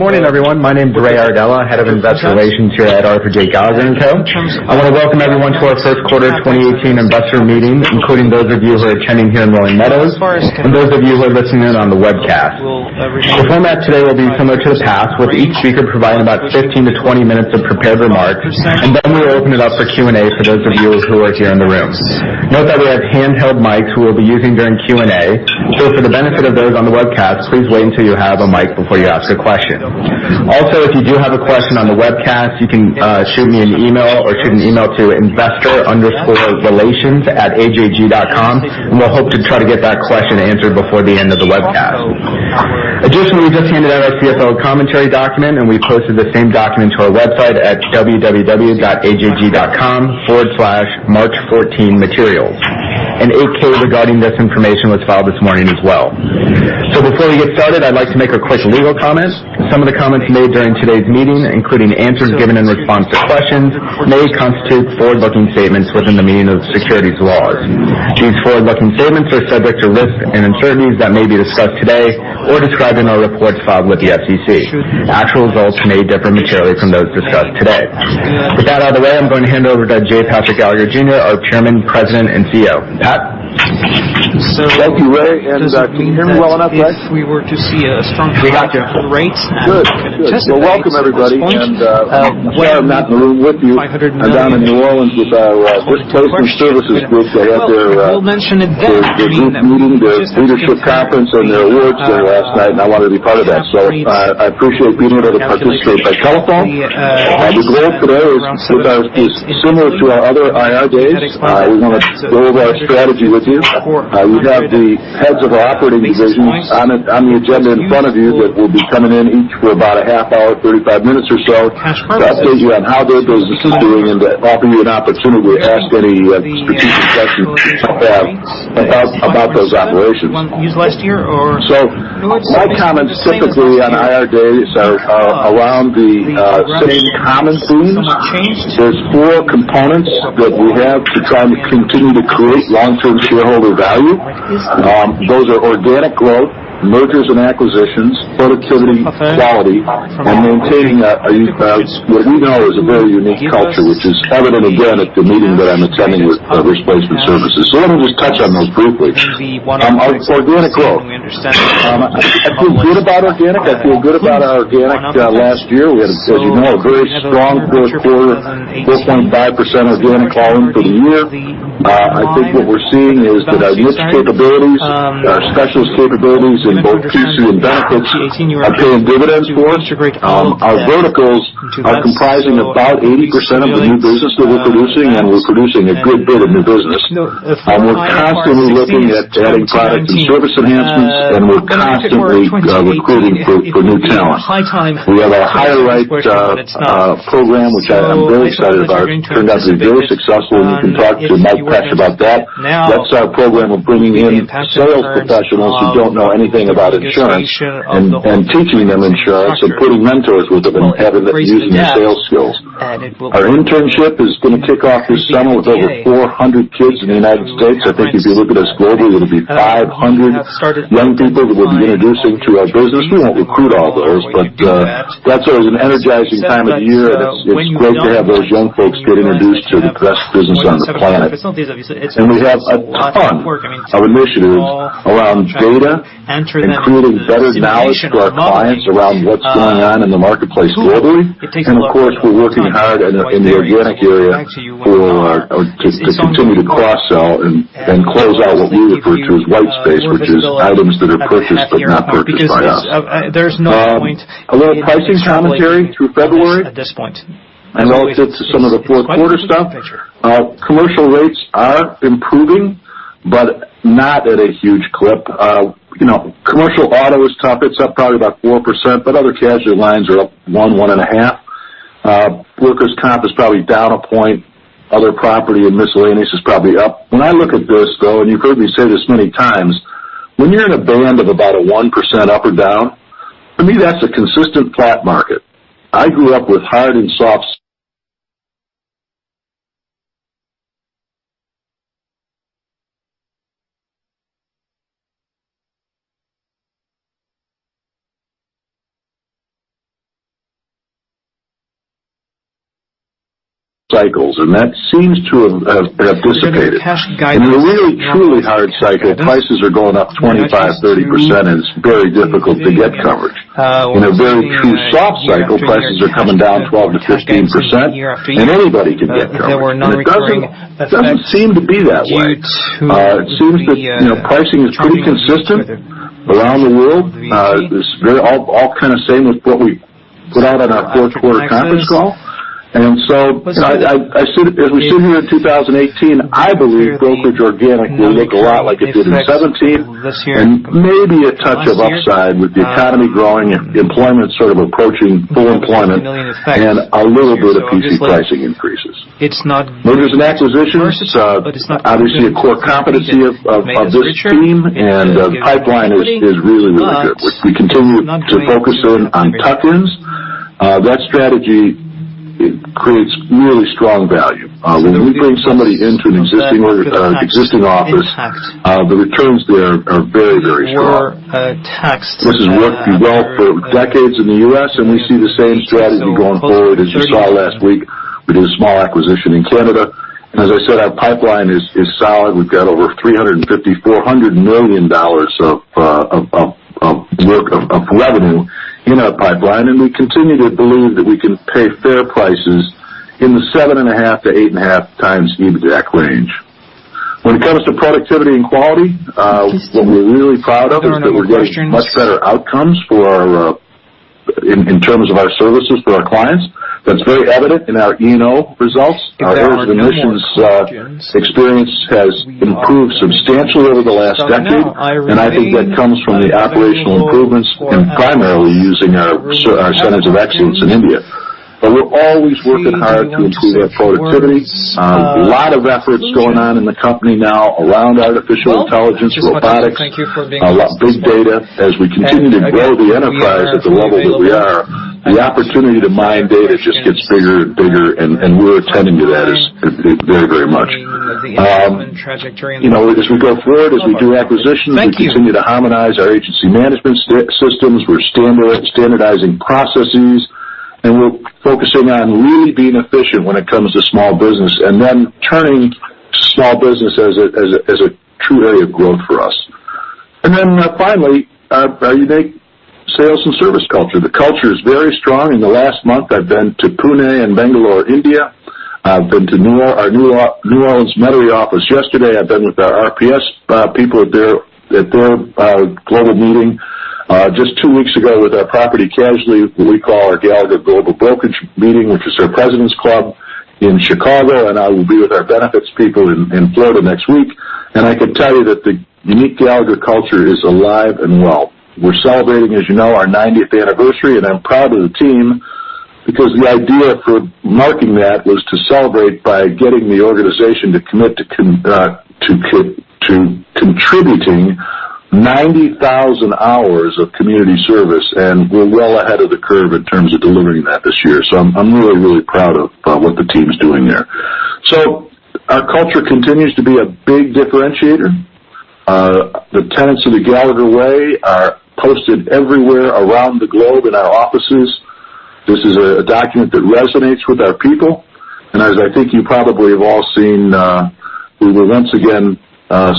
Good morning, everyone. My name is Raymond Iardella, Head of Investor Relations here at Arthur J. Gallagher & Co. I want to welcome everyone to our first quarter 2018 investor meeting, including those of you who are attending here in Rolling Meadows, and those of you who are listening in on the webcast. The format today will be similar to the past, with each speaker providing about 15-20 minutes of prepared remarks, and then we will open it up for Q&A for those of you who are here in the room. Note that we have handheld mics we will be using during Q&A. For the benefit of those on the webcast, please wait until you have a mic before you ask a question. If you do have a question on the webcast, you can shoot me an email or shoot an email to investor_relations@ajg.com, and we'll hope to try to get that question answered before the end of the webcast. Additionally, we just handed out our CFO Commentary document, and we posted the same document to our website at www.ajg.com/march14materials. An 8-K regarding this information was filed this morning as well. Before we get started, I'd like to make a quick legal comment. Some of the comments made during today's meeting, including answers given in response to questions, may constitute forward-looking statements within the meaning of the securities laws. These forward-looking statements are subject to risks and uncertainties that may be discussed today or described in our reports filed with the SEC. Actual results may differ materially from those discussed today. With that out of the way, I'm going to hand it over to J. Patrick Gallagher Jr., our Chairman, President, and CEO. Pat? Thank you, Ray, and can you hear me well out in left? We got you. Good. Welcome everybody, I'm glad I'm not in the room with you. I'm down in New Orleans with our Risk Placement Services group. They had their group meeting, their leadership conference, their awards dinner last night, I wanted to be part of that. I appreciate being able to participate by telephone. The goal today is similar to our other IR days. We want to go over our strategy with you. You have the heads of our operating divisions on the agenda in front of you that will be coming in each for about a half hour, 35 minutes or so, to update you on how their business is doing and to offer you an opportunity to ask any strategic questions you might have about those operations. My comments typically on IR days are around the same common themes. There's four components that we have to try and continue to create long-term shareholder value. Those are organic growth, mergers and acquisitions, productivity, quality, maintaining what we know is a very unique culture, which is evident again at the meeting that I'm attending with Risk Placement Services. Let me just touch on those briefly. Our organic growth. I feel good about organic. I feel good about our organic last year. We had, as you know, a very strong fourth quarter, 4.5% organic volume for the year. I think what we're seeing is that our niche capabilities, our specialist capabilities in both P&C and benefits are paying dividends for us. Our verticals are comprising about 80% of the new business that we're producing, we're producing a good bit of new business. We're constantly looking at adding products and service enhancements, we're constantly recruiting for new talent. We have our HireRight program, which I am very excited about. It turned out to be very successful, you can talk to Mike Pesch about that. That's our program of bringing in sales professionals who don't know anything about insurance, teaching them insurance, putting mentors with them, having them using their sales skills. Our internship is going to kick off this summer with over 400 kids in the United States. I think if you look at us globally, it'll be 500 young people that we'll be introducing to our business. We won't recruit all those, but that's always an energizing time of year. It's great to have those young folks get introduced to the best business on the planet. We have a ton of initiatives around data, including better knowledge to our clients around what's going on in the marketplace globally. We're working hard in the organic area to continue to cross-sell and close out what we refer to as white space, which is items that are purchased but not purchased by us. A little pricing commentary through February. I know it's some of the fourth quarter stuff. Commercial rates are improving, but not at a huge clip. Commercial auto is up. It's up probably about 4%, but other casualty lines are up 1%, 1.5%. Workers' comp is probably down 1 point. Other property and miscellaneous is probably up. When I look at this, though, and you've heard me say this many times, when you're in a band of about a 1% up or down, for me, that's a consistent flat market. I grew up with hard and soft cycles, and that seems to have dissipated. In a really truly hard cycle, prices are going up 25%-30%, and it's very difficult to get coverage. In a very true soft cycle, prices are coming down 12%-15%, and anybody can get coverage. It doesn't seem to be that way. It seems that pricing is pretty consistent around the world. It's all kind of same with what we put out on our fourth quarter conference call. As we sit here in 2018, I believe brokerage organic will look a lot like it did in 2017, maybe a touch of upside with the economy growing and employment sort of approaching full employment, a little bit of P&C pricing increases. Mergers and acquisitions, obviously a core competency of this team. The pipeline is really, really good. We continue to focus in on tuck-ins. That strategy Creates really strong value. When we bring somebody into an existing office, the returns there are very, very strong. This has worked well for decades in the U.S., and we see the same strategy going forward. As you saw last week, we did a small acquisition in Canada. As I said, our pipeline is solid. We've got over $350 million, $400 million of revenue in our pipeline, and we continue to believe that we can pay fair prices in the 7.5 to 8.5 times EBITDA range. When it comes to productivity and quality, what we're really proud of is that we're getting much better outcomes in terms of our services for our clients. That's very evident in our E&O results. Our agency experience has improved substantially over the last decade, and I think that comes from the operational improvements and primarily using our centers of excellence in India. We're always working hard to improve our productivity. A lot of efforts going on in the company now around artificial intelligence, robotics, big data. As we continue to grow the enterprise at the level that we are, the opportunity to mine data just gets bigger and bigger, and we're attending to that very much. As we go forward, as we do acquisitions, we continue to harmonize our agency management systems. We're standardizing processes, and we're focusing on really being efficient when it comes to small business, then turning small business as a true area of growth for us. Finally, our unique sales and service culture. The culture is very strong. In the last month, I've been to Pune and Bangalore, India. I've been to our New Orleans Metairie office yesterday. I've been with our RPS people at their global meeting just two weeks ago with our property/casualty, what we call our Gallagher Global Brokerage meeting, which is our President's Club in Chicago, and I will be with our benefits people in Florida next week. I can tell you that the unique Gallagher culture is alive and well. We're celebrating, as you know, our 90th anniversary, and I'm proud of the team because the idea for marking that was to celebrate by getting the organization to commit to contributing 90,000 hours of community service, and we're well ahead of the curve in terms of delivering that this year. I'm really, really proud of what the team's doing there. Our culture continues to be a big differentiator. The tenets of The Gallagher Way are posted everywhere around the globe in our offices. This is a document that resonates with our people. As I think you probably have all seen, we were once again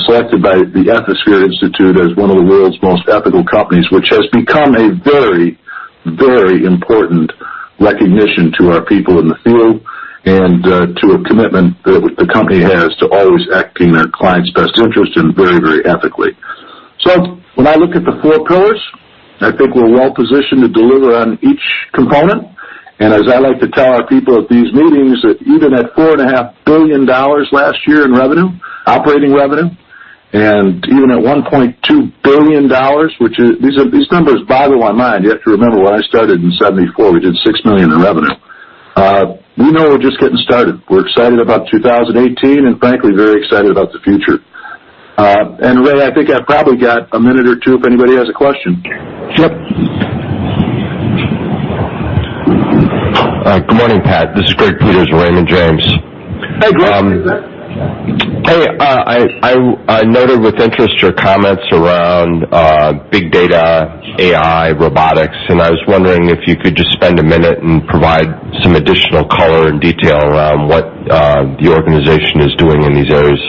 selected by the Ethisphere Institute as one of the world's most ethical companies, which has become a very important recognition to our people in the field and to a commitment that the company has to always act in our clients' best interest and very ethically. When I look at the four pillars, I think we're well positioned to deliver on each component. As I like to tell our people at these meetings, even at $4.5 billion last year in operating revenue, and even at $1.2 billion, these numbers boggle my mind. You have to remember, when I started in 1974, we did $6 million in revenue. We know we're just getting started. We're excited about 2018, and frankly, very excited about the future. Ray, I think I've probably got a minute or two if anybody has a question. Yep. Good morning, Pat. This is Greg Peters, Raymond James. Hey, Greg. How are you? I noted with interest your comments around big data, AI, robotics, and I was wondering if you could just spend a minute and provide some additional color and detail around what the organization is doing in these areas.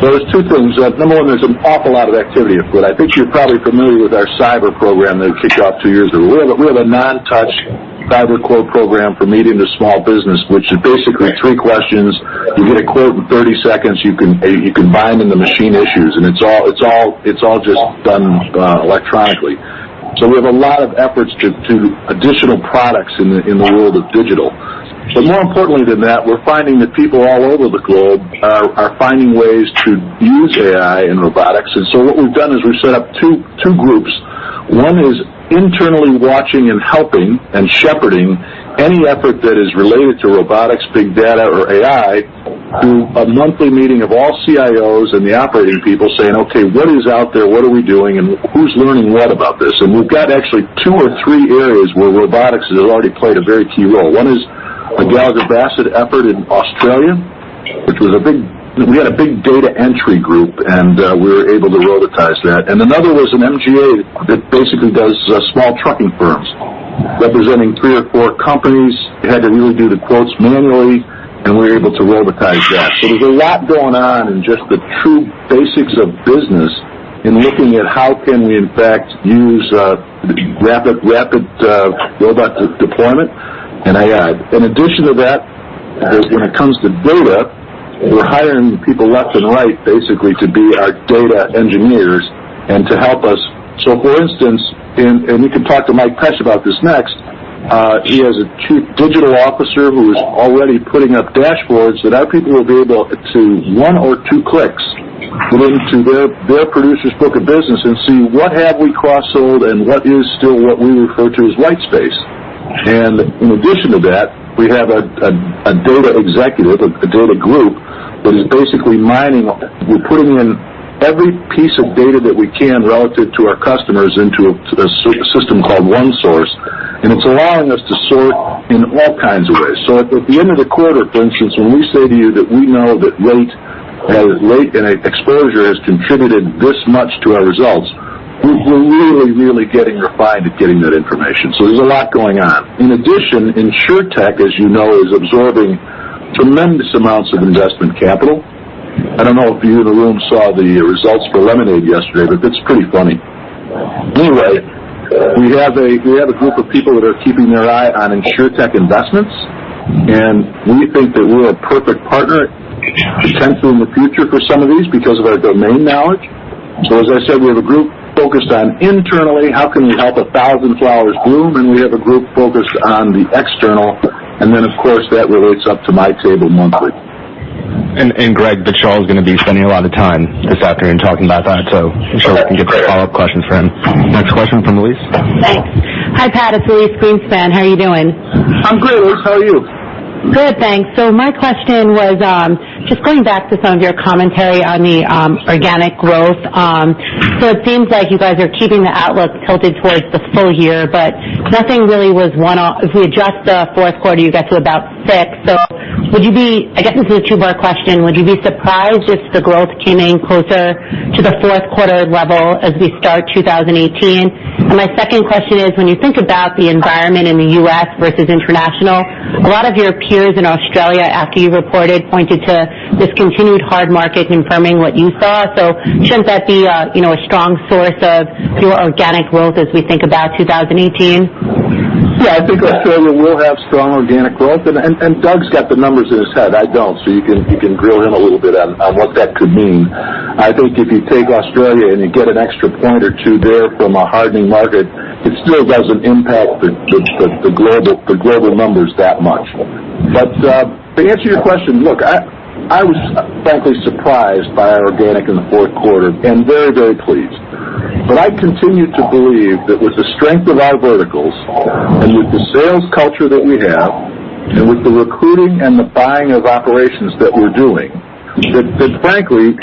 Well, there's two things. Number one, there's an awful lot of activity afoot. I think you're probably familiar with our cyber program that we kicked off two years ago. We have a non-touch cyber quote program for medium to small business, which is basically three questions. You get a quote in 30 seconds. You can bind in the machine issues, and it's all just done electronically. We have a lot of efforts to additional products in the world of digital. More importantly than that, we're finding that people all over the globe are finding ways to use AI and robotics. What we've done is we've set up two groups. One is internally watching and helping and shepherding any effort that is related to robotics, big data, or AI through a monthly meeting of all CIOs and the operating people saying, "Okay, what is out there? What are we doing, and who's learning what about this?" We've got actually two or three areas where robotics has already played a very key role. One is a Gallagher Bassett effort in Australia. We had a big data entry group, and we were able to robotize that. Another was an MGA that basically does small trucking firms. Representing three or four companies, they had to really do the quotes manually, and we were able to robotize that. There's a lot going on in just the true basics of business in looking at how can we, in fact, use rapid robot deployment and AI. In addition to that, when it comes to data, we're hiring people left and right, basically to be our data engineers and to help us. For instance, we can talk to Mike Pesch about this next, he has a chief digital officer who is already putting up dashboards that our people will be able to, one or two clicks, go into their producer's book of business and see what have we cross-sold and what is still what we refer to as white space. In addition to that, we have a data executive, a data group That is basically mining. We're putting in every piece of data that we can relative to our customers into a system called OneSource, and it's allowing us to sort in all kinds of ways. At the end of the quarter, for instance, when we say to you that we know that late exposure has contributed this much to our results, we're really getting refined at getting that information. There's a lot going on. In addition, Insurtech, as you know, is absorbing tremendous amounts of investment capital. I don't know if you in the room saw the results for Lemonade yesterday, but it's pretty funny. Anyway, we have a group of people that are keeping their eye on Insurtech investments, and we think that we're a perfect partner potentially in the future for some of these because of our domain knowledge. As I said, we have a group focused on internally, how can we help a 1,000 flowers bloom, and we have a group focused on the external, and then, of course, that relates up to my table monthly. Greg Viaccaro is going to be spending a lot of time this afternoon talking about that, so we can get the follow-up questions for him. Next question from Elyse. Thanks. Hi, Pat. It's Elyse Greenspan. How are you doing? I'm good, Elyse. How are you? Good, thanks. My question was just going back to some of your commentary on the organic growth. It seems like you guys are keeping the outlook tilted towards the full year, but nothing really was one-off. If we adjust the fourth quarter, you get to about six. I guess this is a two-part question. Would you be surprised if the growth came in closer to the fourth quarter level as we start 2018? My second question is, when you think about the environment in the U.S. versus international, a lot of your peers in Australia, after you reported, pointed to this continued hard market confirming what you saw. Shouldn't that be a strong source of your organic growth as we think about 2018? Yeah, I think Australia will have strong organic growth, Doug's got the numbers in his head. I don't. You can grill him a little bit on what that could mean. I think if you take Australia and you get an extra point or two there from a hardening market, it still doesn't impact the global numbers that much. To answer your question, look, I was frankly surprised by our organic in the fourth quarter and very pleased. I continue to believe that with the strength of our verticals and with the sales culture that we have and with the recruiting and the buying of operations that we're doing, that frankly,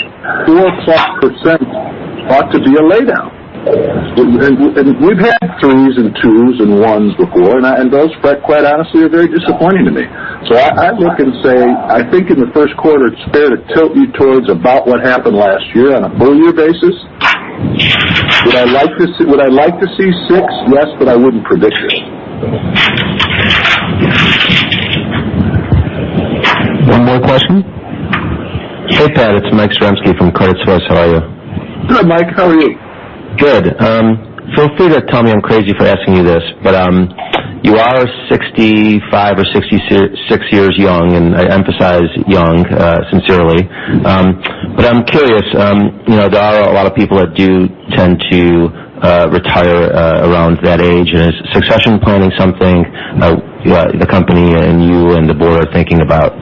4 or 5% ought to be a laydown. We've had threes and twos and ones before, and those, quite honestly, are very disappointing to me. I look and say, I think in the first quarter, it's fair to tilt you towards about what happened last year on a full year basis. Would I like to see six? Yes, I wouldn't predict it. One more question. Hey, Pat. It's Mike Zaremski from Credit Suisse. How are you? Good, Mike. How are you? Good. Feel free to tell me I'm crazy for asking you this, you are 65 or 66 years young, and I emphasize young sincerely. I'm curious, there are a lot of people that do tend to retire around that age. Is succession planning something the company and you and the board are thinking about?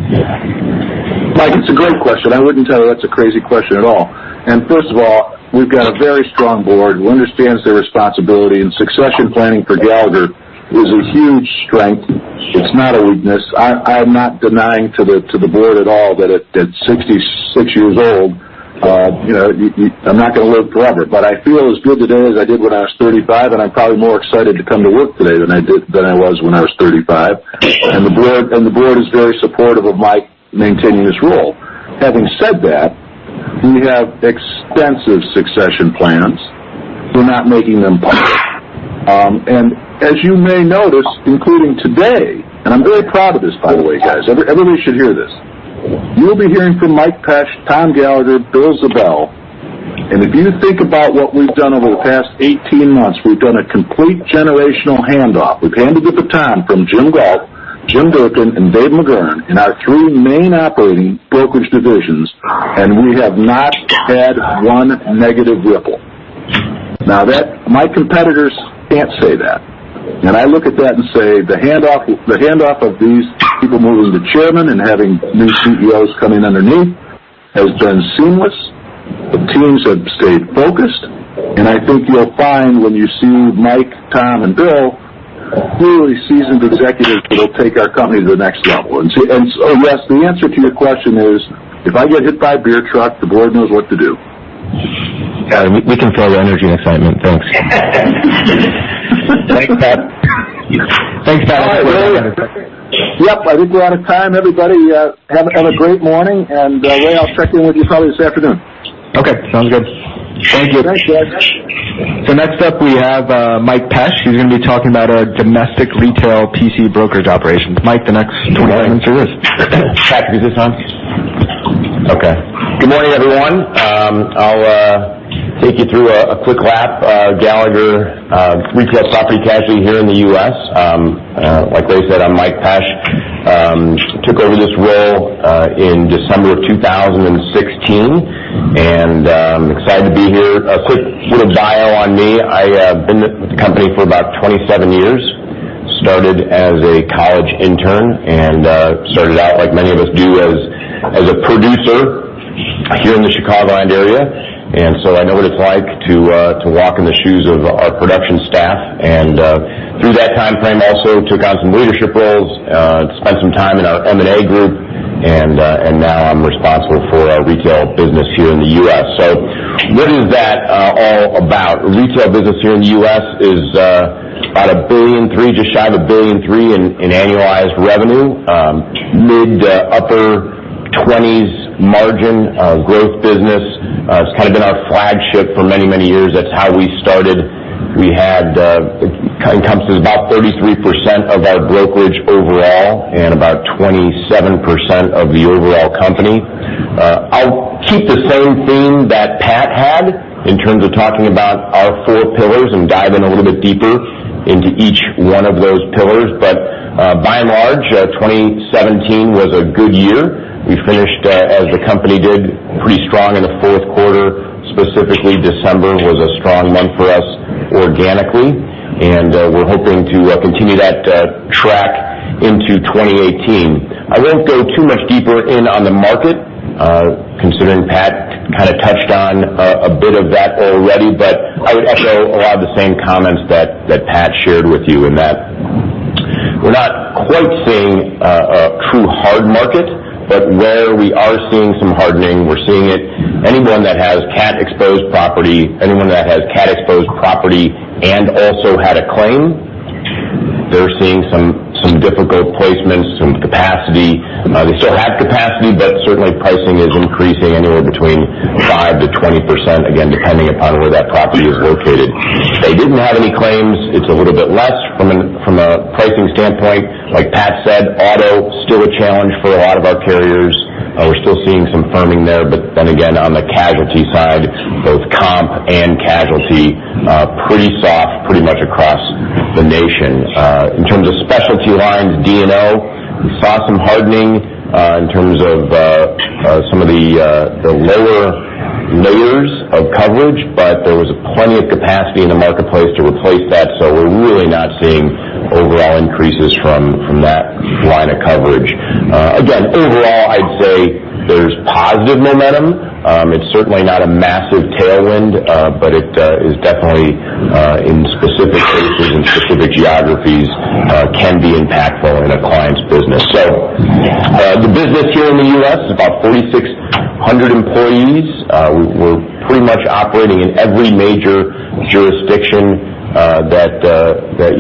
Mike, it's a great question. I wouldn't tell you that's a crazy question at all. First of all, we've got a very strong board who understands their responsibility, succession planning for Gallagher is a huge strength. It's not a weakness. I'm not denying to the board at all that at 66 years old, I'm not going to live forever. I feel as good today as I did when I was 35, I'm probably more excited to come to work today than I was when I was 35. The board is very supportive of my maintaining this role. Having said that, we have extensive succession plans. We're not making them public. As you may notice, including today, I'm very proud of this, by the way, guys. Everybody should hear this. You'll be hearing from Mike Pesch, Tom Gallagher, Bill Ziebell, if you think about what we've done over the past 18 months, we've done a complete generational handoff. We've handed the baton from Jim Gault, Jim Durkin, and Dave McGurn in our three main operating brokerage divisions, we have not had one negative ripple. Now, my competitors can't say that. I look at that and say, the handoff of these people moving to chairman and having new CEOs come in underneath has been seamless. The teams have stayed focused, I think you'll find when you see Mike, Tom, and Bill, clearly seasoned executives that'll take our company to the next level. Yes, the answer to your question is, if I get hit by a beer truck, the board knows what to do. We can fill the energy assignment. Thanks. Thanks, Pat. Thanks, Pat. Yep. I think we're out of time, everybody. Have a great morning. Ray, I'll check in with you probably this afternoon. Okay, sounds good. Thank you. Thanks, guys. Next up, we have Mike Pesch, who's going to be talking about our domestic retail P&C brokerage operations. Mike, the next 20 minutes are yours. Pat, is this on? Okay. Good morning, everyone. I'll take you through a quick lap of Gallagher Retail Property Casualty here in the U.S. Like Ray said, I'm Mike Pesch. Took over this role in December of 2016, and I'm excited to be here. A quick little bio on me. I have been with the company for about 27 years. Started as a college intern and started out, like many of us do, as a producer here in the Chicagoland area. I know what it's like to walk in the shoes of our production staff, and through that timeframe also took on some leadership roles, spent some time in our M&A group, and now I'm responsible for our retail business here in the U.S. What is that all about? Retail business here in the U.S. is about $1.3 billion, just shy of $1.3 billion in annualized revenue, mid-to-upper 20s margin growth business. It's kind of been our flagship for many years. That's how we started. It encompasses about 33% of our brokerage overall and about 27% of the overall company. I'll keep the same theme that Pat had in terms of talking about our four pillars and dive in a little bit deeper into each one of those pillars. By and large, 2017 was a good year. We finished, as the company did, pretty strong in the fourth quarter. Specifically, December was a strong month for us organically, and we're hoping to continue that track into 2018. I won't go too much deeper in on the market, considering Pat kind of touched on a bit of that already. I would echo a lot of the same comments that Pat shared with you in that we're not quite seeing a true hard market, but where we are seeing some hardening, we're seeing it. Anyone that has cat-exposed property, anyone that has cat-exposed property and also had a claim, they're seeing some difficult placements, some capacity. They still have capacity, but certainly pricing is increasing anywhere between 5%-20%, again, depending upon where that property is located. If they didn't have any claims, it's a little bit less from a pricing standpoint. Like Pat said, auto, still a challenge for a lot of our carriers. We're still seeing some firming there, on the casualty side, both comp and casualty are pretty soft pretty much across the nation. In terms of specialty lines, D&O, we saw some hardening in terms of some of the lower layers of coverage, there was plenty of capacity in the marketplace to replace that. We're really not seeing overall increases from that line of coverage. Overall, I'd say there's positive momentum. It's certainly not a massive tailwind, it is definitely in specific cases and specific geographies can be impactful in a client's business. The business here in the U.S. is about 4,600 employees. We're pretty much operating in every major jurisdiction that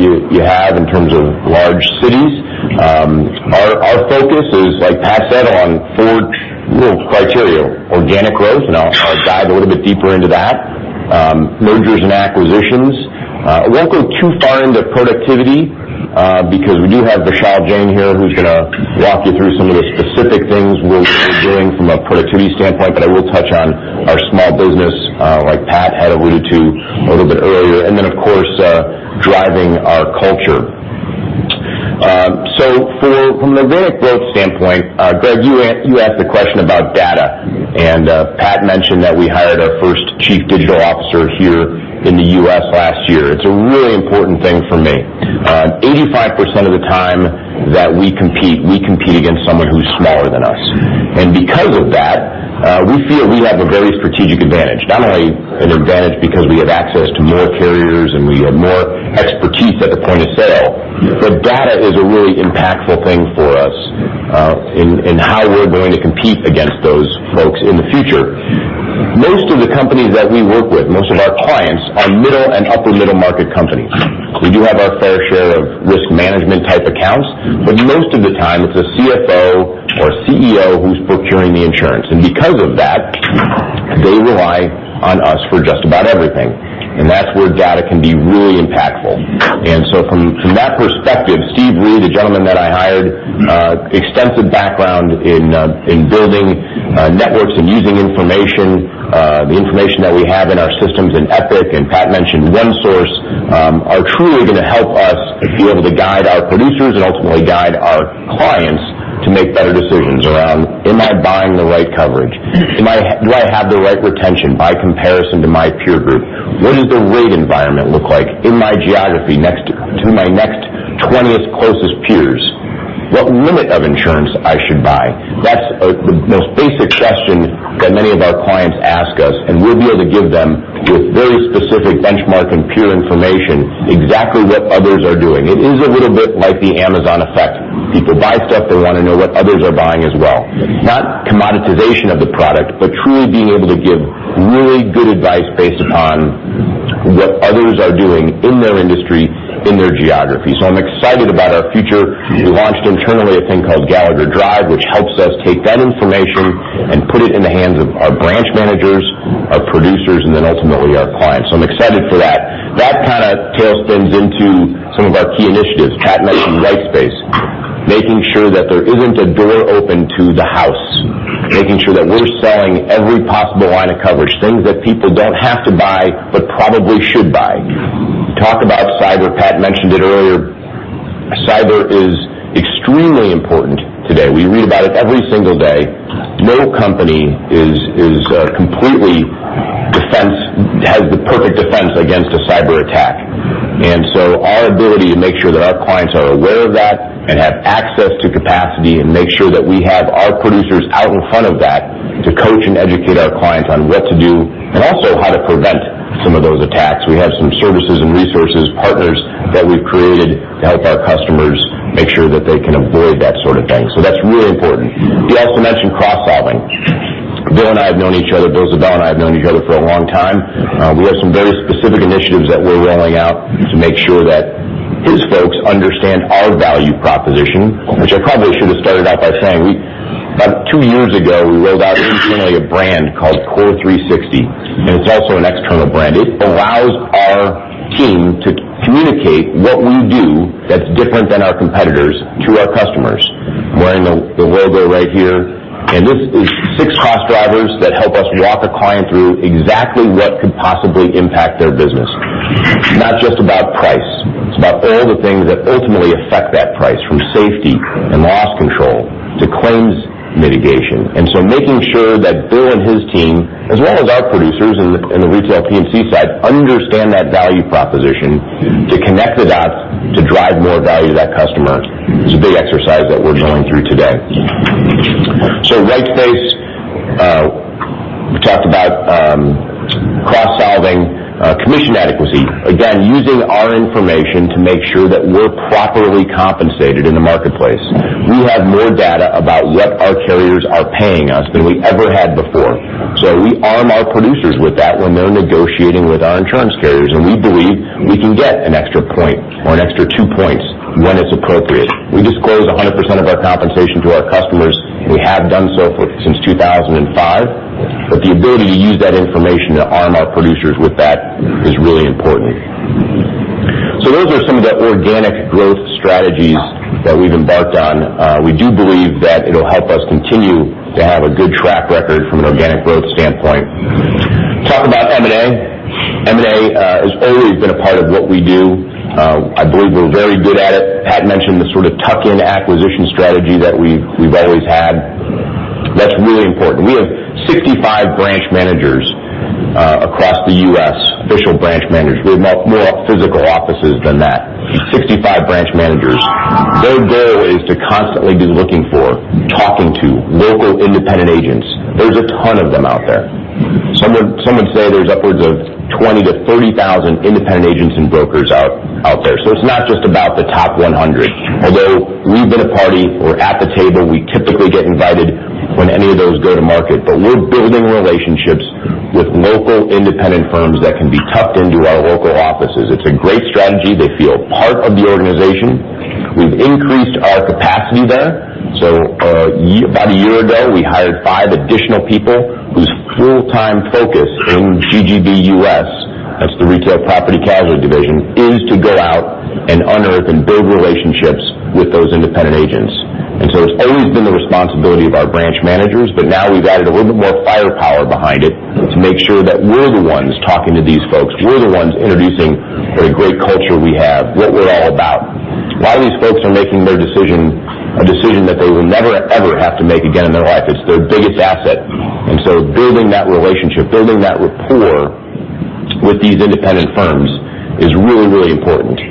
you have in terms of large cities. Our focus is, like Pat said, on four real criteria, organic growth, I'll dive a little bit deeper into that. Mergers and acquisitions. I won't go too far into productivity because we do have Vishal Jain here who's going to walk you through some of the specific things we're doing from a productivity standpoint, I will touch on our small business like Pat had alluded to a little bit earlier. Of course, driving our culture. From the organic growth standpoint, Greg, you asked a question about data, Pat mentioned that we hired our first Chief Digital Officer here in the U.S. last year. It's a really important thing for me. 85% of the time that we compete, we compete against someone who's smaller than us. Because of that, we feel we have a very strategic advantage, not only an advantage because we have access to more carriers and we have more expertise at the point of sale, data is a really impactful thing for us in how we're going to compete against those folks in the future. Most of the companies that we work with, most of our clients are middle and upper middle market companies. We do have our fair share of risk management type accounts, but most of the time it's a CFO or CEO who's procuring the insurance. Because of that, they rely on us for just about everything, and that's where data can be really impactful. From that perspective, Steve Rue, the gentleman that I hired, extensive background in building networks and using information, the information that we have in our systems in Epic, and Pat mentioned OneSource are truly going to help us be able to guide our producers and ultimately guide our clients to make better decisions around am I buying the right coverage? Do I have the right retention by comparison to my peer group? What does the rate environment look like in my geography to my next 20th closest peers? What limit of insurance I should buy? That's the most basic question that many of our clients ask us, and we'll be able to give them with very specific benchmark and peer information exactly what others are doing. It is a little bit like the Amazon effect. People buy stuff, they want to know what others are buying as well. Not commoditization of the product, truly being able to give really good advice based upon what others are doing in their industry, in their geography. I'm excited about our future. We launched internally a thing called Gallagher Drive, which helps us take that information and put it in the hands of our branch managers, our producers, and then ultimately our clients. I'm excited for that. That kind of tail spins into some of our key initiatives. Pat mentioned white space, making sure that there isn't a door open to the house, making sure that we're selling every possible line of coverage, things that people don't have to buy but probably should buy. We talk about cyber. Pat mentioned it earlier. Cyber is extremely important today. We read about it every single day. No company has the perfect defense against a cyberattack. Our ability to make sure that our clients are aware of that and have access to capacity and make sure that we have our producers out in front of that to coach and educate our clients on what to do, and also how to prevent some of those attacks. We have some services and resources, partners that we've created to help our customers make sure that they can avoid that sort of thing. That's really important. He also mentioned cross-selling. Bill and I have known each other, Bill Ziebell and I have known each other for a long time. We have some very specific initiatives that we're rolling out to make sure that his folks understand our value proposition, which I probably should have started out by saying. About two years ago, we rolled out internally a brand called CORE360, and it's also an external brand. It allows our team to communicate what we do that's different than our competitors to our customers. I'm wearing the logo right here, and this is six cost drivers that help us walk a client through exactly what could possibly impact their business. It's not just about price. It's about all the things that ultimately affect that price, from safety and loss control to claims mitigation. Making sure that Bill and his team, as well as our producers in the retail P&C side, understand that value proposition to connect the dots to drive more value to that customer is a big exercise that we're going through today. Rate-based, we talked about cross-selling, commission adequacy. Again, using our information to make sure that we're properly compensated in the marketplace. We have more data about what our carriers are paying us than we ever had before. We arm our producers with that when they're negotiating with our insurance carriers, and we believe we can get an extra point or an extra two points when it's appropriate. We disclose 100% of our compensation to our customers, and we have done so since 2005. The ability to use that information to arm our producers with that is really important. Those are some of the organic growth strategies that we've embarked on. We do believe that it'll help us continue to have a good track record from an organic growth standpoint. Talk about M&A. M&A has always been a part of what we do. I believe we're very good at it. Pat mentioned the sort of tuck-in acquisition strategy that we've always had. That's really important. We have 65 branch managers across the U.S., official branch managers. We have more physical offices than that. 65 branch managers. Their goal is to constantly be looking for, talking to local independent agents. There's a ton of them out there. Some would say there's upwards of 20,000-30,000 independent agents and brokers out there. It's not just about the top 100. Although we've been a party or at the table, we typically get invited when any of those go to market. We're building relationships with local independent firms that can be tucked into our local offices. It's a great strategy. They feel part of the organization. We've increased our capacity there. About a year ago, we hired five additional people whose full-time focus in GGB U.S., that's the retail property casualty division, is to go out and unearth and build relationships with those independent agents. It's always been the responsibility of our branch managers, now we've added a little bit more firepower behind it to make sure that we're the ones talking to these folks. We're the ones introducing the great culture we have, what we're all about, why these folks are making their decision, a decision that they will never, ever have to make again in their life. It's their biggest asset. Building that relationship, building that rapport with these independent firms is really, really important.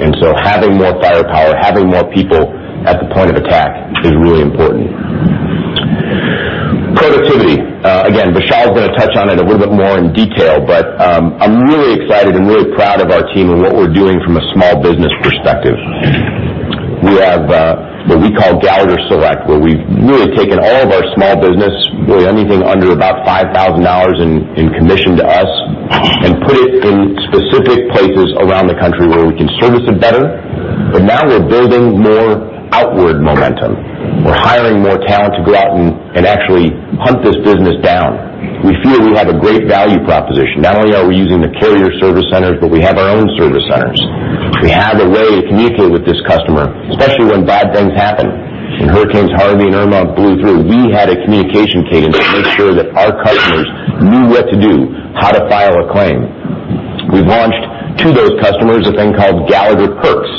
Having more firepower, having more people at the point of attack is really important. Productivity. Again, Vishal is going to touch on it a little bit more in detail, but I'm really excited and really proud of our team and what we're doing from a small business perspective. We have what we call Gallagher Select, where we've really taken all of our small business, really anything under about $5,000 in commission to us, and put it in specific places around the country where we can service it better. Now we're building more outward momentum. We're hiring more talent to go out and actually hunt this business down. We feel we have a great value proposition. Not only are we using the carrier service centers, but we have our own service centers. We have a way to communicate with this customer, especially when bad things happen. When hurricanes Harvey and Irma blew through, we had a communication cadence to make sure that our customers knew what to do, how to file a claim. We've launched to those customers a thing called Gallagher Perks.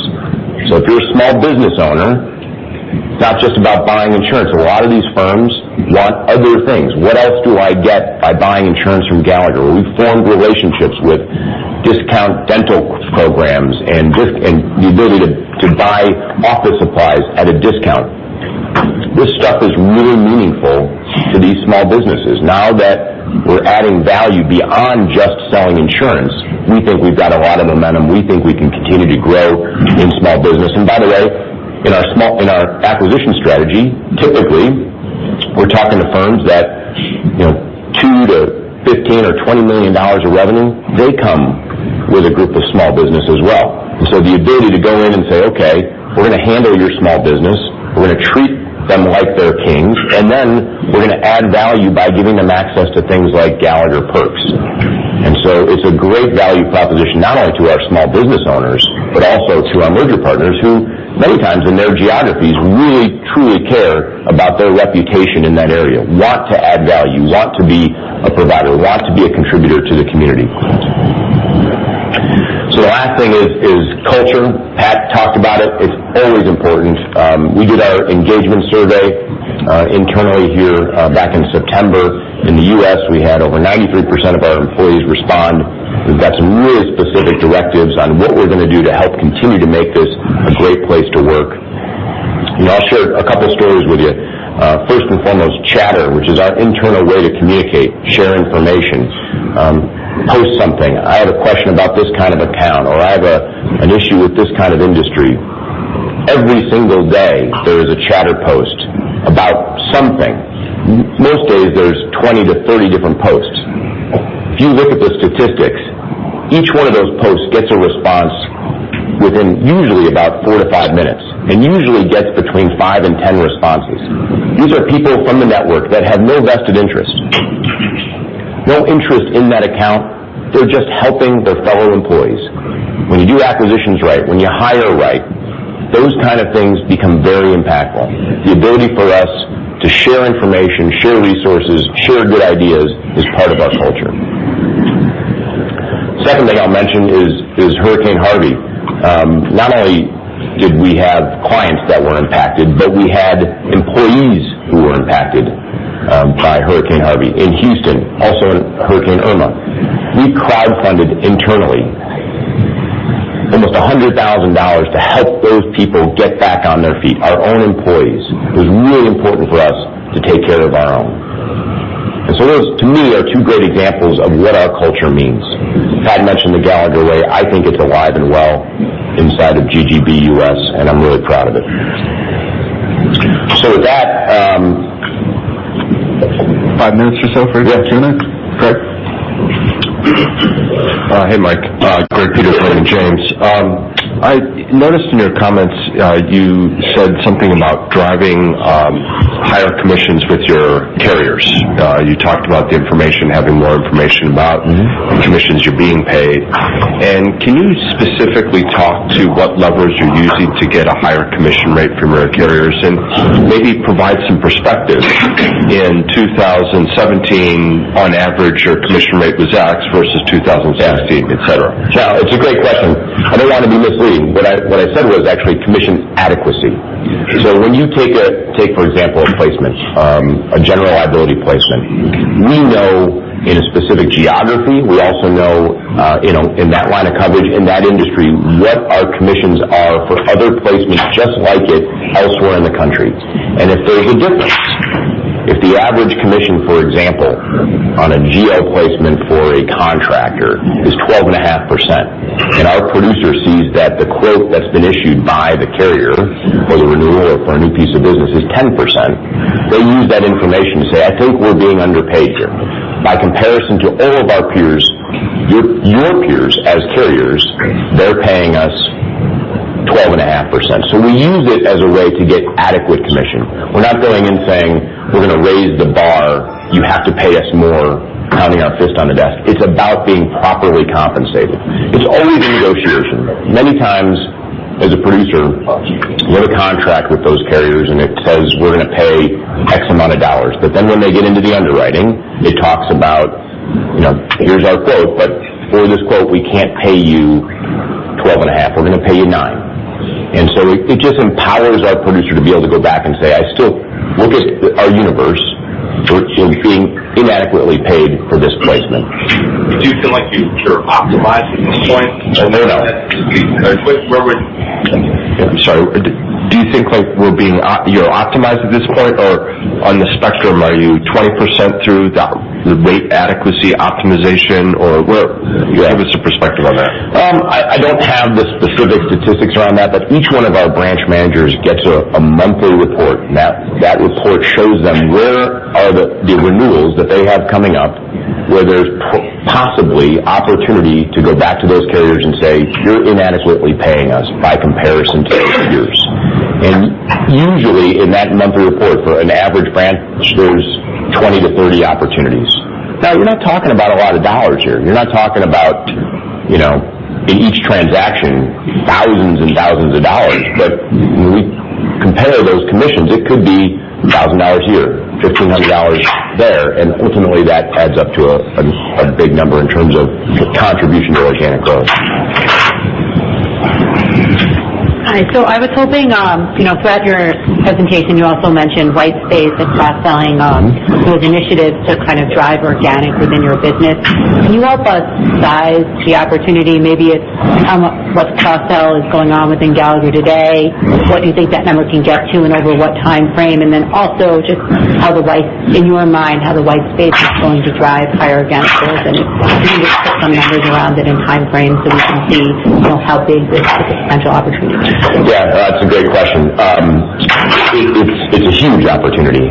If you're a small business owner, it's not just about buying insurance. A lot of these firms want other things. What else do I get by buying insurance from Gallagher? We've formed relationships with discount dental programs and the ability to buy office supplies at a discount. This stuff is really meaningful to these small businesses. Now that we're adding value beyond just selling insurance, we think we've got a lot of momentum. We think we can continue to grow in small business. By the way, in our acquisition strategy, typically, we're talking to firms that $2 million to $15 million or $20 million of revenue, they come with a group of small business as well. The ability to go in and say, "Okay, we're going to handle your small business. We're going to treat them like they're kings, then we're going to add value by giving them access to things like Gallagher Perks." It's a great value proposition, not only to our small business owners, but also to our merger partners, who many times in their geographies really truly care about their reputation in that area, want to add value, want to be a provider, want to be a contributor to the community. The last thing is culture. Pat talked about it. It's always important. We did our engagement survey internally here back in September. In the U.S., we had over 93% of our employees respond. We've got some really specific directives on what we're going to do to help continue to make this a great place to work. I'll share a couple stories with you. First and foremost, Chatter, which is our internal way to communicate, share information, post something. I have a question about this kind of account, or I have an issue with this kind of industry. Every single day, there is a Chatter post about something. Most days there's 20 to 30 different posts. If you look at the statistics, each one of those posts gets a response within usually about four to five minutes, and usually gets between five and 10 responses. These are people from the network that have no vested interest, no interest in that account. They're just helping their fellow employees. When you do acquisitions right, when you hire right, those kind of things become very impactful. The ability for us to share information, share resources, share good ideas is part of our culture. Second thing I'll mention is Hurricane Harvey. Not only did we have clients that were impacted, but we had employees who were impacted by Hurricane Harvey in Houston, also in Hurricane Irma. We crowdfunded internally almost $100,000 to help those people get back on their feet, our own employees. It was really important for us to take care of our own. Those, to me, are two great examples of what our culture means. Pat mentioned The Gallagher Way. I think it's alive and well inside of GGB US, and I'm really proud of it. With that- Five minutes or so for Q&A? Yeah. Great. Hey, Mike. Greg Peters at Raymond James. I noticed in your comments you said something about driving higher commissions with your carriers. You talked about the information, having more information about commissions you're being paid. Can you specifically talk to what levers you're using to get a higher commission rate from your carriers, and maybe provide some perspective? In 2017, on average, your commission rate was X versus 2016, et cetera. Yeah, it's a great question. I don't want to be misleading. What I said was actually commission adequacy. When you take, for example, a placement, a general liability placement. We know in a specific geography, we also know in that line of coverage, in that industry, what our commissions are for other placements just like it elsewhere in the country. If there's a difference, if the average commission, for example, on a GL placement for a contractor is 12.5%, and our producer sees that the quote that's been issued by the carrier for the renewal or for a new piece of business is 10%, they use that information to say, "I think we're being underpaid here. By comparison to all of our peers, your peers as carriers, they're paying us 12.5%." We use it as a way to get adequate commission. We're not going in saying, "We're going to raise the bar. You have to pay us more," pounding our fist on the desk. It's about being properly compensated. It's always a negotiation. Many times, as a producer, you have a contract with those carriers and it says, "We're going to pay X amount of dollars." When they get into the underwriting, it talks about, here's our quote, but for this quote, we can't pay you 12 and a half. We're going to pay you nine. It just empowers our producer to be able to go back and say, I still look at our universe in being inadequately paid for this placement. Do you feel like you're optimized at this point? No. I'm sorry. Do you think we're being optimized at this point, or on the spectrum, are you 20% through the rate adequacy optimization, or where? Give us a perspective on that. I don't have the specific statistics around that, each one of our branch managers gets a monthly report, that report shows them where are the renewals that they have coming up where there's possibly opportunity to go back to those carriers and say, "You're inadequately paying us by comparison to our peers." Usually in that monthly report for an average branch, there's 20-30 opportunities. Now, you're not talking about a lot of dollars here. You're not talking about in each transaction, thousands and thousands of dollars. When we compare those commissions, it could be $1,000 here, $1,500 there, and ultimately that adds up to a big number in terms of contribution to organic growth. Hi. I was hoping, throughout your presentation, you also mentioned white space and cross-selling as initiatives to drive organic within your business. Can you help us size the opportunity? Maybe it's what cross-sell is going on within Gallagher today, what you think that number can get to and over what time frame, also just in your mind, how the white space is going to drive higher organic growth, can you just put some numbers around it and time frames so we can see how big this potential opportunity is? That's a great question. It's a huge opportunity.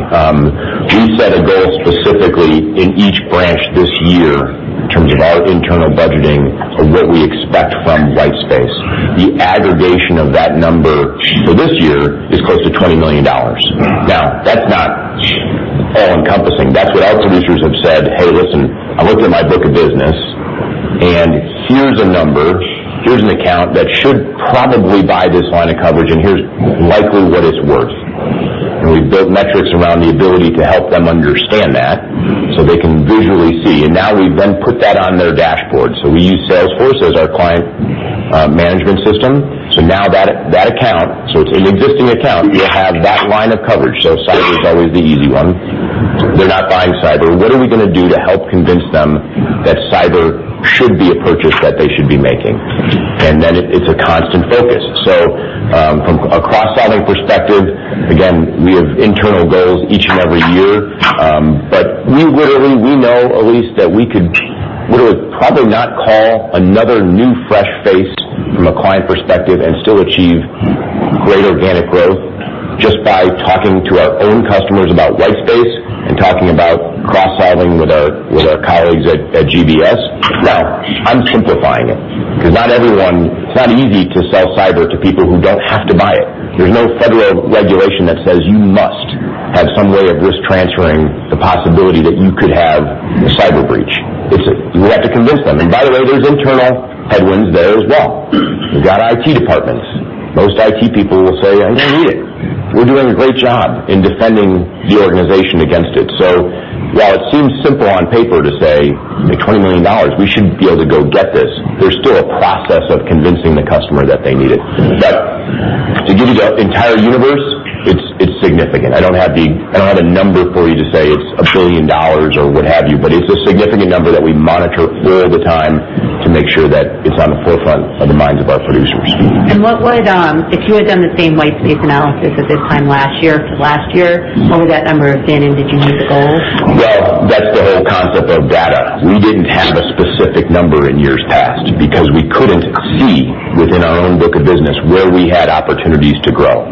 We set a goal specifically in each branch this year in terms of our internal budgeting of what we expect from white space. The aggregation of that number for this year is close to $20 million. That's not all-encompassing. That's what our producers have said, "Hey, listen, I looked at my book of business, and here's a number, here's an account that should probably buy this line of coverage, and here's likely what it's worth." We've built metrics around the ability to help them understand that so they can visually in their dashboard. We use Salesforce as our client management system. Now that account, so it's an existing account, will have that line of coverage. Cyber is always the easy one. They're not buying cyber. What are we going to do to help convince them that cyber should be a purchase that they should be making? Then it's a constant focus. From a cross-selling perspective, again, we have internal goals each and every year. We literally know, Elyse, that we could literally probably not call another new, fresh face from a client perspective and still achieve great organic growth just by talking to our own customers about white space and talking about cross-selling with our colleagues at GBS. I'm simplifying it, because it's not easy to sell cyber to people who don't have to buy it. There's no federal regulation that says you must have some way of risk transferring the possibility that you could have a cyber breach. We have to convince them. By the way, there's internal headwinds there as well. You've got IT departments. Most IT people will say, "I don't need it. We're doing a great job in defending the organization against it." While it seems simple on paper to say, "$20 million, we should be able to go get this," there's still a process of convincing the customer that they need it. To give you the entire universe, it's significant. I don't have a number for you to say it's $1 billion or what have you, but it's a significant number that we monitor all the time to make sure that it's on the forefront of the minds of our producers. If you had done the same white space analysis at this time last year, what would that number have been? Did you meet the goal? Well, that's the whole concept of data. We didn't have a specific number in years past because we couldn't see within our own book of business where we had opportunities to grow.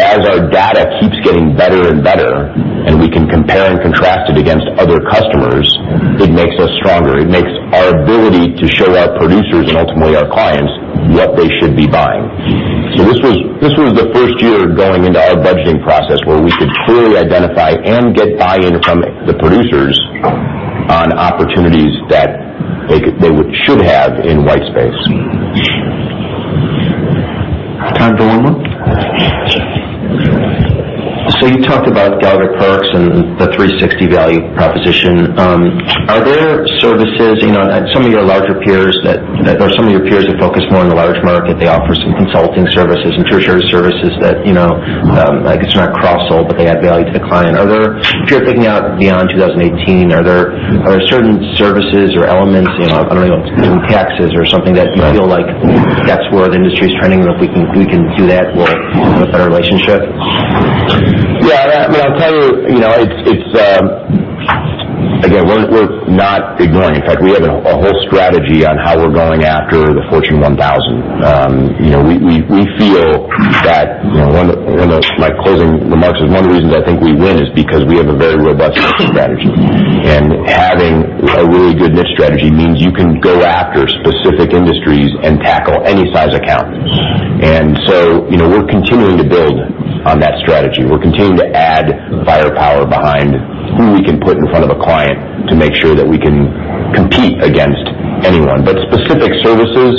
As our data keeps getting better and better, and we can compare and contrast it against other customers, it makes us stronger. It makes our ability to show our producers and ultimately our clients what they should be buying. This was the first year going into our budgeting process where we could clearly identify and get buy-in from the producers on opportunities that they should have in white space. Time for one more? Sure. You talked about Gallagher Perks and the 360 value proposition. Are there services at some of your larger peers that, or some of your peers that focus more on the large market, they offer some consulting services and tertiary services that, I guess they're not cross-sold, but they add value to the client. If you're thinking out beyond 2018, are there certain services or elements, I don't know, taxes or something that you feel like that's where the industry is turning, and if we can do that, we'll have a better relationship? Yeah. I'll tell you, again, we're not ignoring it. In fact, we have a whole strategy on how we're going after the Fortune 1000. We feel that one of my closing remarks is one of the reasons I think we win is because we have a very robust niche strategy. Having a really good niche strategy means you can go after specific industries and tackle any size account. We're continuing to build on that strategy. We're continuing to add firepower behind who we can put in front of a client to make sure that we can compete against anyone. Specific services,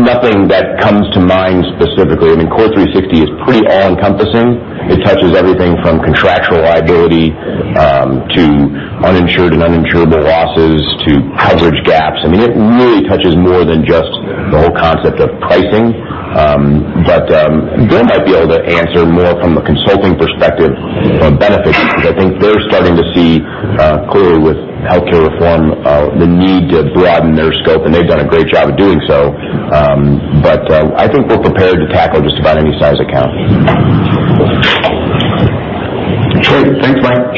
nothing that comes to mind specifically. I mean, Core 360 is pretty all-encompassing. It touches everything from contractual liability to uninsured and uninsurable losses to coverage gaps. I mean, it really touches more than just the whole concept of pricing. Bill might be able to answer more from the consulting perspective of beneficiaries, because I think they're starting to see clearly with healthcare reform, the need to broaden their scope, and they've done a great job of doing so. I think we're prepared to tackle just about any size account. Great. Thanks, Mike.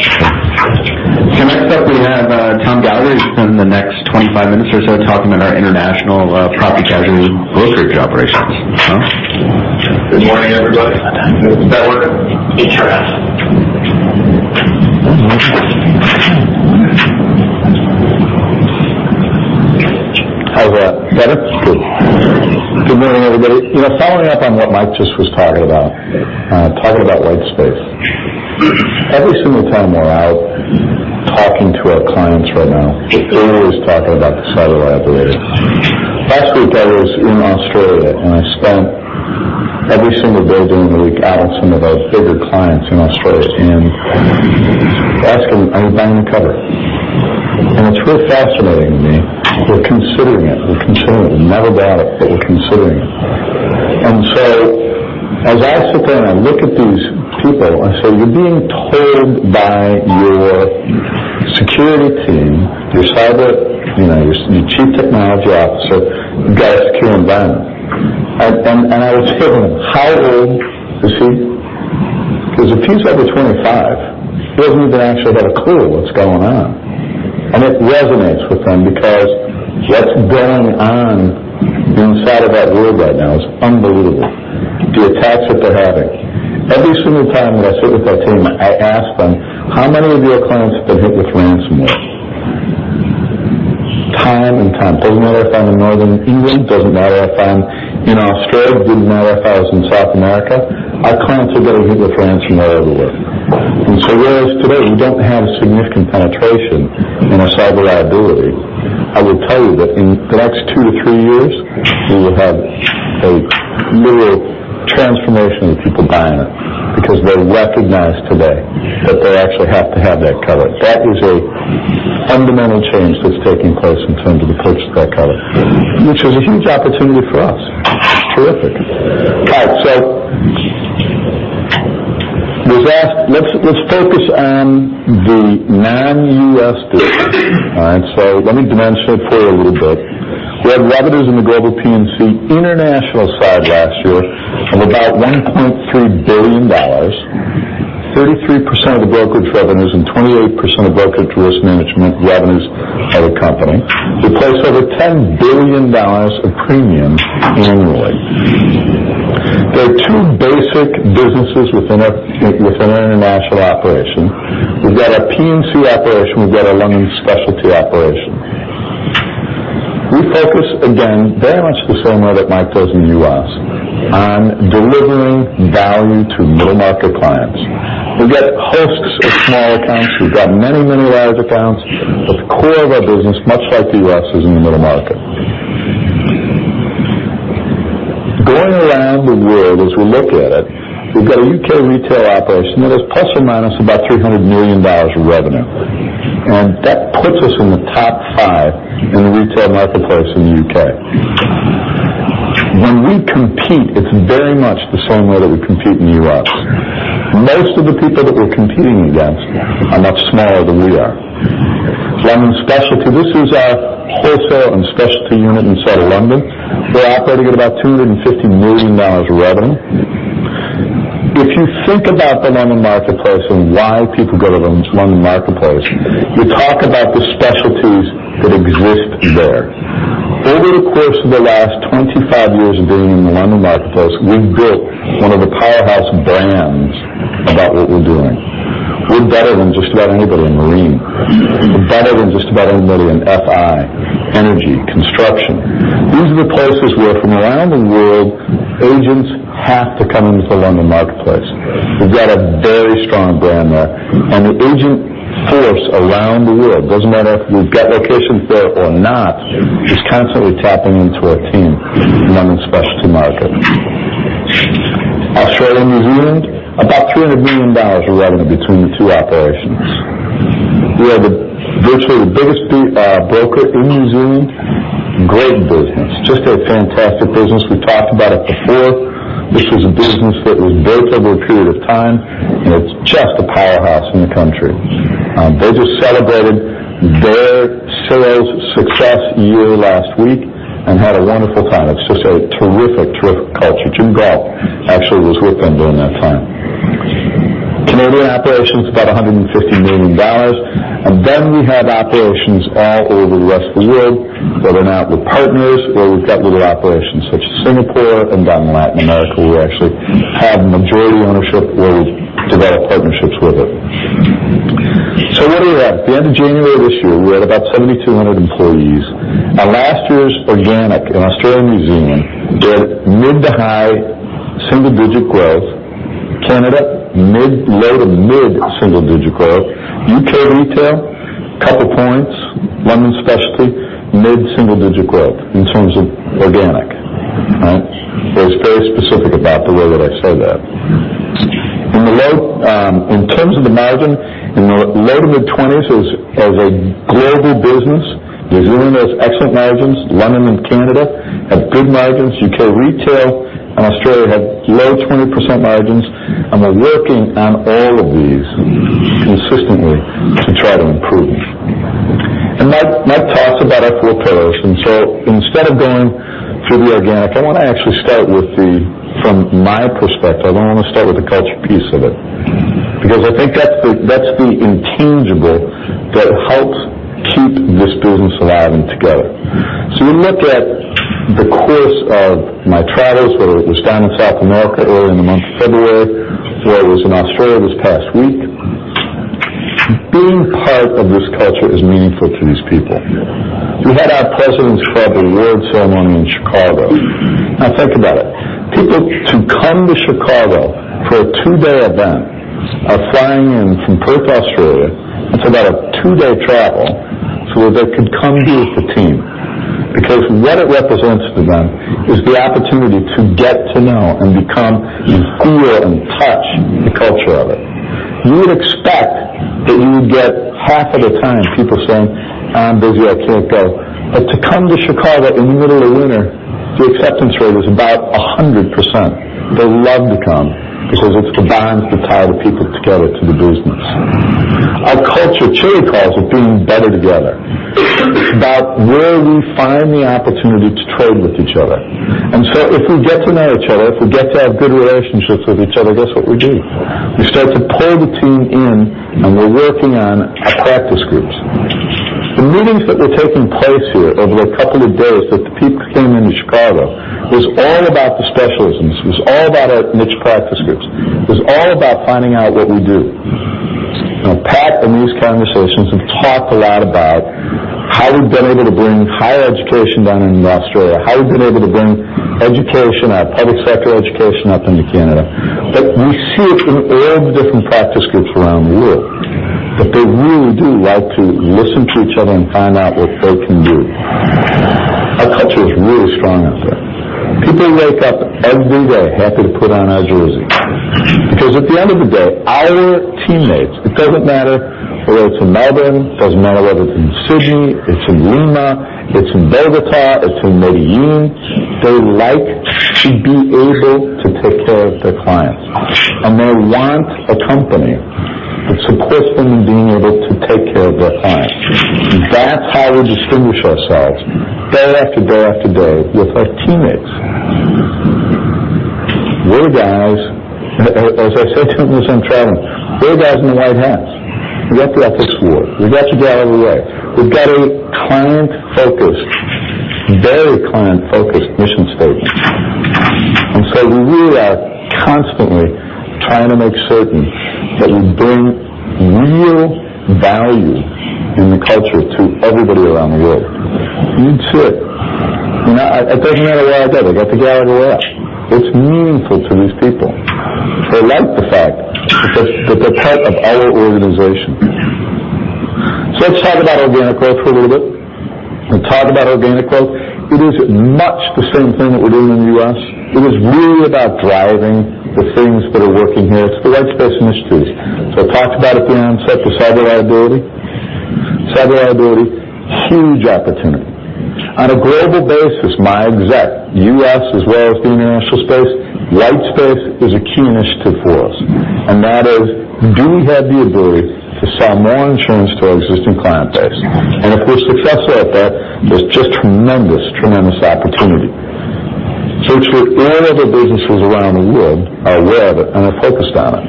Next up we have Tom Gallagher. He's going to spend the next 25 minutes or so talking about our international property casualty brokerage operations. Tom? Good morning, everybody. Is that working? It sure is. How's that? Better? Good morning, everybody. Following up on what Mike just was talking about, talking about white space. Every single time we're out talking to our clients right now, they're always talking about the cyber liability. Last week I was in Australia, and I spent every single day during the week out with some of our bigger clients in Australia and asked them, "Are you buying the cover?" It's real fascinating to me. They're considering it. They've never bought it, but they're considering it. As I sit there and I look at these people, I say, "You're being told by your security team, your cyber, your chief technology officer, you got to secure environment." I always tell them, "How old is he? Because if he's under 25, he doesn't even actually have a clue what's going on." It resonates with them because what's going on inside of that world right now is unbelievable. The attacks that they're having. Every single time that I sit with that team, I ask them, "How many of your clients have been hit with ransomware?" Time and time. Doesn't matter if I'm in northern England, doesn't matter if I'm in Australia, didn't matter if I was in South America. Our clients are getting hit with ransomware everywhere. Whereas today we don't have a significant penetration in our cyber liability I will tell you that in the next two to three years, we will have a literal transformation of people buying it because they recognize today that they actually have to have that coverage. That is a fundamental change that's taking place in terms of the purchase of that coverage, which is a huge opportunity for us. Terrific. Right. Let's focus on the non-U.S. business. All right? Let me demonstrate for you a little bit. We had revenues in the global P&C international side last year of about $1.3 billion, 33% of the brokerage revenues and 28% of brokerage risk management revenues of the company to place over $10 billion of premium annually. There are two basic businesses within our international operation. We've got a P&C operation. We've got a London specialty operation. We focus, again, very much the same way that Mike does in the U.S., on delivering value to middle market clients. We've got hosts of small accounts. We've got many, many large accounts, but the core of our business, much like the U.S., is in the middle market. Going around the world as we look at it, we've got a U.K. retail operation that is plus or minus about $300 million of revenue, and that puts us in the top five in the retail marketplace in the U.K. When we compete, it's very much the same way that we compete in the U.S. Most of the people that we're competing against are much smaller than we are. London specialty, this is our wholesale and specialty unit inside of London. They operate at about $250 million of revenue. If you think about the London marketplace and why people go to the London marketplace, you talk about the specialties that exist there. Over the course of the last 25 years of being in the London marketplace, we've built one of the powerhouse brands about what we're doing. We're better than just about anybody in marine. We're better than just about anybody in FI, energy, construction. These are the places where from around the world, agents have to come into the London marketplace. We've got a very strong brand there, and the agent force around the world, doesn't matter if we've got locations there or not, is constantly tapping into our team in the London specialty market. Australia and New Zealand, about $300 million of revenue between the two operations. We are virtually the biggest broker in New Zealand. Great business. Just a fantastic business. We've talked about it before. This was a business that was built over a period of time, and it's just a powerhouse in the country. They just celebrated their sales success year last week and had a wonderful time. It's just a terrific culture. Jim Gault actually was with them during that time. Canadian operations, about $150 million. We have operations all over the rest of the world, whether or not with partners, or we've got little operations such as Singapore and down in Latin America, where we actually have majority ownership or we develop partnerships with it. Where are we at? The end of January of this year, we had about 7,200 employees, last year's organic in Australia and New Zealand did mid to high single digit growth. Canada, low to mid single digit growth. U.K. retail, couple points. London specialty, mid single digit growth in terms of organic. All right? It's very specific about the way that I say that. In terms of the margin, in the low to mid 20s as a global business. New Zealand has excellent margins. London and Canada have good margins. U.K. retail and Australia have low 20% margins, and we're working on all of these consistently to try to improve. Mike talked about our four pillars, instead of going through the organic, I want to actually start with the, from my perspective, I want to start with the culture piece of it because I think that's the intangible that helps keep this business alive and together. When you look at the course of my travels, whether it was down in South America early in the month of February to where I was in Australia this past week, being part of this culture is meaningful to these people. We had our President's Club award ceremony in Chicago. Now think about it. People to come to Chicago for a two-day event are flying in from Perth, Australia. That's about a two-day travel so that they could come be with the team because what it represents to them is the opportunity to get to know and become, feel and touch the culture of it. You would expect that you would get half of the time people saying, "I'm busy. I can't go." But to come to Chicago in the middle of the winter, the acceptance rate was about 100%. They love to come because it's the bonds that tie the people together to the business. Our culture cheer calls it Being Better Together. If we get to know each other, if we get to have good relationships with each other, guess what we do? We start to pull the team in and we're working on practice groups. The meetings that were taking place here over a couple of days that the people came into Chicago was all about the specialisms, was all about our niche practice groups, was all about finding out what we do. Pat, in these conversations, we've talked a lot about how we've been able to bring higher education down into Australia, how we've been able to bring education, our public sector education up into Canada. We see it in all the different practice groups around the world that they really do like to listen to each other and find out what they can do. Our culture is really strong out there. People wake up every day happy to put on our jersey because at the end of the day, our teammates, it doesn't matter whether it's in Melbourne, doesn't matter whether it's in Sydney, it's in Lima, it's in Bogota, it's in Medellín, they like to be able to take care of their clients, and they want a company that supports them in being able to take care of their clients. That's how we distinguish ourselves day after day after day with our teammates. As I said to you when I was traveling, we're guys in the white hats. We've got to help this war. We've got to get out of the way. We've got a very client-focused mission statement. We are constantly trying to make certain that we bring real value in the culture to everybody around the world. You'd see it. It doesn't matter where I go. They got to get out of the way. It's meaningful to these people. They like the fact that they're part of our organization. Let's talk about organic growth for a little bit. When we talk about organic growth, it is much the same thing that we're doing in the U.S. It is really about driving the things that are working here. It's the right space and industries. I talked about it being on cyber liability. Cyber liability, huge opportunity. On a global basis, my exec, U.S. as well as the international space, white space is a key initiative for us, and that is, do we have the ability to sell more insurance to our existing client base? If we're successful at that, there's just tremendous opportunity. All of the businesses around the world are aware of it and are focused on it,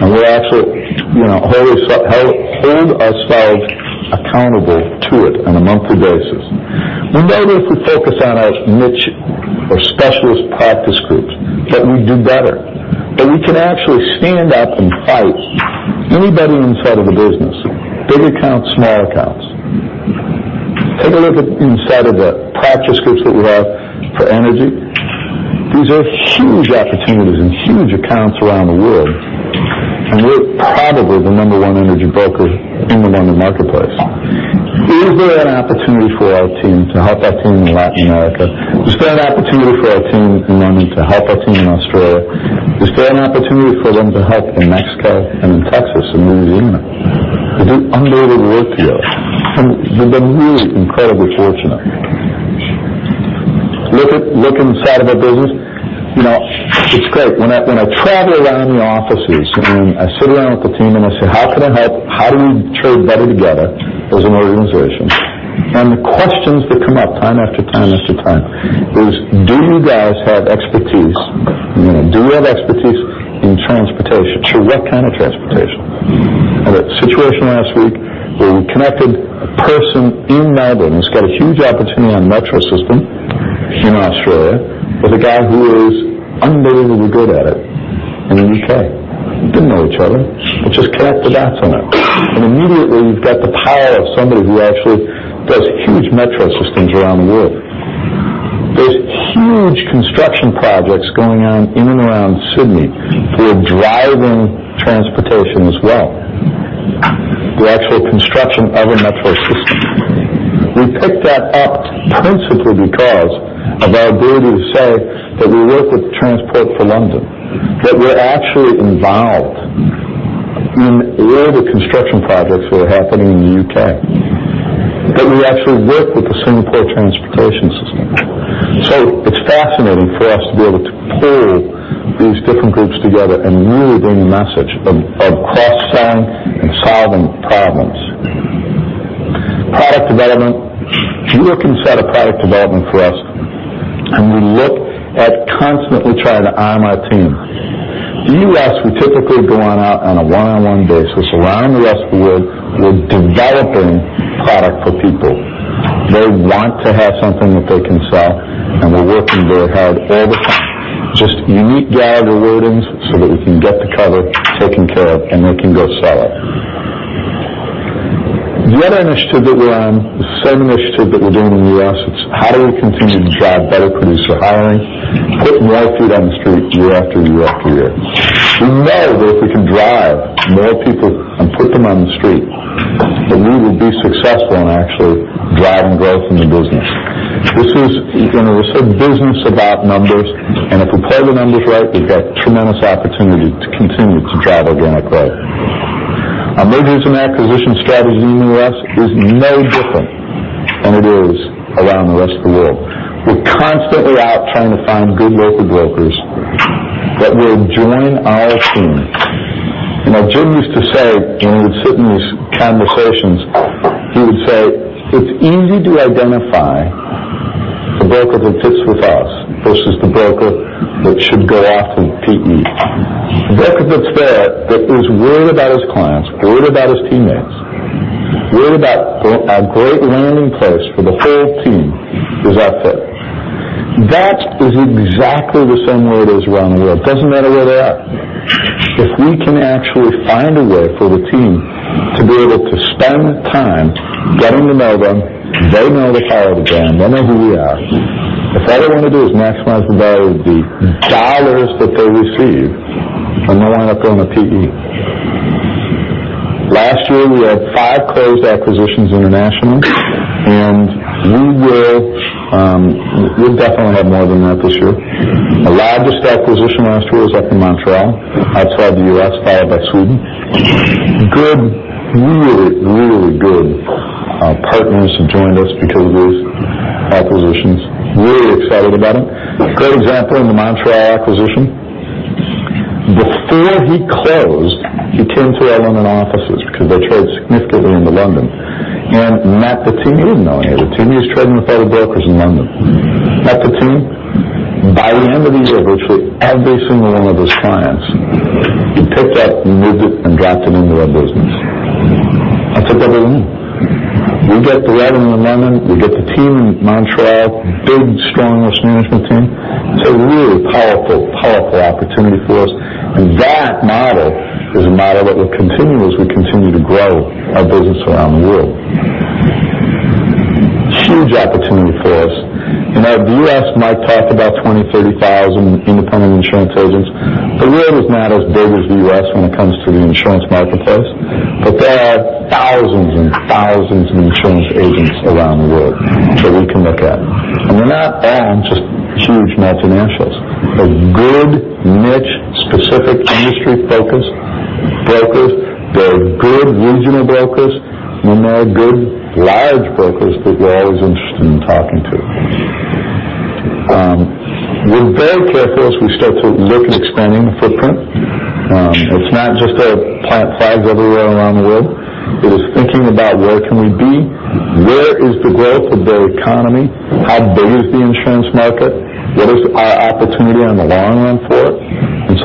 and we actually hold ourselves accountable to it on a monthly basis. We know that if we focus on our niche or specialist practice groups, that we do better, that we can actually stand up and fight anybody inside of the business, big accounts, small accounts. Take a look inside of the practice groups that we have for energy. These are huge opportunities and huge accounts around the world, and we're probably the number one energy broker in the London marketplace. Is there an opportunity for our team to help our team in Latin America? Is there an opportunity for our team in London to help our team in Australia? Is there an opportunity for them to help in Mexico and in Texas and maybe Lima? There's unbelievable work here. We've been really incredibly fortunate. Look inside of our business. It's great. When I travel around the offices and I sit around with the team and I say, "How can I help? How do we trade better together as an organization?" The questions that come up time after time after time is, do you guys have expertise? Do we have expertise in transportation? Sure. What kind of transportation? I had a situation last week where we connected a person in Melbourne who's got a huge opportunity on a metro system in Australia with a guy who is unbelievably good at it in the U.K. They didn't know each other. We just connected the dots on it. Immediately, you've got the power of somebody who actually does huge metro systems around the world. There's huge construction projects going on in and around Sydney. We're driving transportation as well. The actual construction of a metro system. We picked that up principally because of our ability to say that we work with Transport for London, that we're actually involved in all the construction projects that are happening in the U.K., that we actually work with the Singapore Transportation System. It's fascinating for us to be able to pull these different groups together and really bring the message of cross-selling and solving problems. Product development. If you look inside of product development for us, we look at constantly trying to arm our team. The U.S., we typically go on out on a one-on-one basis around the rest of the world. We're developing product for people. They want to have something that they can sell. We're working very hard all the time, just unique Gallagher wordings so that we can get the cover taken care of and they can go sell it. The other initiative that we're on is the same initiative that we're doing in the U.S. It's how do we continue to drive better producer hiring, putting more feet on the street year after year after year. We know that if we can drive more people and put them on the street, that we will be successful in actually driving growth in the business. This is a business about numbers. If we play the numbers right, we've got tremendous opportunity to continue to drive organic growth. Our mergers and acquisition strategy in the U.S. is no different than it is around the rest of the world. We're constantly out trying to find good local brokers that will join our team. Jim used to say when we would sit in these conversations, he would say, "It's easy to identify the broker that fits with us versus the broker that should go off with PE." The broker that's there that is worried about his clients, worried about his teammates, worried about a great landing place for the whole team is our fit. That is exactly the same way it is around the world. It doesn't matter where they are. If we can actually find a way for the team to be able to spend time getting to know them, they know the power of the brand, they know who we are. If all they want to do is maximize the value of the dollars that they receive and they want to go in a PE. Last year, we had five closed acquisitions internationally, and we'll definitely have more than that this year. The largest acquisition last year was up in Montreal, outside the U.S., followed by Sweden. Good, really good partners have joined us because of those acquisitions. Really excited about them. Great example in the Montreal acquisition. Before he closed, he came to our London offices because they trade significantly into London. Met the team. He didn't know any of the team. He was trading with other brokers in London. Met the team. By the end of the year, virtually every single one of his clients, he picked up, moved it, and dropped it into our business. That's a double win. We get the revenue in London, we get the team in Montreal, big, strong risk management team. It's a really powerful opportunity for us. That model is a model that we'll continue as we continue to grow our business around the world. Huge opportunity for us. The U.S. might talk about 20,000, 30,000 independent insurance agents. The world is not as big as the U.S. when it comes to the insurance marketplace. There are thousands and thousands of insurance agents around the world that we can look at. They're not all just huge multinationals. They're good niche-specific industry brokers. They're good regional brokers. There are good large brokers that we're always interested in talking to. We're very careful as we start to look at expanding the footprint. It's not just to plant flags everywhere around the world. It is thinking about where can we be? Where is the growth of their economy? How big is the insurance market? What is our opportunity on the long run for it?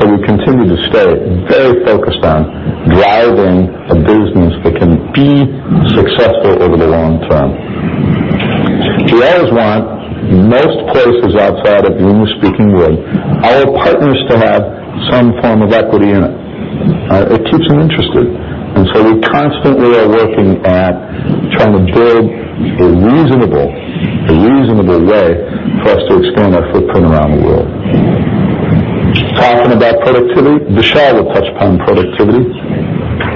We continue to stay very focused on driving a business that can be successful over the long term. We always want, most places outside of the English-speaking world, our partners to have some form of equity in it. It keeps them interested. We constantly are working at trying to build a reasonable way for us to expand our footprint around the world. Talking about productivity. Vishal will touch upon productivity.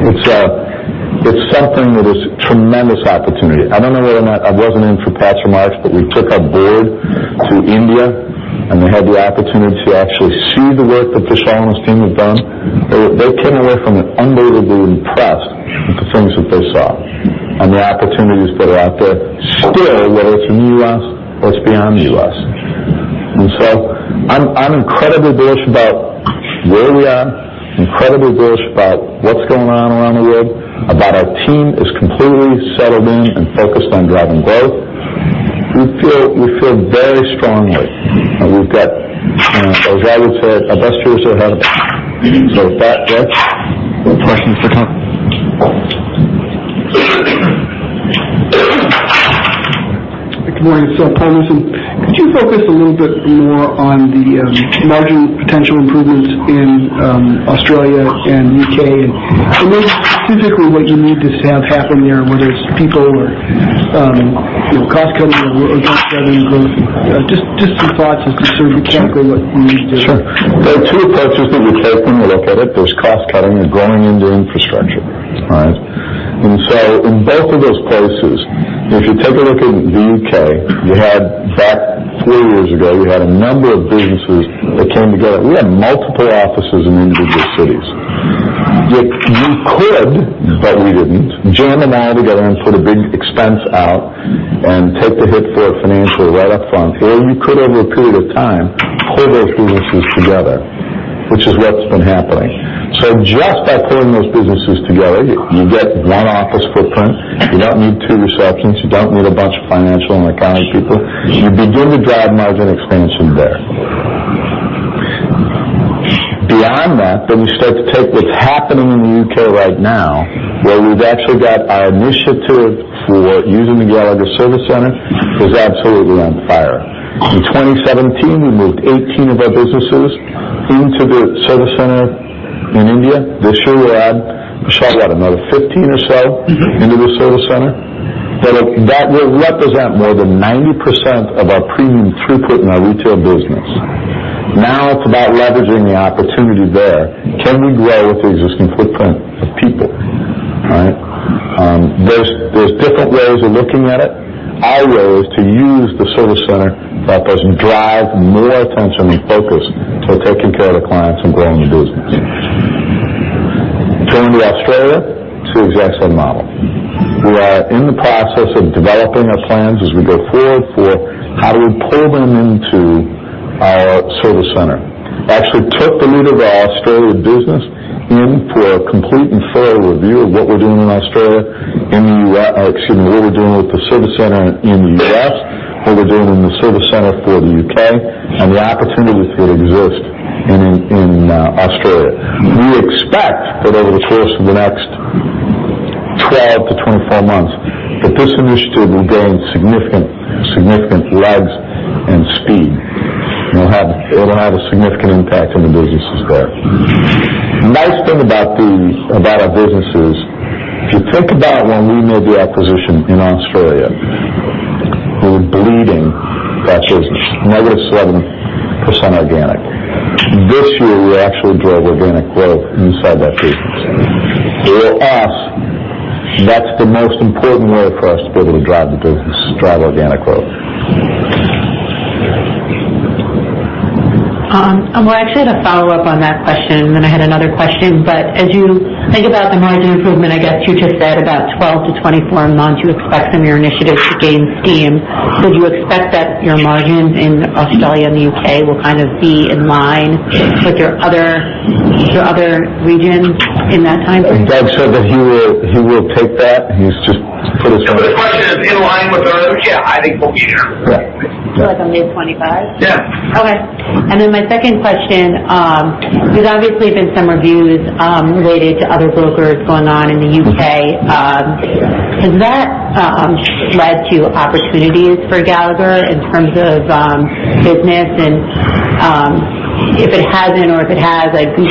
It's something that is a tremendous opportunity. I don't know whether or not I wasn't in for Pat's remarks, but we took our board to India, and they had the opportunity to actually see the work that Vishal and his team have done. They came away from it unbelievably impressed with the things that they saw and the opportunities that are out there still, whether it's in the U.S. or it's beyond the U.S. I'm incredibly bullish about where we are, incredibly bullish about what's going on around the world, about our team is completely settled in and focused on driving growth. We feel very strongly, and we've got, as I would say, our best years are ahead of us. With that, Reg. Questions for Tom? Good morning. It's Paul Newsome. Could you focus a little bit more on the margin potential improvements in Australia and U.K., and what specifically what you need to have happen there, whether it's people or cost cutting or just driving growth? Just some thoughts as to sort of the timeframe that you need to. Sure. There are two approaches that we take when we look at it. There's cost cutting and growing into infrastructure. All right? In both of those places, if you take a look in the U.K., back three years ago, we had a number of businesses that came together. We had multiple offices in individual cities. We could, but we didn't jam them all together and put a big expense out and take the hit for it financially right up front. Or you could over a period of time pull those businesses together, which is what's been happening. Just by pulling those businesses together, you get one office footprint. You don't need two receptions. You don't need a bunch of financial and accounting people. You begin to drive margin expansion there. Beyond that, you start to take what's happening in the U.K. right now, where we've actually got our initiative for using the Gallagher Service Center is absolutely on fire. In 2017, we moved 18 of our businesses into the service center in India. This year, we'll add, Vishal, what, another 15 or so. -into the service center. That will represent more than 90% of our premium throughput in our retail business. Now it's about leveraging the opportunity there. Can we grow with the existing footprint of people, right? There's different ways of looking at it. Our way is to use the service center that doesn't drive more attention and focus for taking care of the clients and growing the business. Turning to Australia, it's the exact same model. We are in the process of developing our plans as we go forward for how do we pull them into our service center. Actually took the leader of our Australia business in for a complete and thorough review of what we're doing in Australia, in the U.S. Excuse me, what we're doing with the service center in the U.S., what we're doing in the service center for the U.K., and the opportunities that exist in Australia. We expect that over the course of the next 12 to 24 months, that this initiative will gain significant legs and speed, and it'll have a significant impact on the businesses there. The nice thing about our business is if you think about when we made the acquisition in Australia. We were bleeding last year, negative 17% organic. This year, we actually drove organic growth inside that business. We're asked, that's the most important way for us to be able to drive the business, is drive organic growth. Well, I actually had a follow-up on that question, then I had another question. As you think about the margin improvement, I guess you just said about 12 to 24 months you expect some of your initiatives to gain steam. Did you expect that your margins in Australia and the U.K. will kind of be in line with your other regions in that time frame? Doug said that he will take that. He's just put his hand up. The question is in line with others? Yeah, I think we'll be there. Yeah. Like a mid 25? Yeah. Okay. My second question, there's obviously been some reviews related to other brokers going on in the U.K. Has that led to opportunities for Gallagher in terms of business and if it hasn't or if it has, I'd be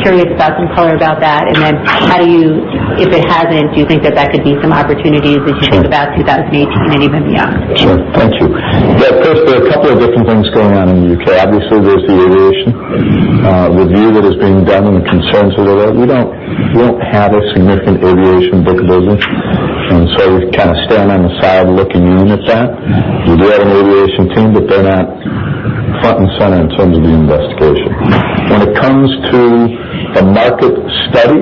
curious about some color about that. If it hasn't, do you think that that could be some opportunities as you think about 2018 and even beyond? Sure. Thank you. Yeah, of course, there are a couple of different things going on in the U.K. Obviously, there's the aviation review that is being done and the concerns that are there. We don't have a significant aviation broker business, we kind of stand on the side looking in at that. We do have an aviation team, but they're not front and center in terms of the investigation. When it comes to the market study,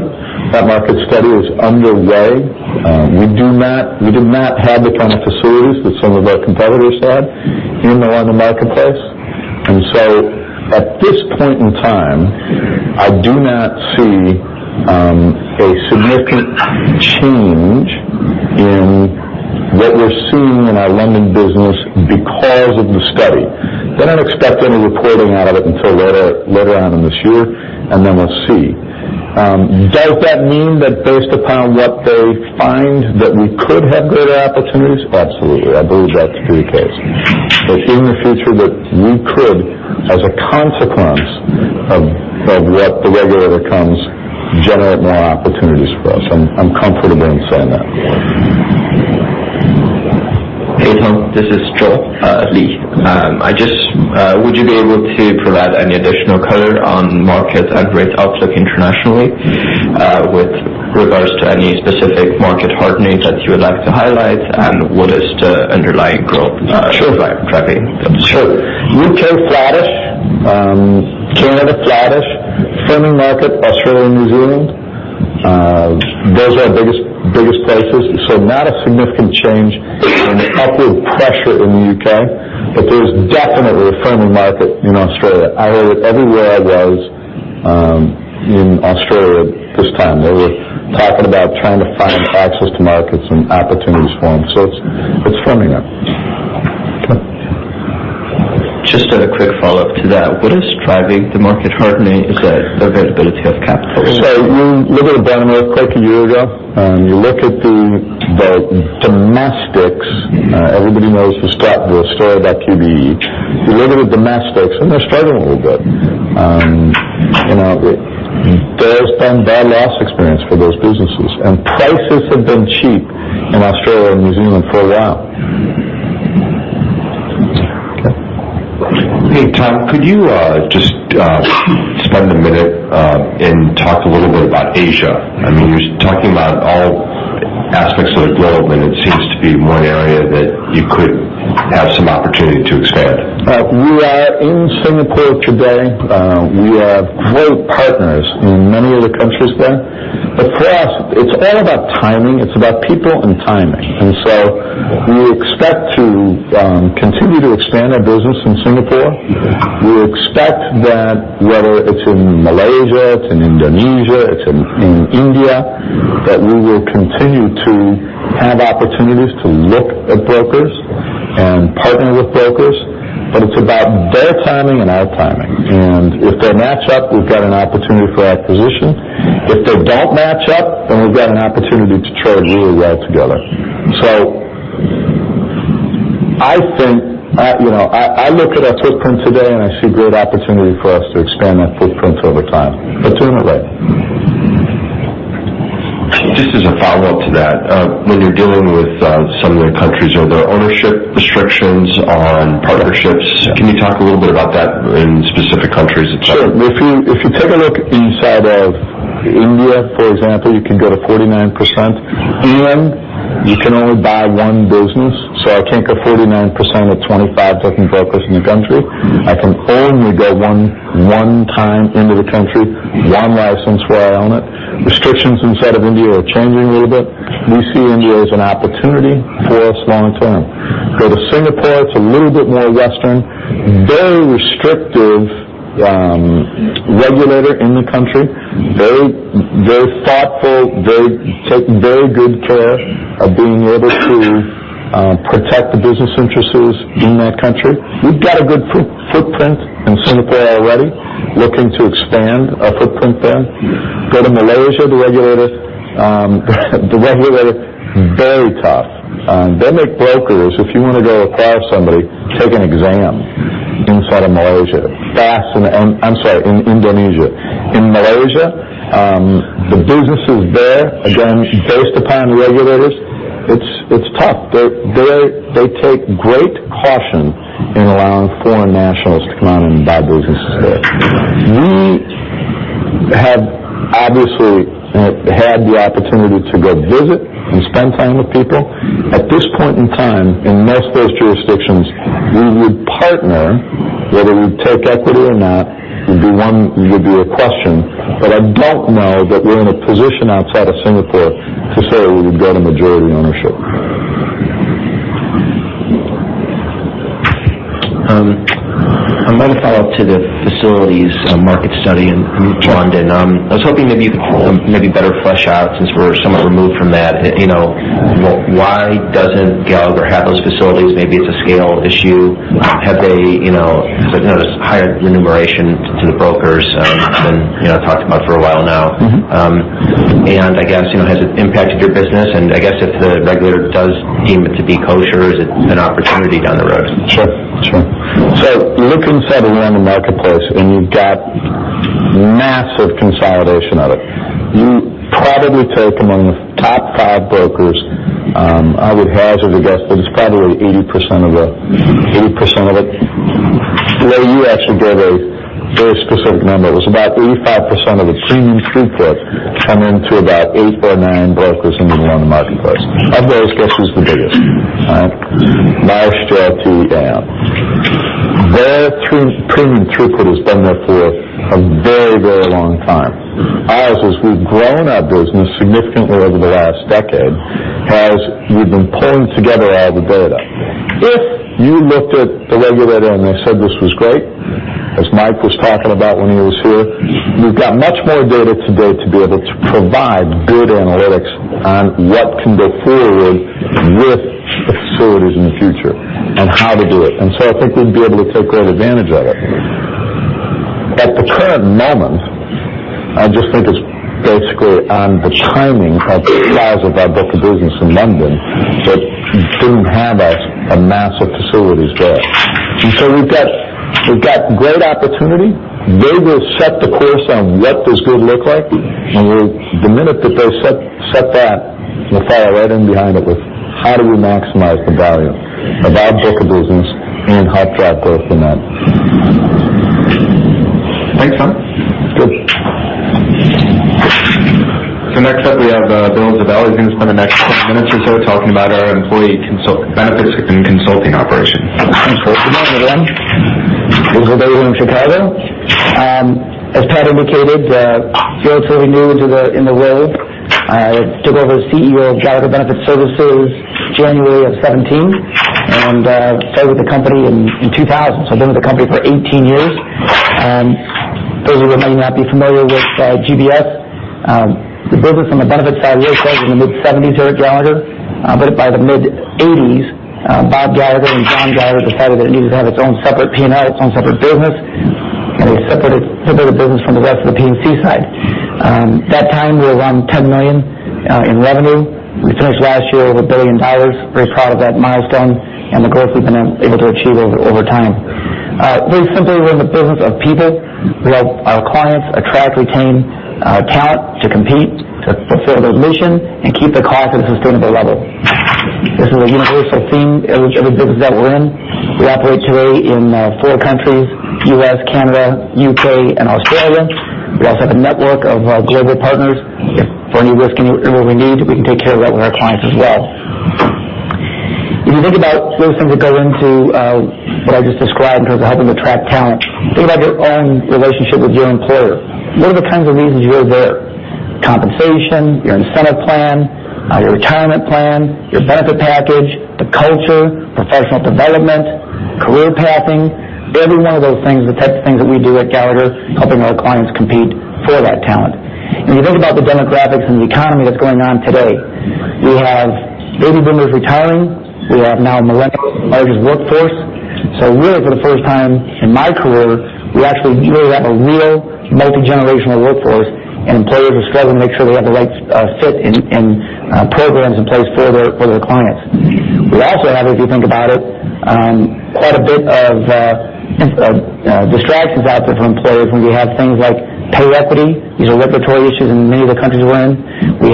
that market study is underway. We do not have the kind of facilities that some of our competitors have in the London marketplace. At this point in time, I do not see a significant change in what we're seeing in our London business because of the study. They don't expect any reporting out of it until later on in this year, then we'll see. Does that mean that based upon what they find, that we could have greater opportunities? Absolutely. I believe that to be the case. In the future, we could, as a consequence of what the regulator finds, generate more opportunities for us. I'm comfortable in saying that. Hey, Tom, this is Meyer Shields. Would you be able to provide any additional color on market and rate outlook internationally with regards to any specific market hardening that you would like to highlight, and what is the underlying growth- Sure. -driver, driving them? Sure. U.K. flattish, Canada flattish, firming market, Australia and New Zealand. Those are our biggest places. Not a significant change and a couple of pressure in the U.K., but there's definitely a firming market in Australia. I heard it everywhere I was in Australia this time. They were talking about trying to find access to markets and opportunities for them. It's firming up. Okay. Just a quick follow-up to that. What is driving the market hardening? Is that availability of capital? You look at the downward quake a year ago, and you look at the domestics. Everybody knows the story about QBE. You look at the domestics, and they're struggling a little bit. There's been bad loss experience for those businesses, and prices have been cheap in Australia and New Zealand for a while. Okay. Hey, Tom, could you just spend a minute and talk a little bit about Asia? I mean, you're talking about all aspects of the globe, and it seems to be one area that you could have some opportunity to expand. We are in Singapore today. We have great partners in many of the countries there. For us, it's all about timing. It's about people and timing. We expect to continue to expand our business in Singapore. We expect that whether it's in Malaysia, it's in Indonesia, it's in India, that we will continue to have opportunities to look at brokers and partner with brokers. It's about their timing and our timing. If they match up, we've got an opportunity for acquisition. If they don't match up, we've got an opportunity to charge really well together. I look at our footprint today, and I see great opportunity for us to expand that footprint over time. Doing it right. Just as a follow-up to that. When you're dealing with some of the countries, are there ownership restrictions on partnerships? Can you talk a little bit about that in specific countries, et cetera? Sure. If you take a look inside of India, for example, you can go to 49%, and you can only buy one business. I can't go 49% with 25 different brokers in the country. I can only go one time into the country, one license where I own it. Restrictions inside of India are changing a little bit. We see India as an opportunity for us long term. Go to Singapore, it's a little bit more Western, very restrictive regulator in the country. Very thoughtful. They take very good care of being able to protect the business interests in that country. We've got a good footprint in Singapore already, looking to expand our footprint there. Go to Malaysia, the regulator, very tough. They make brokers, if you want to go acquire somebody, take an exam inside of Malaysia. I'm sorry, in Indonesia. In Malaysia, the businesses there, again, based upon the regulators. It's tough. They take great caution in allowing foreign nationals to come out and buy businesses there. We have obviously had the opportunity to go visit and spend time with people. At this point in time, in most of those jurisdictions, we would partner, whether we take equity or not would be a question. I don't know that we're in a position outside of Singapore to say we would get a majority ownership. I'm going to follow up to the facilities market study in London. I was hoping maybe you could maybe better flesh out since we're somewhat removed from that. Why doesn't Gallagher have those facilities? Maybe it's a scale issue. Have they noticed higher remuneration to the brokers than talked about for a while now? I guess, has it impacted your business? I guess if the regulator does deem it to be kosher, is it an opportunity down the road? Sure. Look inside the London marketplace, you've got massive consolidation of it. You probably take among the top five brokers, I would hazard a guess that it's probably 80% of it. Ray, you actually gave a very specific number. It was about 85% of the premium throughput coming through about eight or nine brokers in the London marketplace. Of those, guess who's the biggest? Right. Marsh, JLT, Aon. Their premium throughput has been there for a very long time. Ours as we've grown our business significantly over the last decade, as we've been pulling together all the data. If you looked at the regulator and they said this was great, as Mike was talking about when he was here, we've got much more data today to be able to provide good analytics on what can go forward with facilities in the future and how to do it. I think we'd be able to take great advantage of it. At the current moment, I just think it's basically on the timing of the size of our broker business in London, that didn't have us a massive facilities there. We've got great opportunity. They will set the course on what does good look like, and the minute that they set that, we'll follow right in behind it with how do we maximize the value of our broker business and how to add growth from that. Thanks, Tom. Good. Next up, we have Bill Ziebell. He is going to spend the next 10 minutes or so talking about our employee benefits and consulting operation. Good morning, everyone. This is Bill in Chicago. As Pat indicated, Bill's fairly new in the role. I took over as CEO of Gallagher Benefit Services January of 2017, and started with the company in 2000. I've been with the company for 18 years. Those of you who may not be familiar with GBS, the business on the benefit side really started in the mid-1970s here at Gallagher. By the mid-1980s, Bob Gallagher and John Gallagher decided that it needed to have its own separate P&L, its own separate business, and they separated the business from the rest of the P&C side. At that time, we were around $10 million in revenue. We finished last year with $1 billion. Very proud of that milestone and the growth we've been able to achieve over time. Very simply, we're in the business of people. We help our clients attract, retain talent to compete, to fulfill their mission and keep their cost at a sustainable level. This is a universal theme in every business that we're in. We operate today in four countries, U.S., Canada, U.K., and Australia. We also have a network of global partners for any risk and what we need, we can take care of that with our clients as well. If you think about those things that go into what I just described in terms of helping attract talent, think about your own relationship with your employer. What are the kinds of reasons you're there? Compensation, your incentive plan, your retirement plan, your benefit package, the culture, professional development, career pathing. Every one of those things are the types of things that we do at Gallagher, helping our clients compete for that talent. When you think about the demographics and the economy that's going on today, we have baby boomers retiring. We have now millennials, the largest workforce. Really for the first time in my career, we actually really have a real multi-generational workforce, and employers are struggling to make sure they have the right fit and programs in place for their clients. We also have, if you think about it, quite a bit of distractions out there for employers when we have things like pay equity. These are regulatory issues in many of the countries we're in. We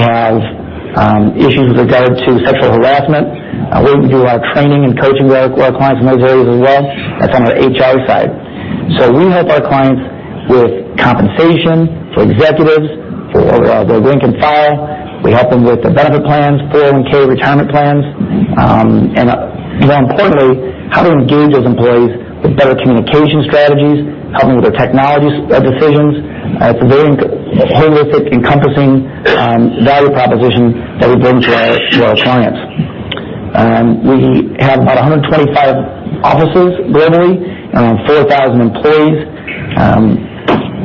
have issues with regard to sexual harassment. We do our training and coaching with our clients in those areas as well. That's on our HR side. We help our clients with compensation for executives, for their rank and file. We help them with their benefit plans, 401 retirement plans. More importantly, how to engage those employees with better communication strategies, helping with their technology decisions. It's a very holistic, encompassing value proposition that we bring to our clients. We have about 125 offices globally, around 4,000 employees.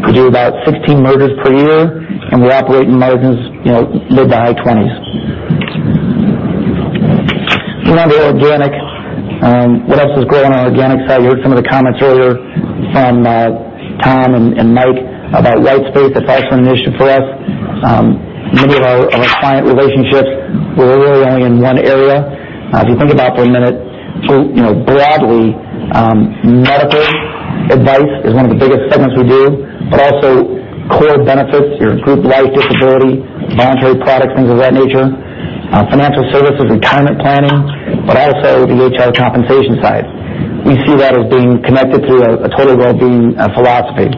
We do about 16 mergers per year, and we operate in markets mid to high twenties. Moving on to organic. What else is growing on the organic side? You heard some of the comments earlier from Tom and Mike about white space. That's also an issue for us. Many of our client relationships, we're really only in one area. If you think about it for a minute, broadly, medical advice is one of the biggest segments we do, but also core benefits, your group life disability, voluntary products, things of that nature, financial services, retirement planning, but also the HR compensation side. We see that as being connected through a total well-being philosophy.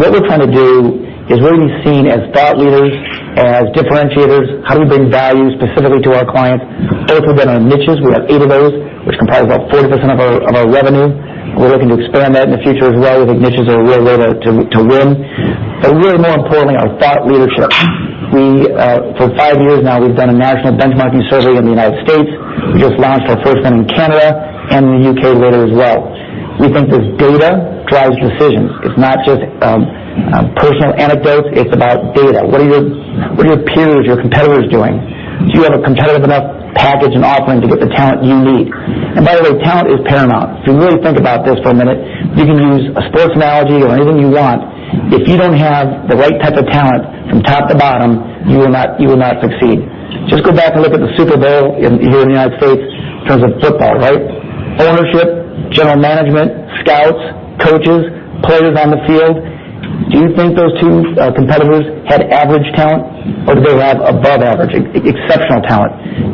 What we're trying to do is really be seen as thought leaders, as differentiators. How do we bring value specifically to our clients? First, we've got our niches. We have eight of those, which comprise about 40% of our revenue. We're looking to expand that in the future as well. We think niches are a real way to win. Really more importantly, our thought leadership. For five years now, we've done a national benchmarking survey in the U.S. We just launched our first one in Canada and in the U.K. later as well. We think this data drives decisions. It's not just personal anecdotes, it's about data. What are your peers, your competitors doing? Do you have a competitive enough package and offering to get the talent you need? By the way, talent is paramount. If you really think about this for a minute, you can use a sports analogy or anything you want. If you don't have the right type of talent from top to bottom, you will not succeed. Just go back and look at the Super Bowl here in the U.S. in terms of football, right? Ownership, general management, scouts, coaches, players on the field. Do you think those two competitors had average talent or did they have above average, exceptional talent?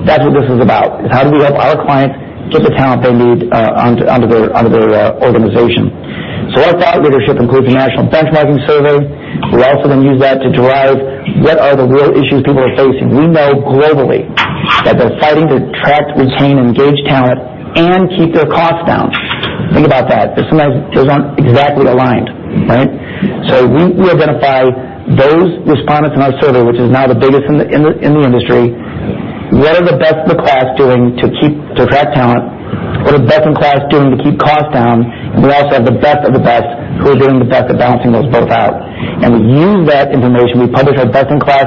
That's what this is about, is how do we help our clients get the talent they need onto their organization. Our thought leadership includes a national benchmarking survey. We're also going to use that to derive what are the real issues people are facing. We know globally that they're fighting to attract, retain, engage talent, and keep their costs down. Think about that. Sometimes those aren't exactly aligned, right? We identify those respondents in our survey, which is now the biggest in the industry. What are the best in class doing to attract talent? What are best in class doing to keep costs down? We also have the best of the best who are doing the best at balancing those both out. We use that information. We publish our best in class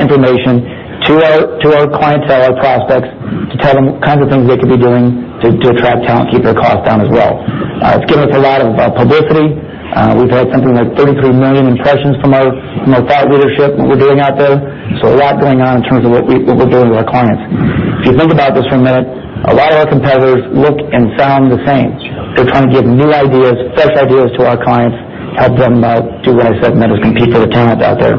information to our clientele, our prospects, to tell them kinds of things they could be doing to attract talent, keep their costs down as well. It's given us a lot of publicity. We've had something like 33 million impressions from our thought leadership, what we're doing out there. A lot going on in terms of what we're doing with our clients. If you think about this for a minute, a lot of our competitors look and sound the same. We're trying to give new ideas, fresh ideas to our clients, help them do what I said, manage and compete for the talent out there.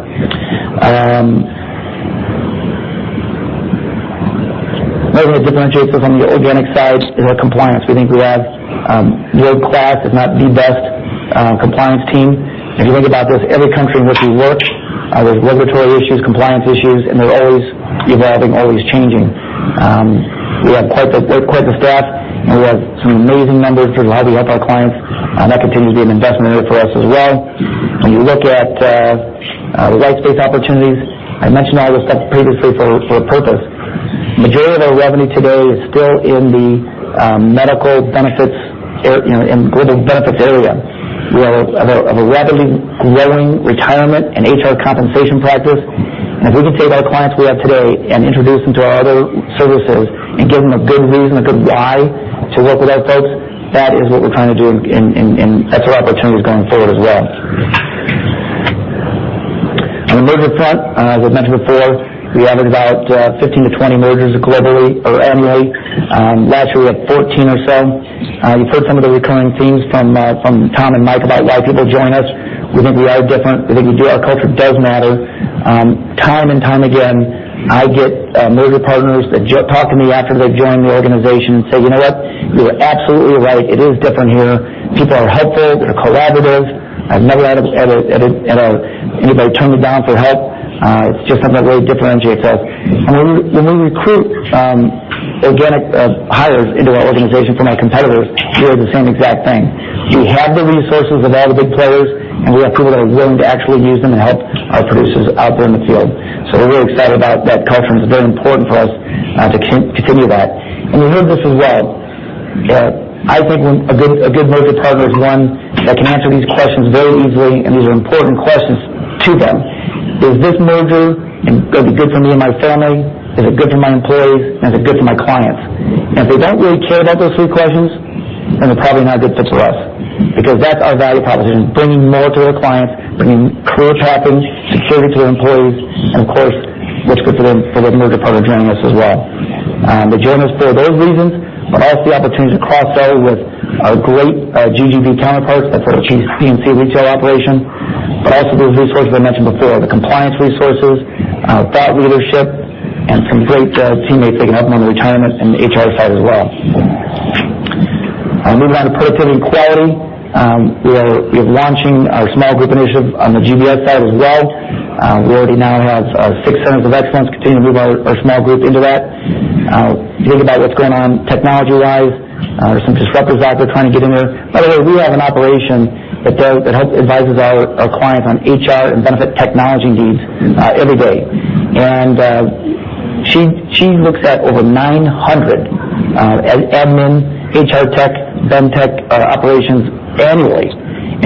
Maybe what differentiates us on the organic side is our compliance. We think we have world class, if not the best compliance team. If you think about this, every country in which we work, there's regulatory issues, compliance issues, and they're always evolving, always changing. We have quite the staff, and we have some amazing members who know how to help our clients. That continues to be an investment area for us as well. When you look at the white space opportunities, I mentioned all this stuff previously for a purpose. Majority of our revenue today is still in the medical benefits area, in global benefits area. We have a rapidly growing retirement and HR compensation practice. If we can take our clients we have today and introduce them to our other services and give them a good reason, a good why to work with our folks, that is what we're trying to do, and that's a lot of opportunities going forward as well. On the merger front, as I mentioned before, we average about 15 to 20 mergers globally or annually. Last year we had 14 or so. You've heard some of the recurring themes from Tom and Mike about why people join us. We think we are different. We think our culture does matter. Time and time again, I get merger partners that talk to me after they've joined the organization and say, "You know what? You were absolutely right. It is different here. People are helpful. They're collaborative." I've never had anybody turn me down for help. It's just something that really differentiates us. When we recruit organic hires into our organization from our competitors, hear the same exact thing. We have the resources of all the big players, and we have people that are willing to actually use them and help our producers out there in the field. We're really excited about that culture, and it's very important for us to continue that. You heard this as well. I think a good merger partner is one that can answer these questions very easily, and these are important questions to them. Is this merger going to be good for me and my family? Is it good for my employees, and is it good for my clients? If they don't really care about those three questions, then they're probably not a good fit for us, because that's our value proposition, bringing more to our clients, bringing career tracking, security to their employees, and of course, it looks good for the merger partner joining us as well. They join us for those reasons, but also the opportunity to cross-sell with our great GGB counterparts that sort of achieves the P&C retail operation. Also those resources I mentioned before, the compliance resources, thought leadership, and some great teammates picking up on the retirement and the HR side as well. Moving on to productivity and quality. We are launching our small group initiative on the GBS side as well. We already now have six centers of excellence continuing to move our small group into that. If you think about what's going on technology-wise, there's some disruptors out there trying to get in there. By the way, we have an operation that helps advises our clients on HR and benefit technology needs every day. She looks at over 900 Admin, HR tech, Ben tech operations annually.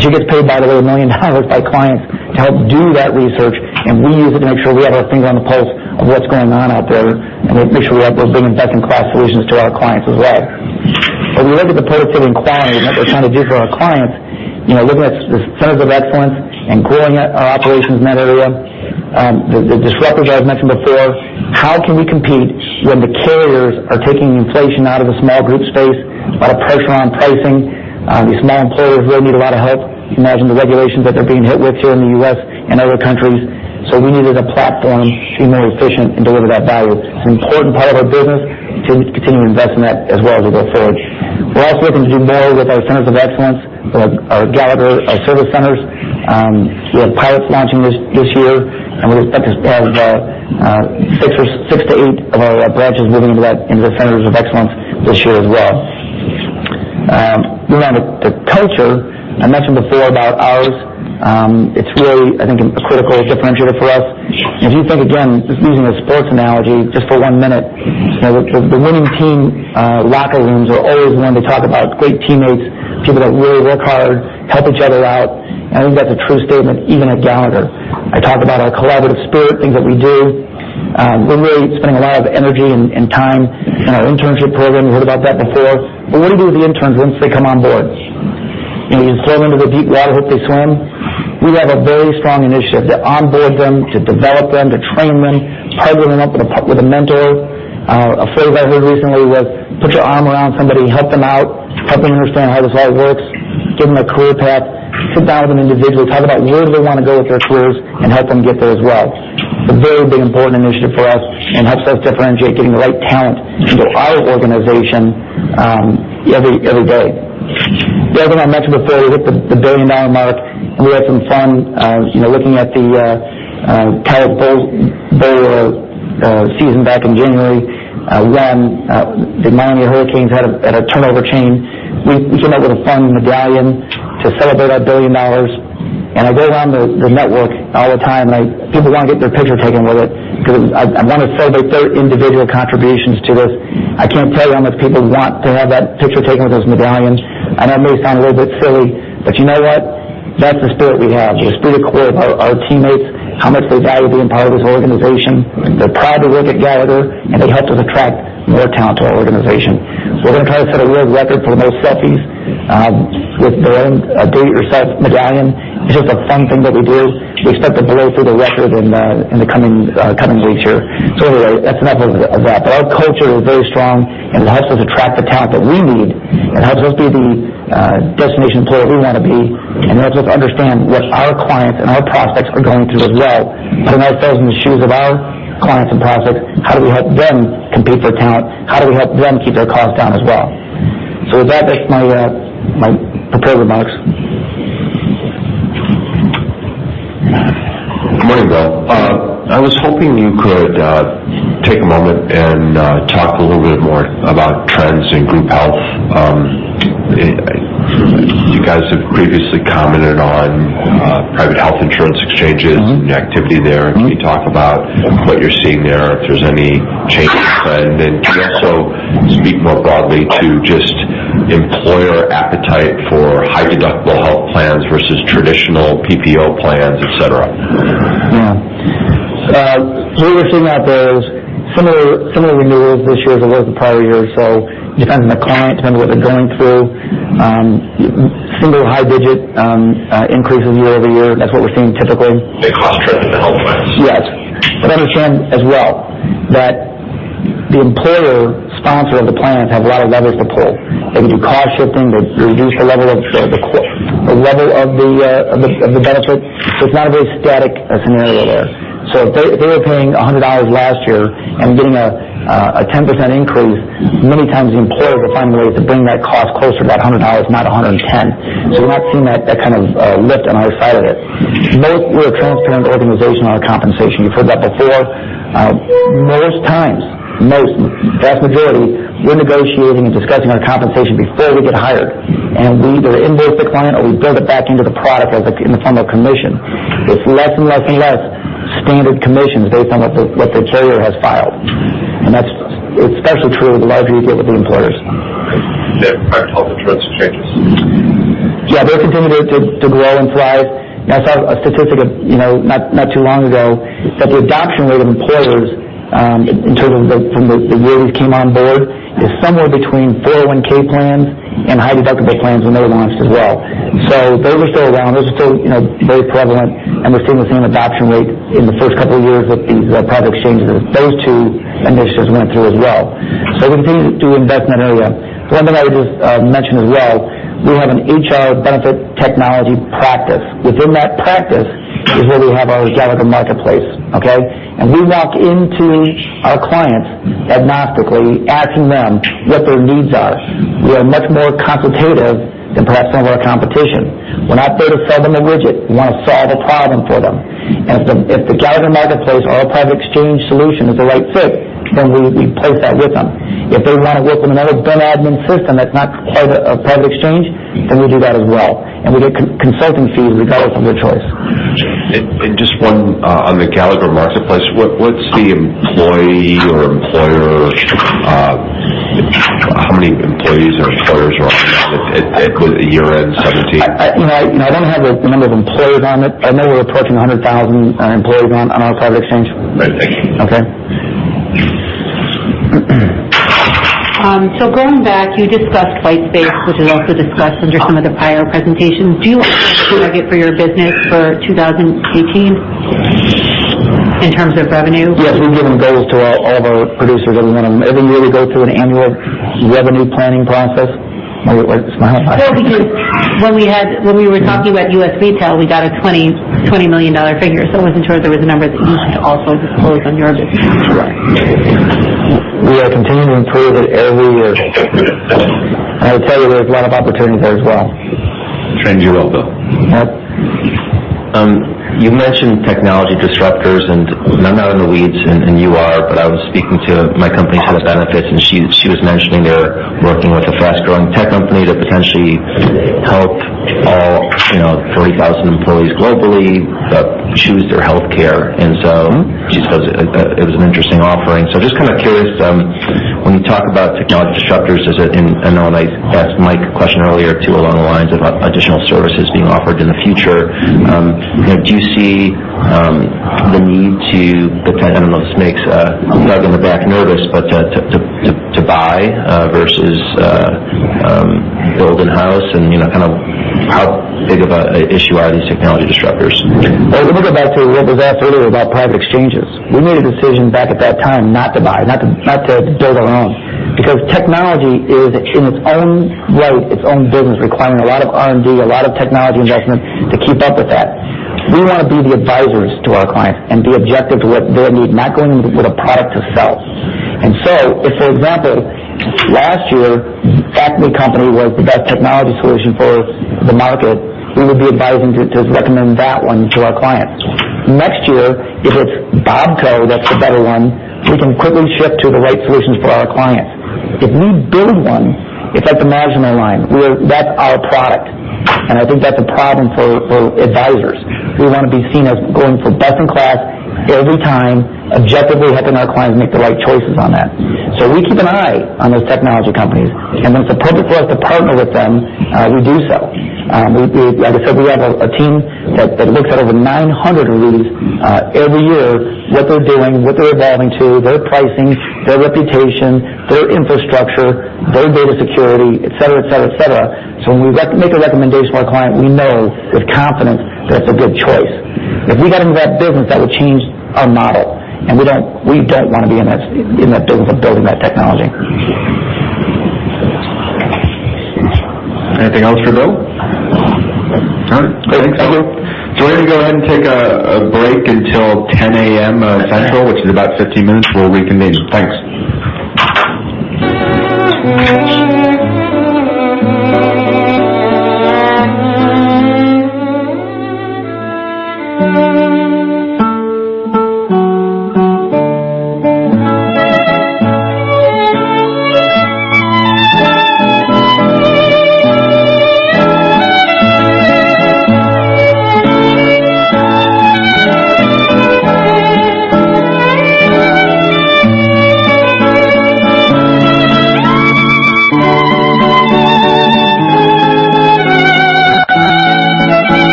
She gets paid, by the way, $1 million by clients to help do that research, and we use it to make sure we have our finger on the pulse of what's going on out there, and make sure we have those leading-edge and cost solutions to our clients as well. When we look at the pulse of inquiry and what we're trying to do for our clients, looking at the centers of excellence and growing our operations in that area, the disruptors I've mentioned before, how can we compete when the carriers are taking inflation out of the small group space, a lot of pressure on pricing? These small employers really need a lot of help. You imagine the regulations that they're being hit with here in the U.S. and other countries. We needed a platform to be more efficient and deliver that value. It's an important part of our business to continue to invest in that as well as we go forward. We're also looking to do more with our centers of excellence, our Gallagher, our service centers. We have pilots launching this year, and we expect as well, six to eight of our branches moving into that, into the centers of excellence this year as well. Moving on to culture, I mentioned before about ours. It's really, I think, a critical differentiator for us. If you think, again, just using a sports analogy, just for one minute, the winning team locker rooms are always the one to talk about great teammates, people that really work hard, help each other out, and I think that's a true statement even at Gallagher. I talk about our collaborative spirit, things that we do. We're really spending a lot of energy and time in our internship program. You heard about that before. What do we do with the interns once they come on board? You just throw them into the deep water, hope they swim? We have a very strong initiative to onboard them, to develop them, to train them, to partner them up with a mentor. A phrase I heard recently was, put your arm around somebody, help them out, help them understand how this all works, give them a career path, sit down with them individually, talk about where they want to go with their careers, and help them get there as well. It's a very big, important initiative for us and helps us differentiate getting the right talent into our organization every day. The other thing I mentioned before, we hit the $1 billion mark, and we had some fun looking at the playoff bowl season back in January. One, the Miami Hurricanes had a turnover chain. We came up with a fun medallion to celebrate our $1 billion. I go around the network all the time, people want to get their picture taken with it because I want to celebrate their individual contributions to this. I can't tell you how much people want to have that picture taken with those medallions. I know it may sound a little bit silly, you know what? That's the spirit we have. Just through the core of our teammates, how much they value being part of this organization. They're proud to work at Gallagher, they help us attract more talent to our organization. We're going to try to set a world record for the most selfies with their own Do It Yourself medallion. It's just a fun thing that we do. We expect to blow through the record in the coming weeks here. That's enough of that. Our culture is very strong, it helps us attract the talent that we need, helps us be the destination employer we want to be, helps us understand what our clients and our prospects are going through as well. Putting ourselves in the shoes of our clients and prospects, how do we help them compete for talent? How do we help them keep their costs down as well? With that's my prepared remarks. Good morning, Bill. I was hoping you could take a moment and talk a little bit more about trends in group health. You guys have previously commented on private health insurance exchanges and activity there. Can you talk about what you're seeing there, if there's any change in trend? Can you also speak more broadly to just employer appetite for high-deductible health plans versus traditional PPO plans, et cetera? Yeah. We're seeing out there similar renewals this year as opposed to prior years. Depending on the client, depending on what they're going through, single high digit increases year-over-year, that's what we're seeing typically. Big cost trends in the health plans. Yes. Understand as well that the employer sponsor of the plan have a lot of levers to pull. They can do cost shifting. They reduce the level of the benefit. It's not a very static scenario there. If they were paying $100 last year and getting a 10% increase, many times the employer will find ways to bring that cost closer to that $100, not $110. We're not seeing that kind of lift on our side of it. Most, we're a transparent organization on our compensation. You've heard that before. Most times, vast majority, we're negotiating and discussing our compensation before we get hired, and we either invoice the client, or we build it back into the product as like in the form of commission. It's less and less standard commissions based on what the carrier has filed, and that's especially true with a lot of the deals with the employers. Their private health insurance exchanges. They're continuing to grow and thrive. I saw a statistic not too long ago that the adoption rate of employers, in terms of from the year these came on board, is somewhere between 401 plans and high-deductible plans when they launched as well. Those are still around. Those are still very prevalent, we're seeing the same adoption rate in the first couple of years with these private exchanges, those two initiatives went through as well. We continue to invest in that area. One thing I would just mention as well, we have an HR benefit technology practice. Within that practice is where we have our Gallagher Marketplace. We walk into our clients agnostically asking them what their needs are. We are much more consultative than perhaps some of our competition. We're not there to sell them a widget. We want to solve a problem for them. If the Gallagher Marketplace or our private exchange solution is the right fit, then we place that with them. If they want to work with another Ben admin system that's not part of a private exchange, then we do that as well. We get consulting fees regardless of their choice. Just one on the Gallagher Marketplace, what's the employee or employer. How many employees or members were on the private exchange at year-end 2017? I don't have the number of employees on it. I know we're approaching 100,000 employees on our private exchange. Right. Thank you. Okay. Going back, you discussed white space, which was also discussed under some of the prior presentations. Do you have a target for your business for 2018 in terms of revenue? Yes, we give goals to all of our producers. Every year we go through an annual revenue planning process. Why are you smiling? Because when we were talking about U.S. retail, we got a $20 million figure. I wasn't sure if there was a number that you could also disclose on your business. Right. We are continuing to improve it every year. I will tell you there's a lot of opportunities there as well. Thanks, you as well, Bill. Yep. You mentioned technology disruptors, I'm not in the weeds, and you are, I was speaking to my company's head of benefits, and she was mentioning they're working with a fast-growing tech company to potentially help all 30,000 employees globally choose their healthcare. She says it was an interesting offering. Just curious, when you talk about technology disruptors, I know I asked Mike a question earlier too along the lines of additional services being offered in the future. Do you see the need to, I don't know if this makes a bug in the back nervous, but to buy versus build in-house? How big of an issue are these technology disruptors? Well, let me go back to what was asked earlier about private exchanges. We made a decision back at that time not to buy, not to build our own. Technology is in its own right, its own business, requiring a lot of R&D, a lot of technology investment to keep up with that. We want to be the advisors to our clients and be objective to what their need, not going in with a product to sell. If, for example, last year, Acme Company was the best technology solution for the market, we would be advising to recommend that one to our clients. Next year, if it's Bobco that's the better one, we can quickly shift to the right solutions for our clients. If we build one, it's like the Maginot Line. That's our product. I think that's a problem for advisors. We want to be seen as going for best in class every time, objectively helping our clients make the right choices on that. We keep an eye on those technology companies. When it's appropriate for us to partner with them, we do so. Like I said, we have a team that looks at over 900 of these every year, what they're doing, what they're evolving to, their pricing, their reputation, their infrastructure, their data security, et cetera. When we make a recommendation to our client, we know with confidence that it's a good choice. If we got into that business, that would change our model, we don't want to be in that business of building that technology. Anything else for Bill? All right. Thanks, Bill. We're going to go ahead and take a break until 10:00 A.M. Central, which is about 15 minutes. We'll reconvene. Thanks.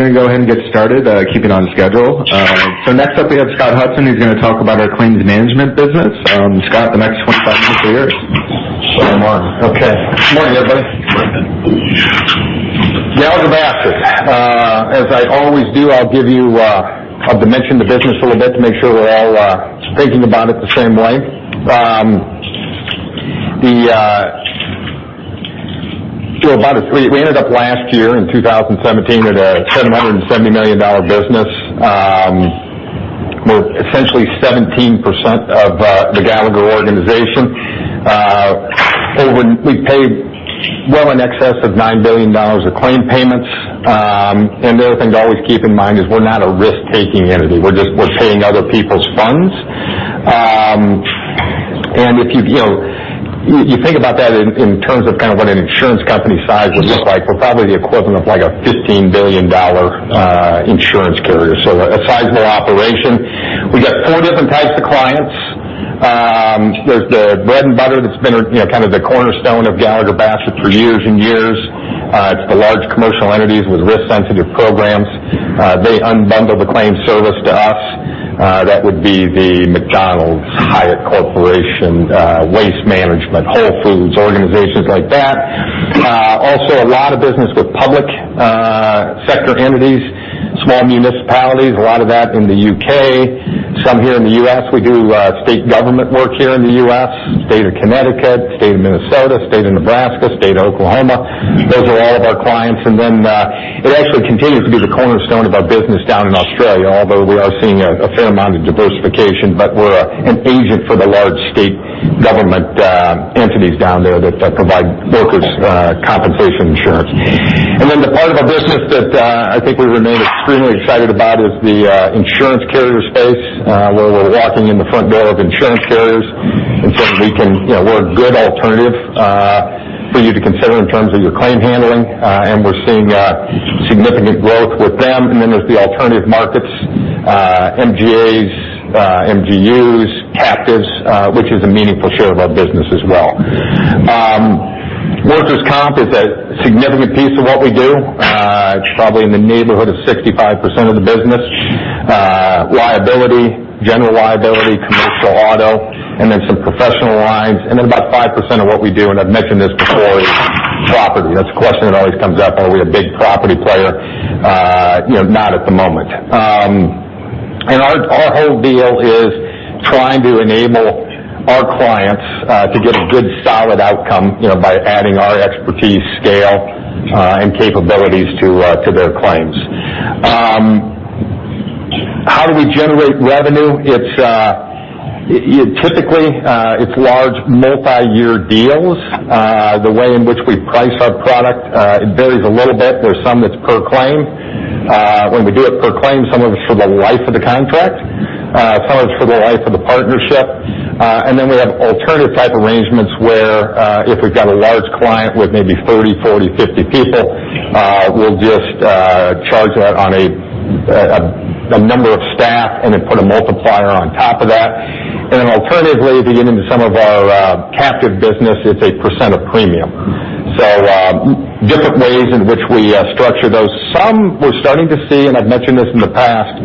All right, we're going to go ahead and get started, keep it on schedule. Next up we have Scott Hudson, who's going to talk about our claims management business. Scott, the next 25 minutes are yours. Good morning. Okay. Good morning, everybody. Gallagher Bassett. As I always do, I'll dimension the business a little bit to make sure we're all thinking about it the same way. We ended up last year in 2017 at a $770 million business. We're essentially 17% of the Gallagher organization. We paid well in excess of $9 billion of claim payments. The other thing to always keep in mind is we're not a risk-taking entity. We're paying other people's funds. If you think about that in terms of what an insurance company size would look like, we're probably the equivalent of a $15 billion insurance carrier. A sizable operation. We got 4 different types of clients. There's the bread and butter that's been kind of the cornerstone of Gallagher Bassett for years and years. It's the large commercial entities with risk sensitive programs. They unbundle the claim service to us. That would be the McDonald's, Hyatt Corporation, Waste Management, Whole Foods, organizations like that. Also, a lot of business with public sector entities, small municipalities, a lot of that in the U.K., some here in the U.S. We do state government work here in the U.S., State of Connecticut, State of Minnesota, State of Nebraska, State of Oklahoma. Those are all of our clients. Then, it actually continues to be the cornerstone of our business down in Australia, although we are seeing a fair amount of diversification. We're an agent for the large state government entities down there that provide workers compensation insurance. The part of our business that I think we remain extremely excited about is the insurance carrier space, where we're walking in the front door of insurance carriers and saying, "We're a good alternative for you to consider in terms of your claim handling." We're seeing significant growth with them. There's the alternative markets, MGAs, MGUs, captives, which is a meaningful share of our business as well. Workers' comp is a significant piece of what we do. It's probably in the neighborhood of 65% of the business. Liability, general liability, commercial auto, and then some professional lines. About 5% of what we do, and I've mentioned this before, is property. That's a question that always comes up. Are we a big property player? Not at the moment. Our whole deal is trying to enable our clients to get a good solid outcome by adding our expertise, scale, and capabilities to their claims. How do we generate revenue? Typically, it's large multi-year deals. The way in which we price our product, it varies a little bit. There's some that's per claim. When we do it per claim, some of it's for the life of the contract, some of it's for the life of the partnership. We have alternative type arrangements where, if we've got a large client with maybe 30, 40, 50 people, we'll just charge that on a number of staff and then put a multiplier on top of that. Alternatively, if you get into some of our captive business, it's a % of premium. Different ways in which we structure those. Some we're starting to see, I've mentioned this in the past,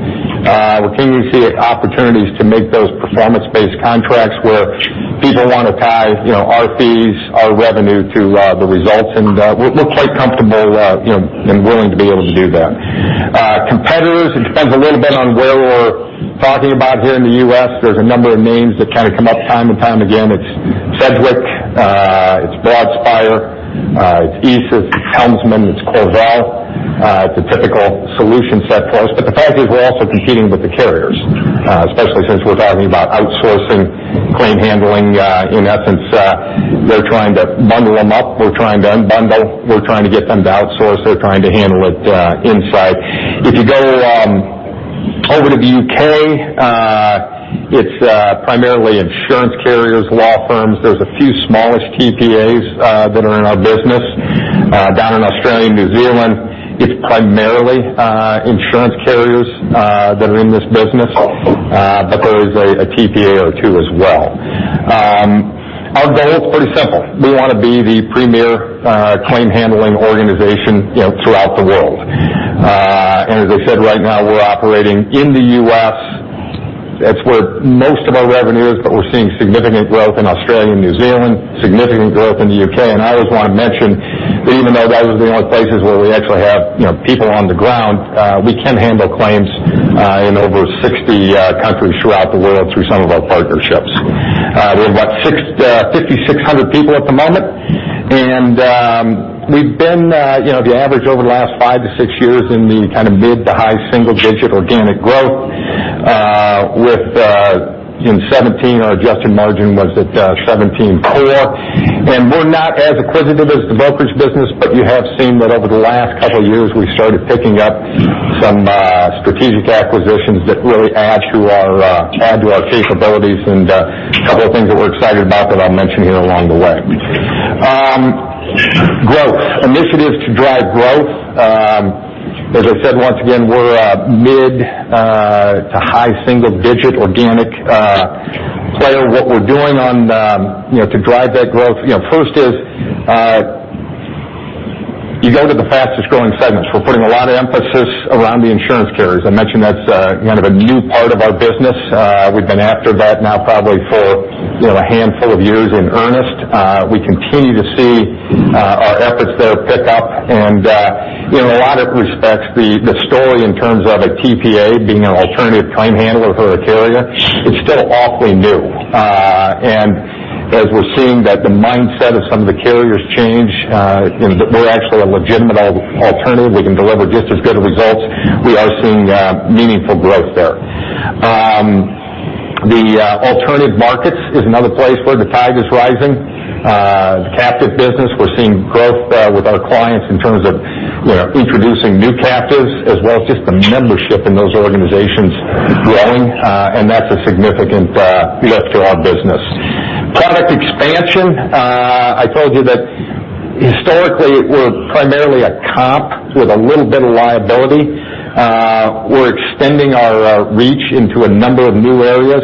we're beginning to see opportunities to make those performance-based contracts where people want to tie our fees, our revenue to the results, and we're quite comfortable and willing to be able to do that. Competitors, it depends a little bit on where we're talking about here in the U.S. There's a number of names that come up time and time again. It's Sedgwick, it's Broadspire, it's ESIS, it's Helmsman, it's CorVel. It's a typical solution set for us. The fact is we're also competing with the carriers, especially since we're talking about outsourcing claim handling. In essence, they're trying to bundle them up. We're trying to unbundle. We're trying to get them to outsource. They're trying to handle it inside. If you go over to the U.K., it's primarily insurance carriers, law firms. There's a few smallish TPAs that are in our business. Down in Australia and New Zealand, it's primarily insurance carriers that are in this business. There is a TPA or two as well. Our goal is pretty simple. We want to be the premier claim handling organization throughout the world. As I said, right now we're operating in the U.S. That's where most of our revenue is, but we're seeing significant growth in Australia and New Zealand, significant growth in the U.K. I always want to mention that even though those are the only places where we actually have people on the ground, we can handle claims in over 60 countries throughout the world through some of our partnerships. We have what, 5,600 people at the moment. The average over the last five to six years in the mid to high single-digit organic growth, with in 2017, our adjusted margin was at 17%. We're not as acquisitive as the brokerage business, but you have seen that over the last couple of years, we started picking up some strategic acquisitions that really add to our capabilities and a couple of things that we're excited about that I'll mention here along the way. Growth. Initiatives to drive growth. As I said, once again, we're a mid to high single-digit organic player. What we're doing to drive that growth, first, you go to the fastest-growing segments. We're putting a lot of emphasis around the insurance carriers. I mentioned that's a new part of our business. We've been after that now probably for a handful of years in earnest. We continue to see our efforts there pick up, in a lot of respects, the story in terms of a TPA being an alternative claim handler for a carrier, it's still awfully new. As we're seeing that the mindset of some of the carriers change, we're actually a legitimate alternative. We can deliver just as good results. We are seeing meaningful growth there. The alternative markets is another place where the tide is rising. The captive business, we're seeing growth there with our clients in terms of introducing new captives, as well as just the membership in those organizations growing, and that's a significant lift to our business. Product expansion. I told you that historically, we're primarily a comp with a little bit of liability. We're extending our reach into a number of new areas.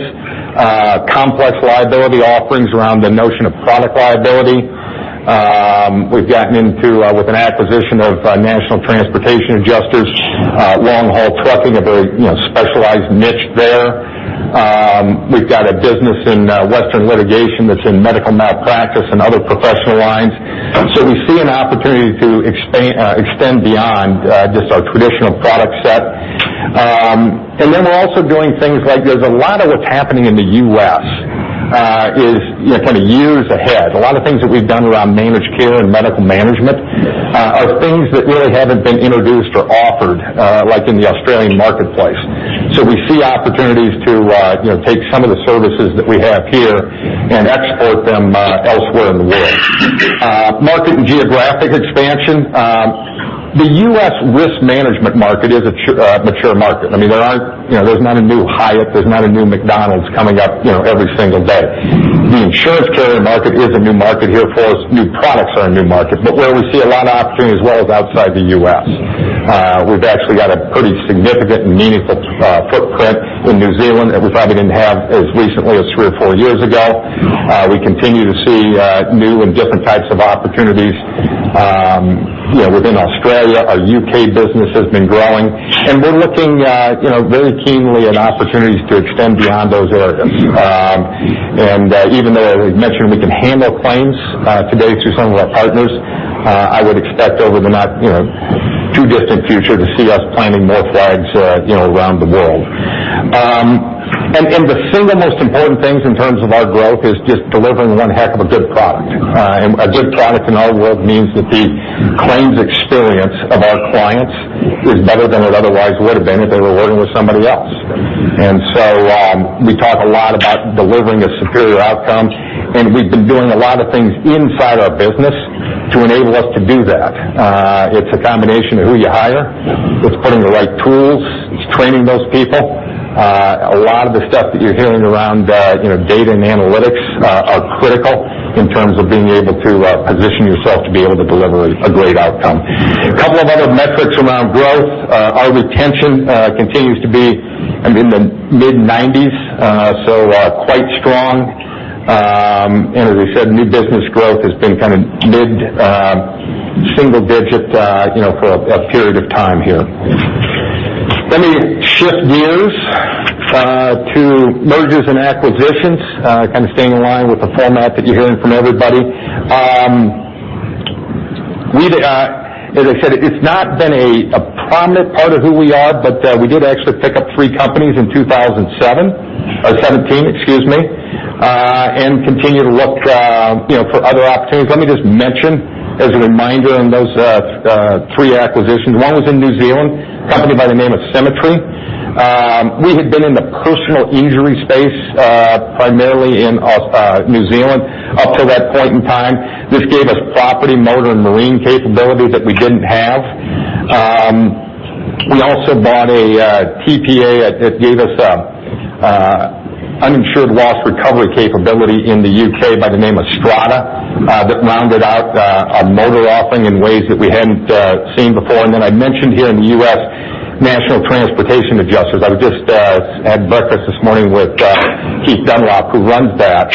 Complex liability offerings around the notion of product liability. We've gotten into, with an acquisition of National Transportation Adjusters, long-haul trucking, a very specialized niche there. We've got a business in Western Litigation that's in medical malpractice and other professional lines. We see an opportunity to extend beyond just our traditional product set. We're also doing things like there's a lot of what's happening in the U.S. is years ahead. A lot of things that we've done around managed care and medical management are things that really haven't been introduced or offered, like in the Australian marketplace. We see opportunities to take some of the services that we have here and export them elsewhere in the world. Market and geographic expansion. The U.S. risk management market is a mature market. There's not a new Hyatt, there's not a new McDonald's coming up every single day. The insurance carrier market is a new market here for us. New products are a new market. Where we see a lot of opportunity as well is outside the U.S. We've actually got a pretty significant and meaningful footprint in New Zealand that we probably didn't have as recently as three or four years ago. We continue to see new and different types of opportunities within Australia. Our U.K. business has been growing, we're looking very keenly at opportunities to extend beyond those regions. Even though, as we've mentioned, we can handle claims today through some of our partners, I would expect over the not too distant future to see us planting more flags around the world. The single most important things in terms of our growth is just delivering one heck of a good product. A good product in our world means that the claims experience of our clients is better than it otherwise would have been if they were working with somebody else. We talk a lot about delivering a superior outcome, we've been doing a lot of things inside our business to enable us to do that. It's a combination of who you hire. It's putting the right tools. It's training those people. A lot of the stuff that you're hearing around data and analytics are critical in terms of being able to position yourself to be able to deliver a great outcome. A couple of other metrics around growth. Our retention continues to be in the mid-90s, quite strong. As I said, new business growth has been mid-single digit for a period of time here. Let me shift gears to mergers and acquisitions, staying in line with the format that you're hearing from everybody. As I said, it's not been a prominent part of who we are, but we did actually pick up three companies in 2007, or 2017, excuse me, continue to look for other opportunities. Let me just mention as a reminder on those three acquisitions. One was in New Zealand, a company by the name of Symmetry. We had been in the personal injury space, primarily in New Zealand up to that point in time. This gave us property, motor, and marine capability that we didn't have. We also bought a TPA that gave us an uninsured loss recovery capability in the U.K. by the name of Strada that rounded out our motor offering in ways that we hadn't seen before. I mentioned here in the U.S., National Transportation Adjusters. I just had breakfast this morning with Keith Dunlop, who runs that.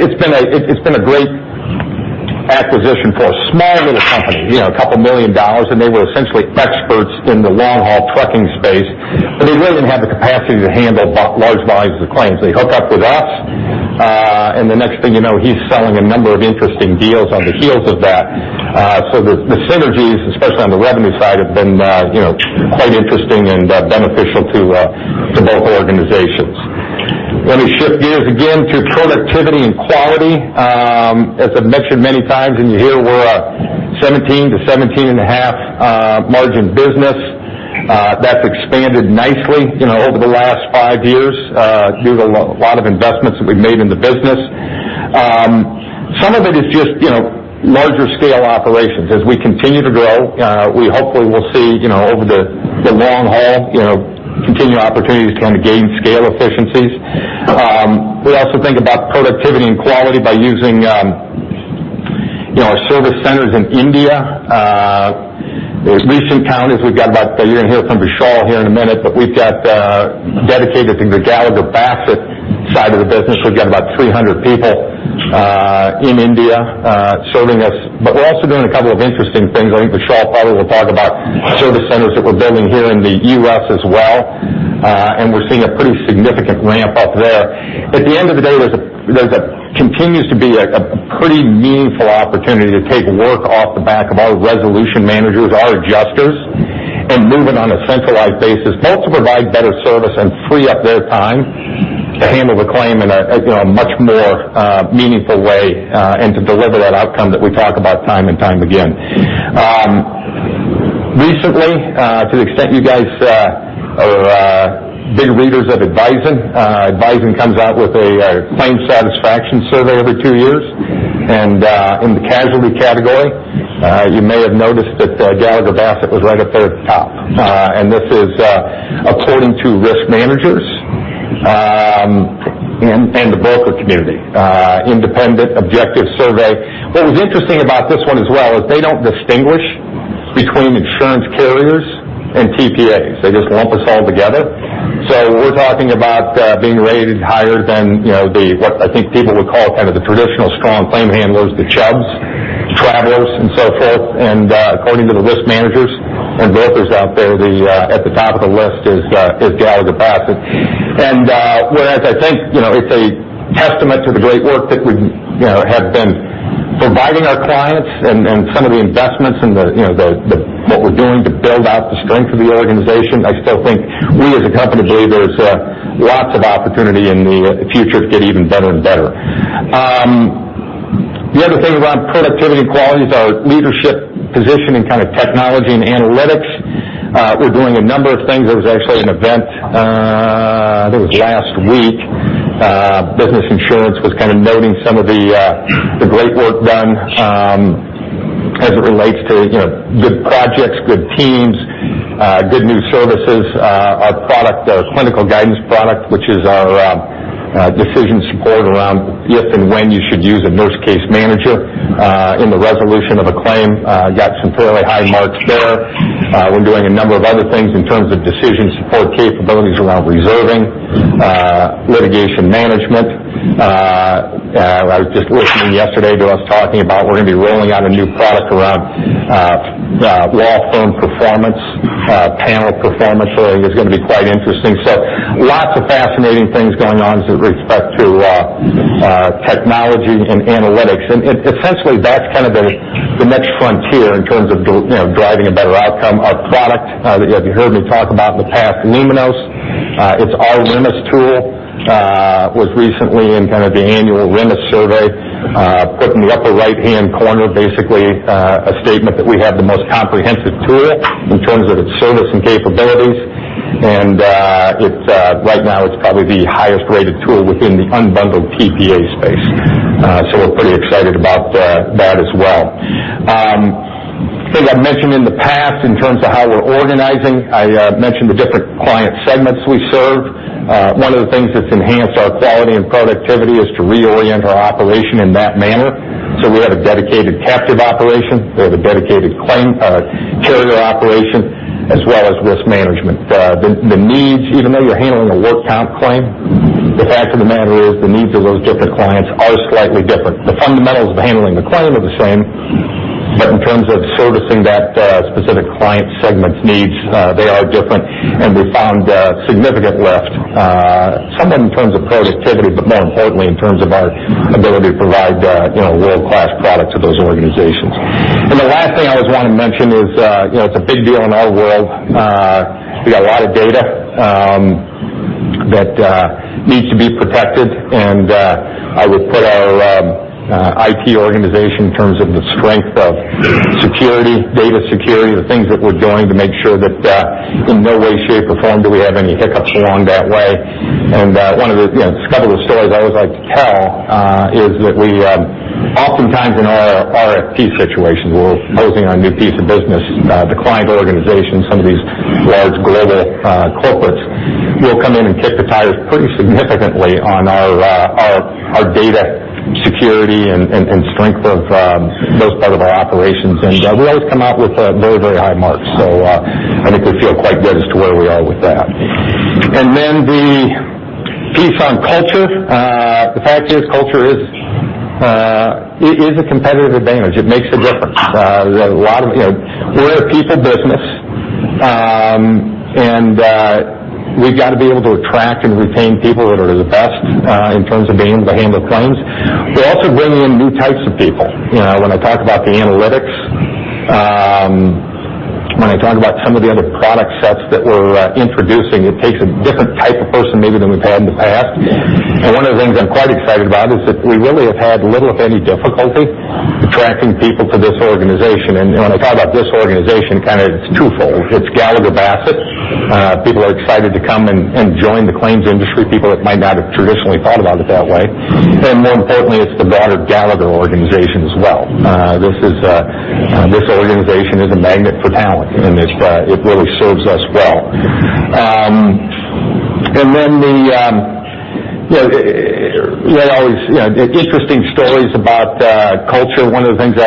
It's been a great acquisition for a small little company, $2 million, and they were essentially experts in the long-haul trucking space, but they really didn't have the capacity to handle large volumes of claims. They hook up with us. The next thing you know, he's selling a number of interesting deals on the heels of that. The synergies, especially on the revenue side, have been quite interesting and beneficial to both organizations. Let me shift gears again to productivity and quality. As I've mentioned many times, you hear we're a 17% to 17.5% margin business. That's expanded nicely over the last five years due to a lot of investments that we've made in the business. Some of it is just larger scale operations. As we continue to grow, we hopefully will see, over the long haul, continued opportunities to gain scale efficiencies. We also think about productivity and quality by using our service centers in India. Recent count is we've got about, you're going to hear from Vishal here in a minute, but we've got dedicated to the Gallagher Bassett side of the business. We've got about 300 people in India serving us. We're also doing a couple of interesting things. I think Vishal probably will talk about service centers that we're building here in the U.S. as well. We're seeing a pretty significant ramp up there. At the end of the day, there continues to be a pretty meaningful opportunity to take work off the back of our resolution managers, our adjusters, and move it on a centralized basis, both to provide better service and free up their time to handle the claim in a much more meaningful way, and to deliver that outcome that we talk about time and time again. Recently, to the extent you guys are big readers of Advisen. Advisen comes out with a claim satisfaction survey every two years. In the casualty category, you may have noticed that Gallagher Bassett was right up there at the top. This is according to risk managers and the broker community. Independent objective survey. What was interesting about this one as well is they don't distinguish between insurance carriers and TPAs. They just lump us all together. We're talking about being rated higher than what I think people would call the traditional strong claim handlers, bbs, Travelers, and so forth, and according to the risk managers and brokers out there, at the top of the list is Gallagher Bassett. Whereas I think it's a testament to the great work that we have been providing our clients and some of the investments in what we're doing to build out the strength of the organization, I still think we as a company believe there's lots of opportunity in the future to get even better and better. The other thing around productivity and quality is our leadership position in technology and analytics. We're doing a number of things. There was actually an event, I think it was last week. Business Insurance was kind of noting some of the great work done as it relates to good projects, good teams, good new services. Our clinical guidance product, which is our decision support around if and when you should use a nurse case manager in the resolution of a claim got some fairly high marks there. We're doing a number of other things in terms of decision support capabilities around reserving, litigation management. I was just listening yesterday to us talking about we're going to be rolling out a new product around law firm performance, panel performance rating. It's going to be quite interesting. Lots of fascinating things going on with respect to technology and analytics. Essentially, that's kind of the next frontier in terms of driving a better outcome. Our product that you have heard me talk about in the past, Luminos, it's our RMIS tool, was recently in kind of the annual RMIS survey, put in the upper right-hand corner, basically, a statement that we have the most comprehensive tool in terms of its service and capabilities. Right now, it's probably the highest rated tool within the unbundled TPA space. We're pretty excited about that as well. I think I've mentioned in the past in terms of how we're organizing, I mentioned the different client segments we serve. One of the things that's enhanced our quality and productivity is to reorient our operation in that manner. We have a dedicated captive operation. We have a dedicated carrier operation, as well as risk management. Even though you're handling a work comp claim, the fact of the matter is the needs of those different clients are slightly different. The fundamentals of handling the claim are the same, but in terms of servicing that specific client segment's needs, they are different, and we found significant lift, some of it in terms of productivity, but more importantly, in terms of our ability to provide world-class product to those organizations. The last thing I always want to mention is, it's a big deal in our world. We got a lot of data that needs to be protected, and I would put our IT organization in terms of the strength of security, data security, the things that we're doing to make sure that in no way, shape, or form, do we have any hiccups along that way. A couple of stories I always like to tell is that we oftentimes in our RFP situations, we're posing our new piece of business, the client organization, some of these large global corporates will come in and kick the tires pretty significantly on our data security and strength of those part of our operations. We always come out with very, very high marks. I think we feel quite good as to where we are with that. Then the piece on culture. The fact is culture is a competitive advantage. It makes a difference. We're a people business, and we've got to be able to attract and retain people that are the best in terms of being the hand of claims. We're also bringing in new types of people. When I talk about the analytics, when I talk about some of the other product sets that we're introducing, it takes a different type of person maybe than we've had in the past. One of the things I'm quite excited about is that we really have had little, if any, difficulty attracting people to this organization. When I talk about this organization, it's twofold. It's Gallagher Bassett. People are excited to come and join the claims industry, people that might not have traditionally thought about it that way. More importantly, it's the broader Gallagher organization as well. This organization is a magnet for talent, and it really serves us well. Then there are always interesting stories about culture. One of the things,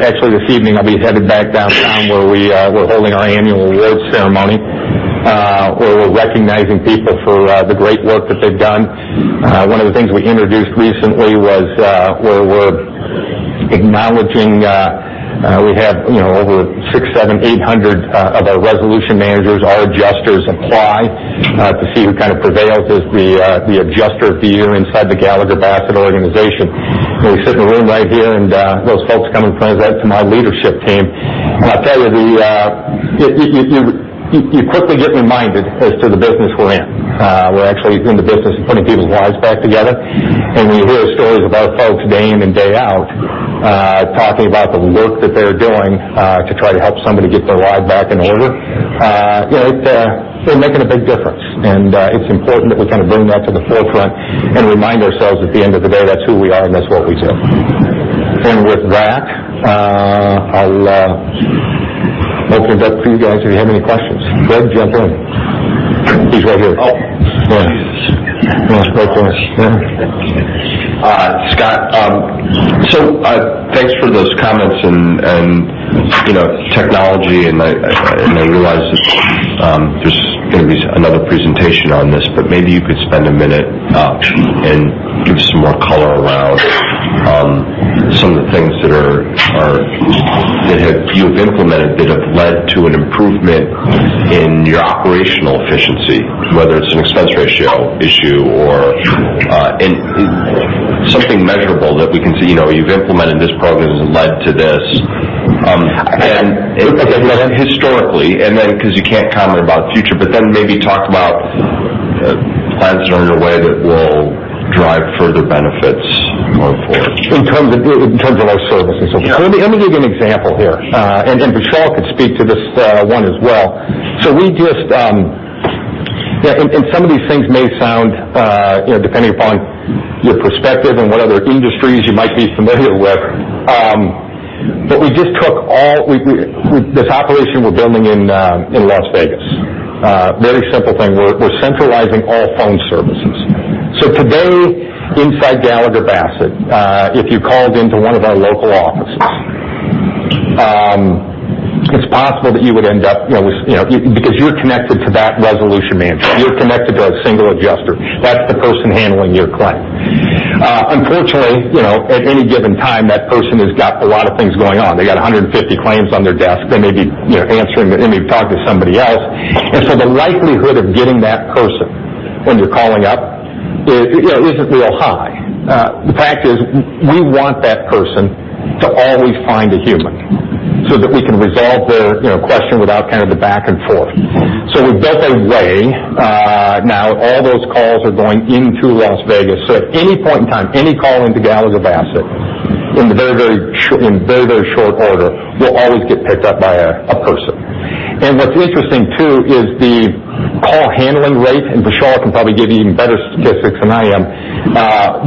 actually this evening, I'll be headed back downtown where we're holding our annual awards ceremony, where we're recognizing people for the great work that they've done. One of the things we introduced recently was where we're acknowledging we have over 600, 700, 800 of our resolution managers, our adjusters apply to see who prevails as the adjuster of the year inside the Gallagher Bassett organization. We sit in a room right here, those folks come and present to my leadership team. I tell you quickly get reminded as to the business we're in. We're actually in the business of putting people's lives back together. When you hear stories of our folks day in and day out, talking about the work that they're doing to try to help somebody get their life back in order, they're making a big difference. It's important that we bring that to the forefront and remind ourselves at the end of the day, that's who we are and that's what we do. With that, I'll open it up for you guys if you have any questions. Go ahead, jump in. He's right here. Oh. Go ahead. Scott, thanks for those comments and technology. I realize that there's going to be another presentation on this, maybe you could spend a minute and give us some more color around some of the things that you have implemented that have led to an improvement in your operational efficiency, whether it's an expense ratio issue or something measurable that we can see. You've implemented this program, and it's led to this. I got you. Historically, because you can't comment about future, maybe talk about plans that are on your way that will drive further benefits going forward. In terms of our services. Yeah. Let me give you an example here. Vishal could speak to this one as well. Some of these things may sound, depending upon your perspective and what other industries you might be familiar with. This operation we're building in Las Vegas. Very simple thing. We're centralizing all phone services. Today, inside Gallagher Bassett, if you called into one of our local offices, it's possible that you would end up with because you're connected to that resolution manager. You're connected to a single adjuster. That's the person handling your claim. Unfortunately, at any given time, that person has got a lot of things going on. They got 150 claims on their desk. They may be answering, they may talk to somebody else. The likelihood of getting that person when you're calling up isn't real high. The fact is we want that person to always find a human so that we can resolve their question without the back and forth. We've built a way. Now all those calls are going into Las Vegas. At any point in time, any call into Gallagher Bassett in very, very short order, will always get picked up by a person. What's interesting, too, is the call handling rate, and Vishal can probably give you even better statistics than I am.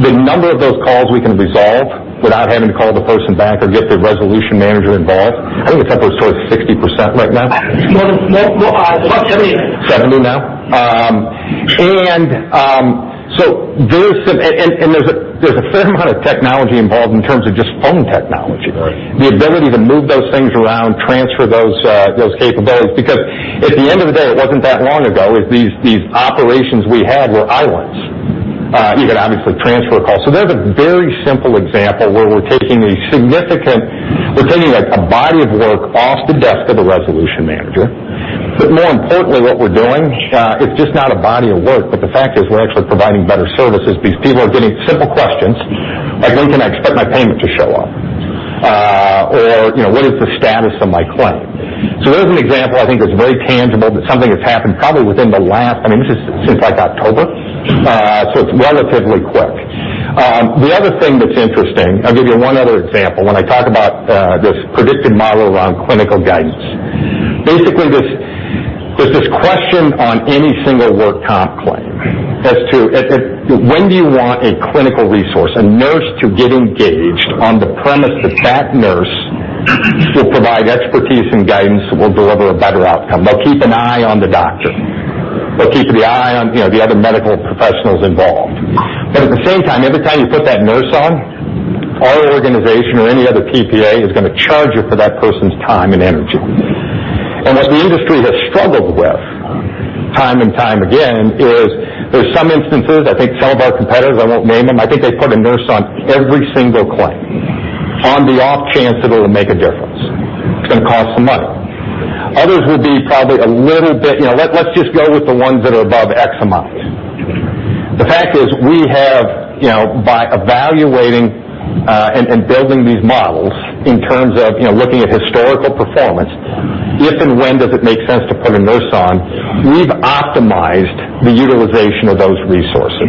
The number of those calls we can resolve without having to call the person back or get the resolution manager involved, I think it's upwards towards 60% right now. More. It's about 70. 70 now. There's a fair amount of technology involved in terms of just phone technology. Right. The ability to move those things around, transfer those capabilities. At the end of the day, it wasn't that long ago, these operations we had were islands. You could obviously transfer a call. There's a very simple example where we're taking a body of work off the desk of the resolution manager. More importantly, what we're doing, it's just not a body of work, but the fact is we're actually providing better services. These people are getting simple questions like, when can I expect my payment to show up? What is the status of my claim? There's an example I think that's very tangible, but something that's happened probably within the last, I mean, this is since like October. It's relatively quick. The other thing that's interesting, I'll give you one other example. When I talk about this predictive model around clinical guidance. Basically, there's this question on any single work comp claim as to when do you want a clinical resource, a nurse to get engaged on the premise that nurse will provide expertise and guidance that will deliver a better outcome. They'll keep an eye on the doctor. They'll keep the eye on the other medical professionals involved. At the same time, every time you put that nurse on, our organization or any other TPA is going to charge you for that person's time and energy. What the industry has struggled with time and time again is there's some instances, I think some of our competitors, I won't name them, I think they put a nurse on every single claim on the off chance that it'll make a difference. It's going to cost some money. Others will be probably a little bit. Let's just go with the ones that are above X amount. The fact is, we have, by evaluating and building these models in terms of looking at historical performance, if and when does it make sense to put a nurse on, we've optimized the utilization of those resources,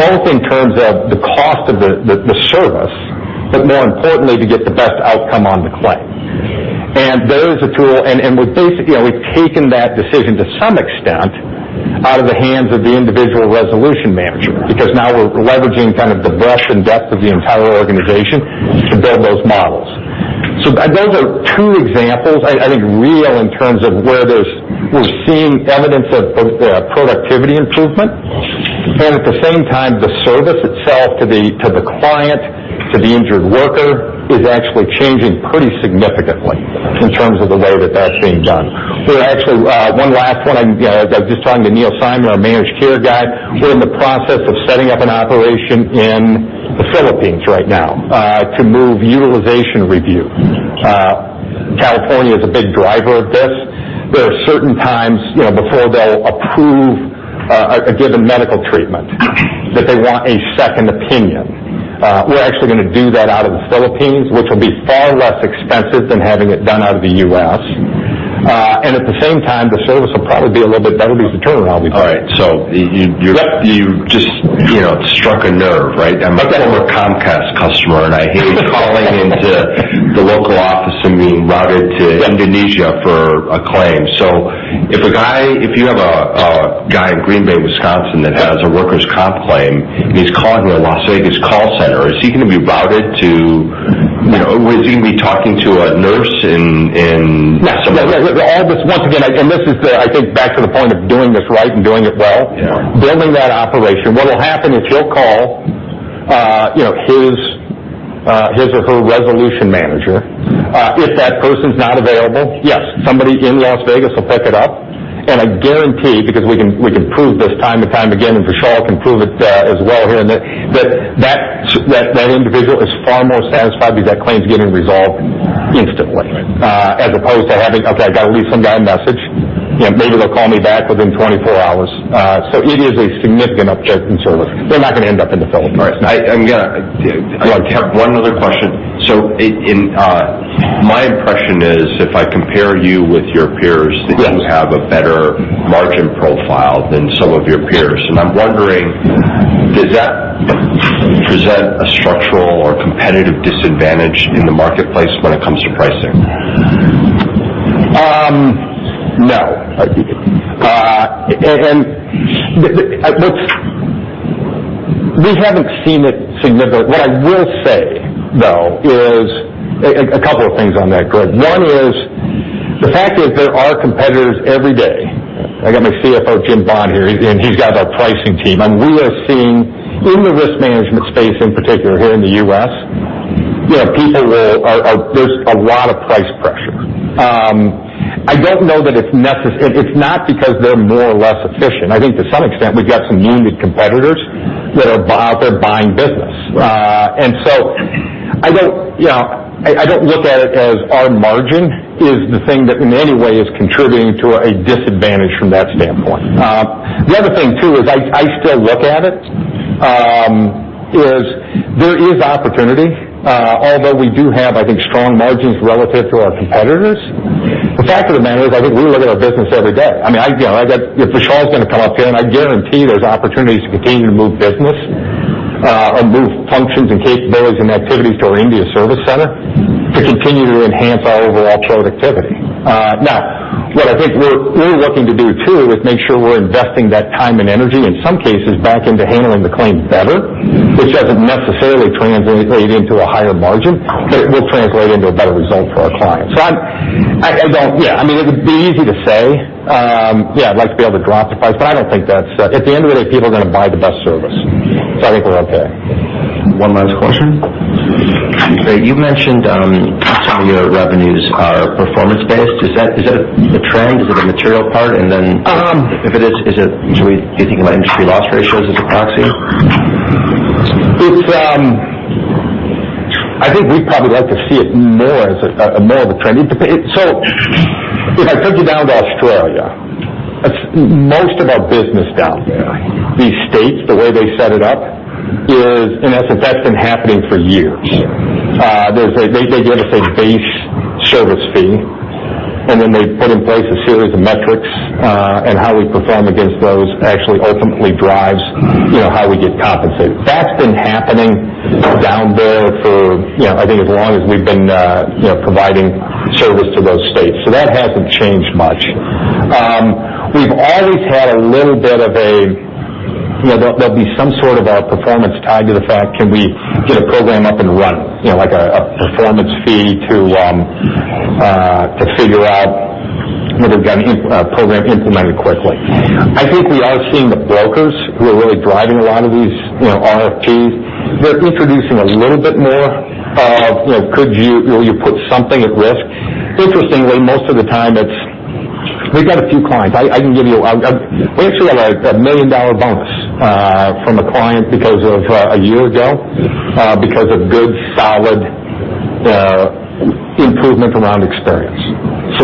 both in terms of the cost of the service, but more importantly, to get the best outcome on the claim. There is a tool, and we've taken that decision to some extent out of the hands of the individual resolution manager, because now we're leveraging kind of the breadth and depth of the entire organization to build those models. Those are two examples, I think, real in terms of where we're seeing evidence of productivity improvement. At the same time, the service itself to the client, to the injured worker, is actually changing pretty significantly in terms of the way that's being done. Actually, one last one. I was just talking to Neil Simon, our managed care guy. We're in the process of setting up an operation in the Philippines right now to move utilization review. California is a big driver of this. There are certain times before they'll approve a given medical treatment that they want a second opinion. We're actually going to do that out of the Philippines, which will be far less expensive than having it done out of the U.S. At the same time, the service will probably be a little bit better because the turnaround will be quicker. All right. You just struck a nerve, right? Okay. I'm a former Comcast customer, and I hate calling into the local office and being routed to Indonesia for a claim. If you have a guy in Green Bay, Wisconsin, that has a workers' comp claim, and he's calling a Las Vegas call center, is he going to be routed to? Is he going to be talking to a nurse in somewhere? No. Once again, this is, I think, back to the point of doing this right and doing it well. Yeah. Building that operation. What will happen is he'll call his or her resolution manager. If that person's not available, yes, somebody in Las Vegas will pick it up. I guarantee, because we can prove this time and time again, and Vishal can prove it as well here, that individual is far more satisfied because that claim's getting resolved instantly. Right. As opposed to having, "Okay, I've got to leave some guy a message. Maybe they'll call me back within 24 hours." It is a significant uplift in service. They're not going to end up in the Philippines. All right. I'm going to- Go ahead. I have one other question. My impression is if I compare you with your peers- Yes that you have a better margin profile than some of your peers. I'm wondering, does that present a structural or competitive disadvantage in the marketplace when it comes to pricing? No. We haven't seen it significantly. What I will say, though, is a couple of things on that, Greg. One is the fact is there are competitors every day. I got my CFO, Jim Bond, here, and he's got our pricing team, and we are seeing in the risk management space, in particular here in the U.S., there's a lot of price pressure. I don't know that it's necessary. It's not because they're more or less efficient. I think to some extent, we've got some union competitors that are out there buying business. Right. I don't look at it as our margin is the thing that in any way is contributing to a disadvantage from that standpoint. The other thing, too, is I still look at it, is there is opportunity. Although we do have, I think, strong margins relative to our competitors. The fact of the matter is, I think we look at our business every day. If Vishal's going to come up here, and I guarantee there's opportunities to continue to move business or move functions and capabilities and activities to our India service center to continue to enhance our overall productivity. What I think we're looking to do, too is make sure we're investing that time and energy, in some cases, back into handling the claims better, which doesn't necessarily translate into a higher margin, but it will translate into a better result for our clients. It'd be easy to say, I'd like to be able to drop the price, but I don't think that's. At the end of the day, people are going to buy the best service. I think we're okay. One last question. You mentioned some of your revenues are performance-based. Is that a trend? Is it a material part? If it is, should we be thinking about industry loss ratios as a proxy? I think we'd probably like to see it more as a trend. If I took you down to Australia, most of our business down there, these states, the way they set it up is, that's been happening for years. Sure. They give us a base service fee, they put in place a series of metrics, how we perform against those actually ultimately drives how we get compensated. That's been happening down there for I think as long as we've been providing service to those states. That hasn't changed much. We've always had a little bit of There'll be some sort of a performance tied to the fact, can we get a program up and running? Like a performance fee to figure out whether we've got a program implemented quickly. I think we are seeing the brokers who are really driving a lot of these RFPs. They're introducing a little bit more of, will you put something at risk? Interestingly, most of the time it's We've got a few clients. We actually got a million-dollar bonus from a client a year ago because of good, solid improvement around experience.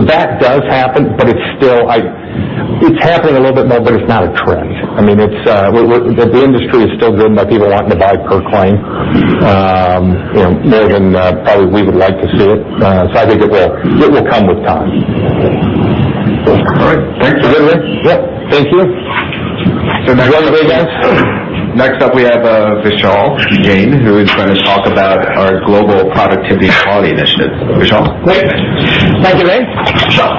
That does happen, it's happening a little bit more, it's not a trend. The industry is still good about people wanting to buy per claim, more than probably we would like to see it. I think it will come with time. All right. Thanks. Yeah. Thank you. Next up, we have Vishal Jain, who is going to talk about our global productivity and quality initiative. Vishal? Thank you, Ray. Vishal.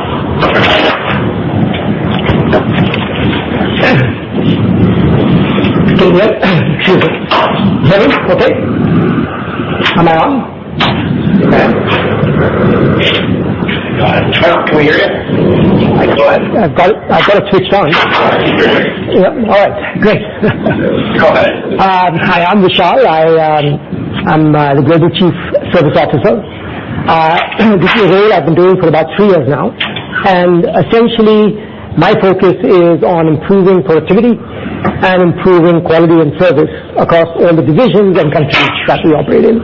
Can you hear me okay? Am I on? Vishal, can we hear you? Go ahead. I've got it switched on. We can hear you. All right, great. Go ahead. Hi, I'm Vishal. I'm the Global Chief Service Officer. This is a role I've been doing for about three years now. Essentially, my focus is on improving productivity and improving quality and service across all the divisions and countries that we operate in.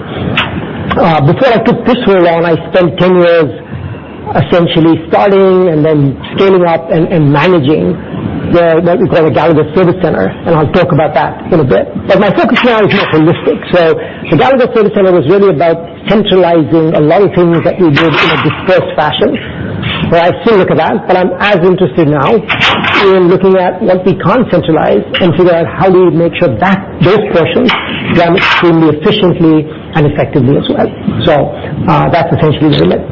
Before I took this role on, I spent 10 years essentially starting and then scaling up and managing what we call the Gallagher Service Center, and I'll talk about that in a bit. My focus now is more holistic. The Gallagher Service Center was really about centralizing a lot of things that we did in a dispersed fashion. I still look at that, but I'm as interested now in looking at what we can't centralize and figure out how do we make sure those portions run extremely efficiently and effectively as well. That's essentially the remit.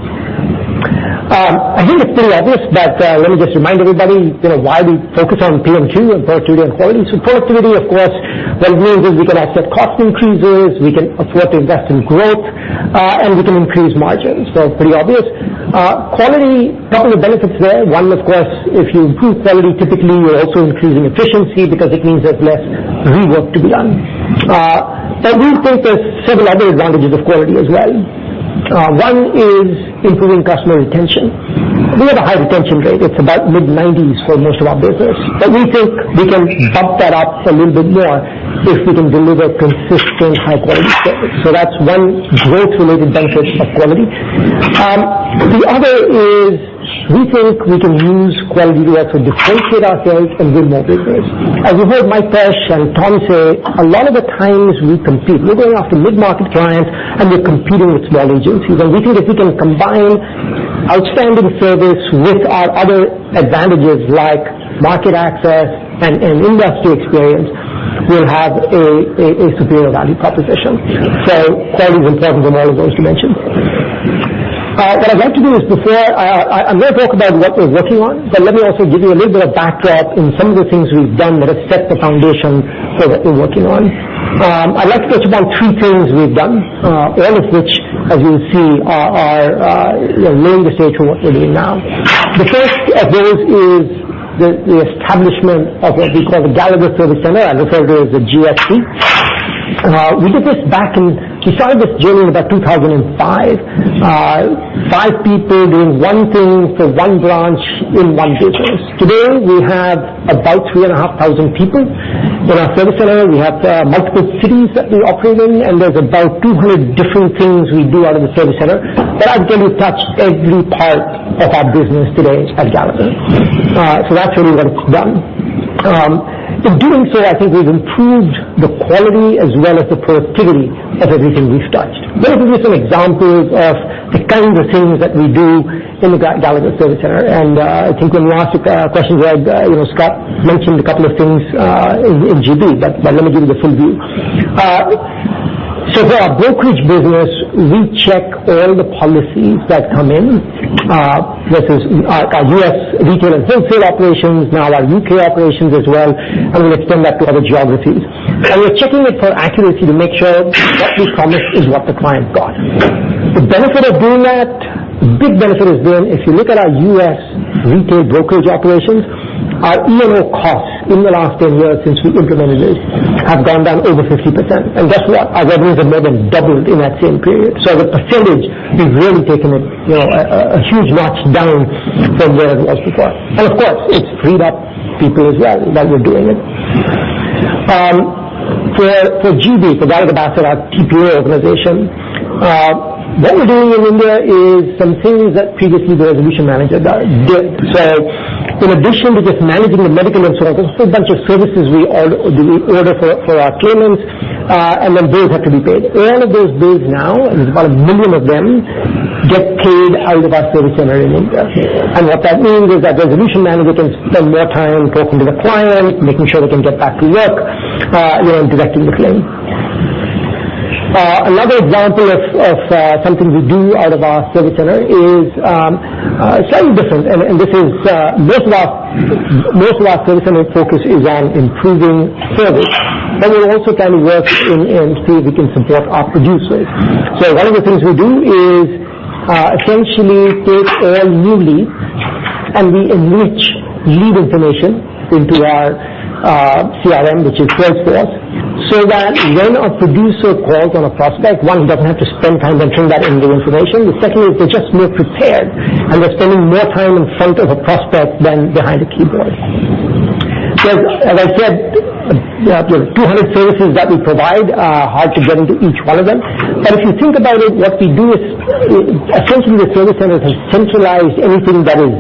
I think it's pretty obvious, but let me just remind everybody why we focus on P&Q, on productivity and quality. Productivity, of course, what it means is we can offset cost increases, we can afford to invest in growth, and we can increase margins. Pretty obvious. Quality, couple of benefits there. One, of course, if you improve quality, typically, you're also increasing efficiency because it means there's less rework to be done. We think there's several other advantages of quality as well. One is improving customer retention. We have a high retention rate. It's about mid-90s for most of our business. We think we can bump that up a little bit more if we can deliver consistent high-quality service. That's one growth-related benefit of quality. The other is we think we can use quality to also differentiate ourselves and win more business. As you heard Mike Pesch, and Tom say, a lot of the times we compete, we're going after mid-market clients, and we're competing with small agencies. We think if we can combine outstanding service with our other advantages like market access and industry experience, we'll have a superior value proposition. Quality is important for all of those dimensions. What I'd like to do is I'm going to talk about what we're working on, but let me also give you a little bit of backdrop in some of the things we've done that have set the foundation for what we're working on. I'd like to talk about three things we've done, all of which, as you'll see, are laying the stage for what we're doing now. The first of those is the establishment of what we call the Gallagher Service Center. I refer to it as the GSC. We started this journey in about 2005. Five people doing one thing for one branch in one business. Today, we have about 3,500 people in our service center. We have multiple cities that we operate in, and there's about 200 different things we do out of the service center that I'd say we touch every part of our business today at Gallagher. That's really what it's done. In doing so, I think we've improved the quality as well as the productivity of everything we've touched. Let me give you some examples of the kinds of things that we do in the Gallagher Service Center. I think when you asked a question where Scott mentioned a couple of things in GB, but let me give you the full view. For our brokerage business, we check all the policies that come in versus our U.S. retail and wholesale operations, now our U.K. operations as well, and we extend that to other geographies. We're checking it for accuracy to make sure what we promised is what the client got. The benefit of doing that, big benefit is then if you look at our U.S. retail brokerage operations, our E&O costs in the last 10 years since we implemented this have gone down over 50%. Guess what? Our revenues have more than doubled in that same period. The percentage has really taken a huge notch down from where it was before. Of course, it's freed up people as well that were doing it. For GB, for Gallagher Bassett, our PPO organization, what we're doing in India is some things that previously the resolution manager did. In addition to just managing the medical insurance, there's a whole bunch of services we order for our claimants, and then bills have to be paid. All of those bills now, and there's about 1 million of them, get paid out of our service center in India. What that means is that resolution manager can spend more time talking to the client, making sure they can get back to work, directing the claim. Another example of something we do out of our service center is slightly different, and most of our service center focus is on improving service. We also can work and see if we can support our producers. One of the things we do is essentially take all new leads, we enrich lead information into our CRM, which is Salesforce, that when a producer calls on a prospect, one, he doesn't have to spend time entering that individual information. Secondly, they're just more prepared, and they're spending more time in front of a prospect than behind a keyboard. As I said, there are 200 services that we provide. Hard to get into each one of them. If you think about it, what we do is, essentially, the service centers have centralized anything that is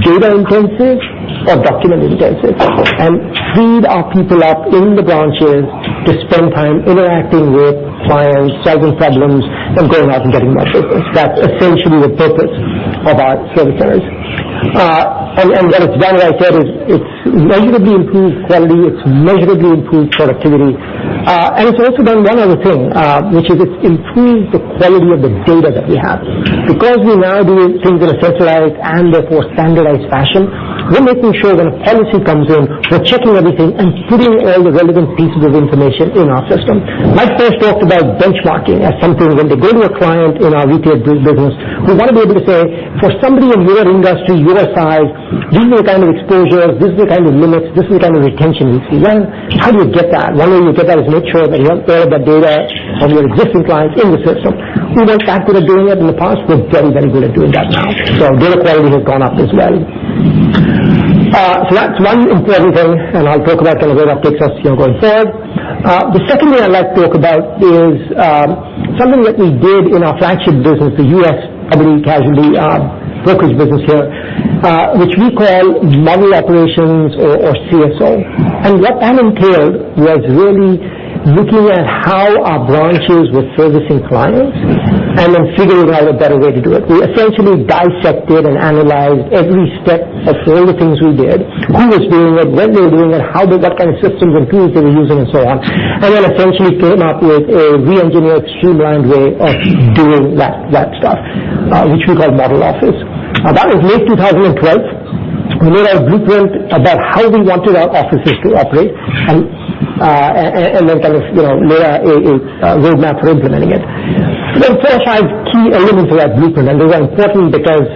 data intensive or document intensive and freed our people up in the branches to spend time interacting with clients, solving problems, and going out and getting more business. That's essentially the purpose of our service centers. What it's done, as I said, is it's measurably improved quality, it's measurably improved productivity, and it's also done one other thing, which is it's improved the quality of the data that we have. We now do things in a centralized and therefore standardized fashion, we're making sure when a policy comes in, we're checking everything and putting all the relevant pieces of information in our system. Mike first talked about benchmarking as something when we go to a client in our retail business, we want to be able to say, "For somebody in your industry, your size, this is the kind of exposures, this is the kind of limits, this is the kind of retention we see." Well, how do you get that? One way you get that is make sure that you have all of that data of your existing clients in the system. We weren't that good at doing that in the past. We're very, very good at doing that now. Data quality has gone up as well. That's one important thing, and I'll talk about kind of where that takes us going forward. The second thing I'd like to talk about is something that we did in our flagship business, the U.S. property and casualty brokerage business here, which we call model operations or CSO. What that entailed was really looking at how our branches were servicing clients and then figuring out a better way to do it. We essentially dissected and analyzed every step of all the things we did, who was doing it, when they were doing it, what kind of systems and tools they were using, and so on. Then essentially came up with a reengineered, streamlined way of doing that stuff, which we call model office. That was late 2012. We made a blueprint about how we wanted our offices to operate, then kind of lay a roadmap for implementing it. There are four or five key elements of that blueprint, they were important because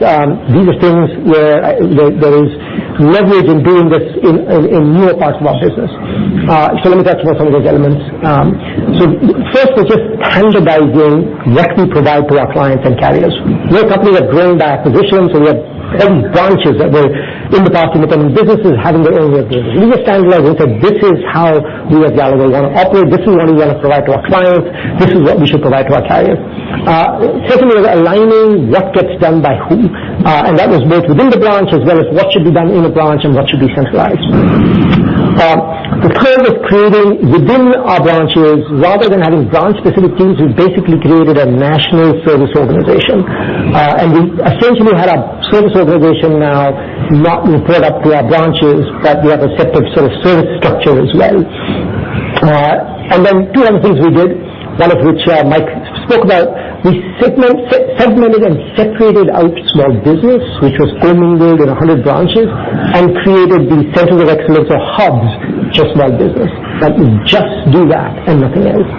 these are things where there is leverage in doing this in newer parts of our business. Let me talk about some of those elements. First was just standardizing what we provide to our clients and carriers. We're a company that had grown by acquisitions, and we had 10 branches that were in the past independent businesses having their own way of doing things. We just standardized and said, "This is how we as Gallagher want to operate. This is what we want to provide to our clients. This is what we should provide to our carriers." Secondly, was aligning what gets done by whom, and that was both within the branch as well as what should be done in a branch and what should be centralized. The third was creating within our branches, rather than having branch-specific teams, we basically created a national service organization. We essentially had a service organization now not report up to our branches, but we have a separate sort of service structure as well. Two other things we did, one of which Mike spoke about, we segmented and separated out small business, which was co-mingled in 100 branches, and created these centers of excellence or hubs, just small business, that just do that and nothing else.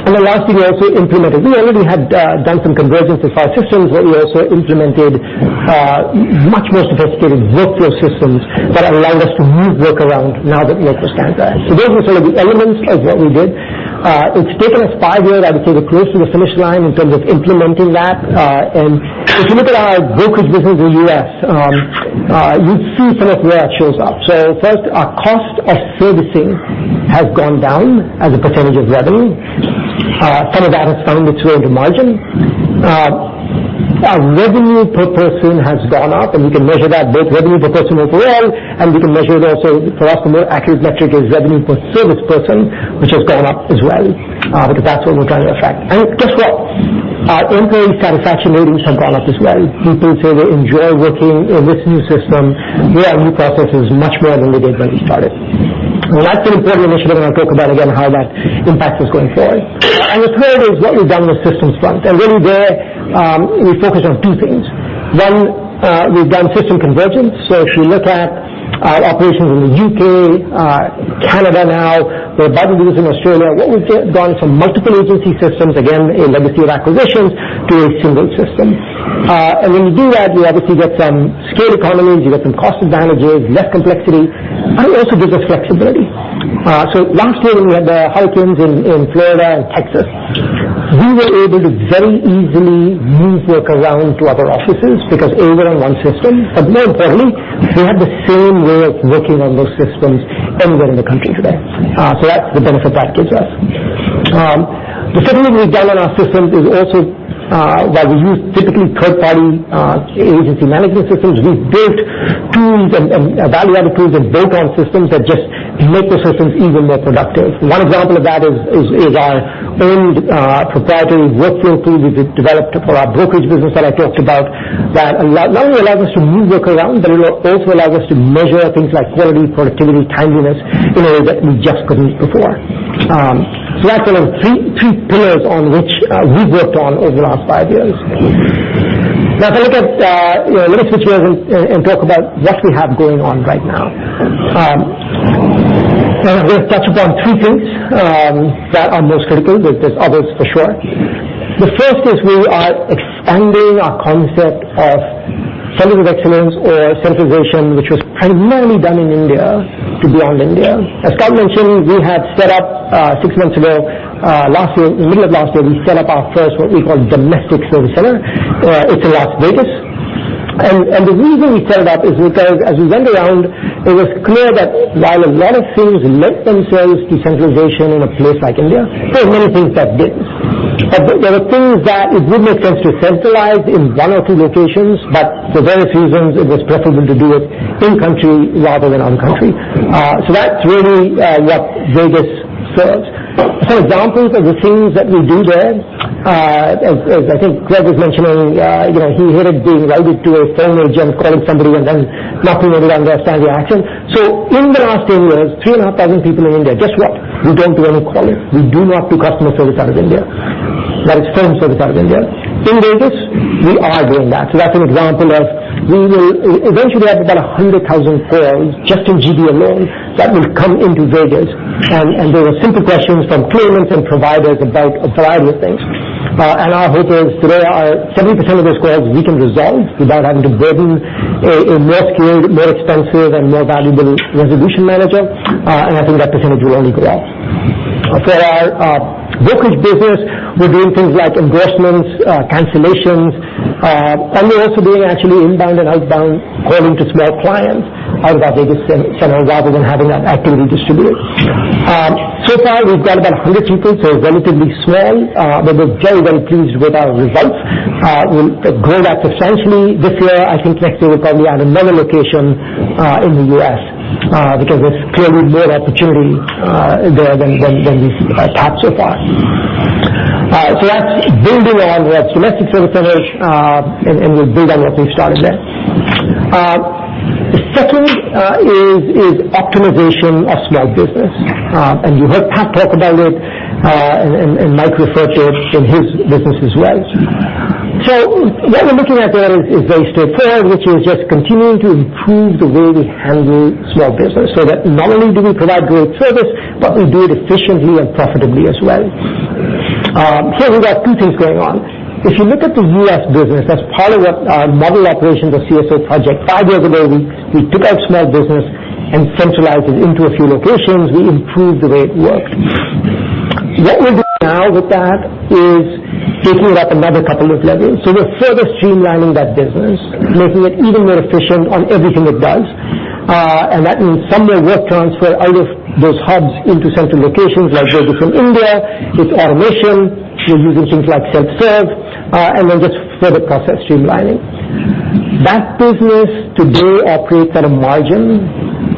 The last thing we also implemented, we already had done some convergence to five systems, but we also implemented much more sophisticated workflow systems that allowed us to move work around now that we had those standards. Those were some of the elements of what we did. It's taken us five years, I would say, we're close to the finish line in terms of implementing that. If you look at our brokerage business in the U.S., you see some of where that shows up. First, our cost of servicing has gone down as a percentage of revenue. Some of that has found its way into margin. Our revenue per person has gone up, and we can measure that both revenue per person overall, and we can measure it also, for us, a more accurate metric is revenue per service person, which has gone up as well. Because that's what we're trying to affect. Guess what? Our employee satisfaction ratings have gone up as well. People say they enjoy working in this new system, doing our new processes much more than they did when we started. That's an important initiative, and I'll talk about again how that impacts us going forward. The third is what we've done on the systems front. Really there, we focused on two things. One, we've done system convergence. If you look at our operations in the U.K., Canada now, we're about to do this in Australia, what we've done is some multiple agency systems, again, a legacy of acquisitions, to a single system. When you do that, you obviously get some scale economies, you get some cost advantages, less complexity, and it also gives us flexibility. Last year, when we had the hurricanes in Florida and Texas, we were able to very easily move work around to other offices because they were on one system. More importantly, we had the same way of working on those systems anywhere in the country today. That's the benefit that gives us. The second thing we've done on our systems is also while we use typically third-party agency management systems, we've built tools and value-added tools and bolt-on systems that just make the systems even more productive. One example of that is our own proprietary workflow tool we developed for our brokerage business that I talked about that not only allows us to move work around, but it also allows us to measure things like quality, productivity, timeliness in a way that we just couldn't before. That's sort of three pillars on which we've worked on over the last five years. Let me switch gears and talk about what we have going on right now. I want to touch upon three things that are most critical. There's others for sure. The first is we are expanding our concept of Centers of Excellence or centralization, which was primarily done in India, to beyond India. As Scott mentioned, six months ago, in the middle of last year, we set up our first what we call domestic service center. It's in Las Vegas. The reason we set it up is because as we went around, it was clear that while a lot of things lent themselves to centralization in a place like India, there were many things that didn't. There were things that it would make sense to centralize in one or two locations, but for various reasons, it was preferable to do it in-country rather than on-country. That's really what Vegas serves. Some examples of the things that we do there, as I think Greg was mentioning, he hated being routed to a phone agent calling somebody and then not really understanding the accent. In the last eight years, three and a half thousand people in India, guess what? We don't do any calling. We do not do customer service out of India. That is phone service out of India. In Vegas, we are doing that. That's an example of, we will eventually have about 100,000 calls just in GDL alone that will come into Vegas, and they are simple questions from clearance and providers about a variety of things. Our hope is today, 70% of those calls we can resolve without having to burden a more skilled, more expensive, and more valuable resolution manager, and I think that percentage will only go up. For our brokerage business, we're doing things like endorsements, cancellations, and we're also doing actually inbound and outbound calling to small clients out of our Vegas center rather than having that actively distributed. So far, we've got about 100 people, so relatively small, but we're very, very pleased with our results. We'll grow that substantially this year. I think next year, we'll probably add another location in the U.S., because there's clearly more opportunity there than we've tapped so far. That's building on what domestic service centers, and we'll build on what we've started there. Second is optimization of small business. You heard Pat talk about it, and Mike referred to it in his business as well. What we're looking at there is very straightforward, which is just continuing to improve the way we handle small business, so that not only do we provide great service, but we do it efficiently and profitably as well. We've got two things going on. If you look at the U.S. business, that's part of what our model operations or CSO project. Five years ago, we took out small business and centralized it into a few locations. We improved the way it worked. What we're doing now with that is taking it up another couple of levels. We're further streamlining that business, making it even more efficient on everything it does. That means some more work transfer out of those hubs into central locations like Vegas and India, with automation. We're using things like self-serve, and then just further process streamlining. That business today operates at a margin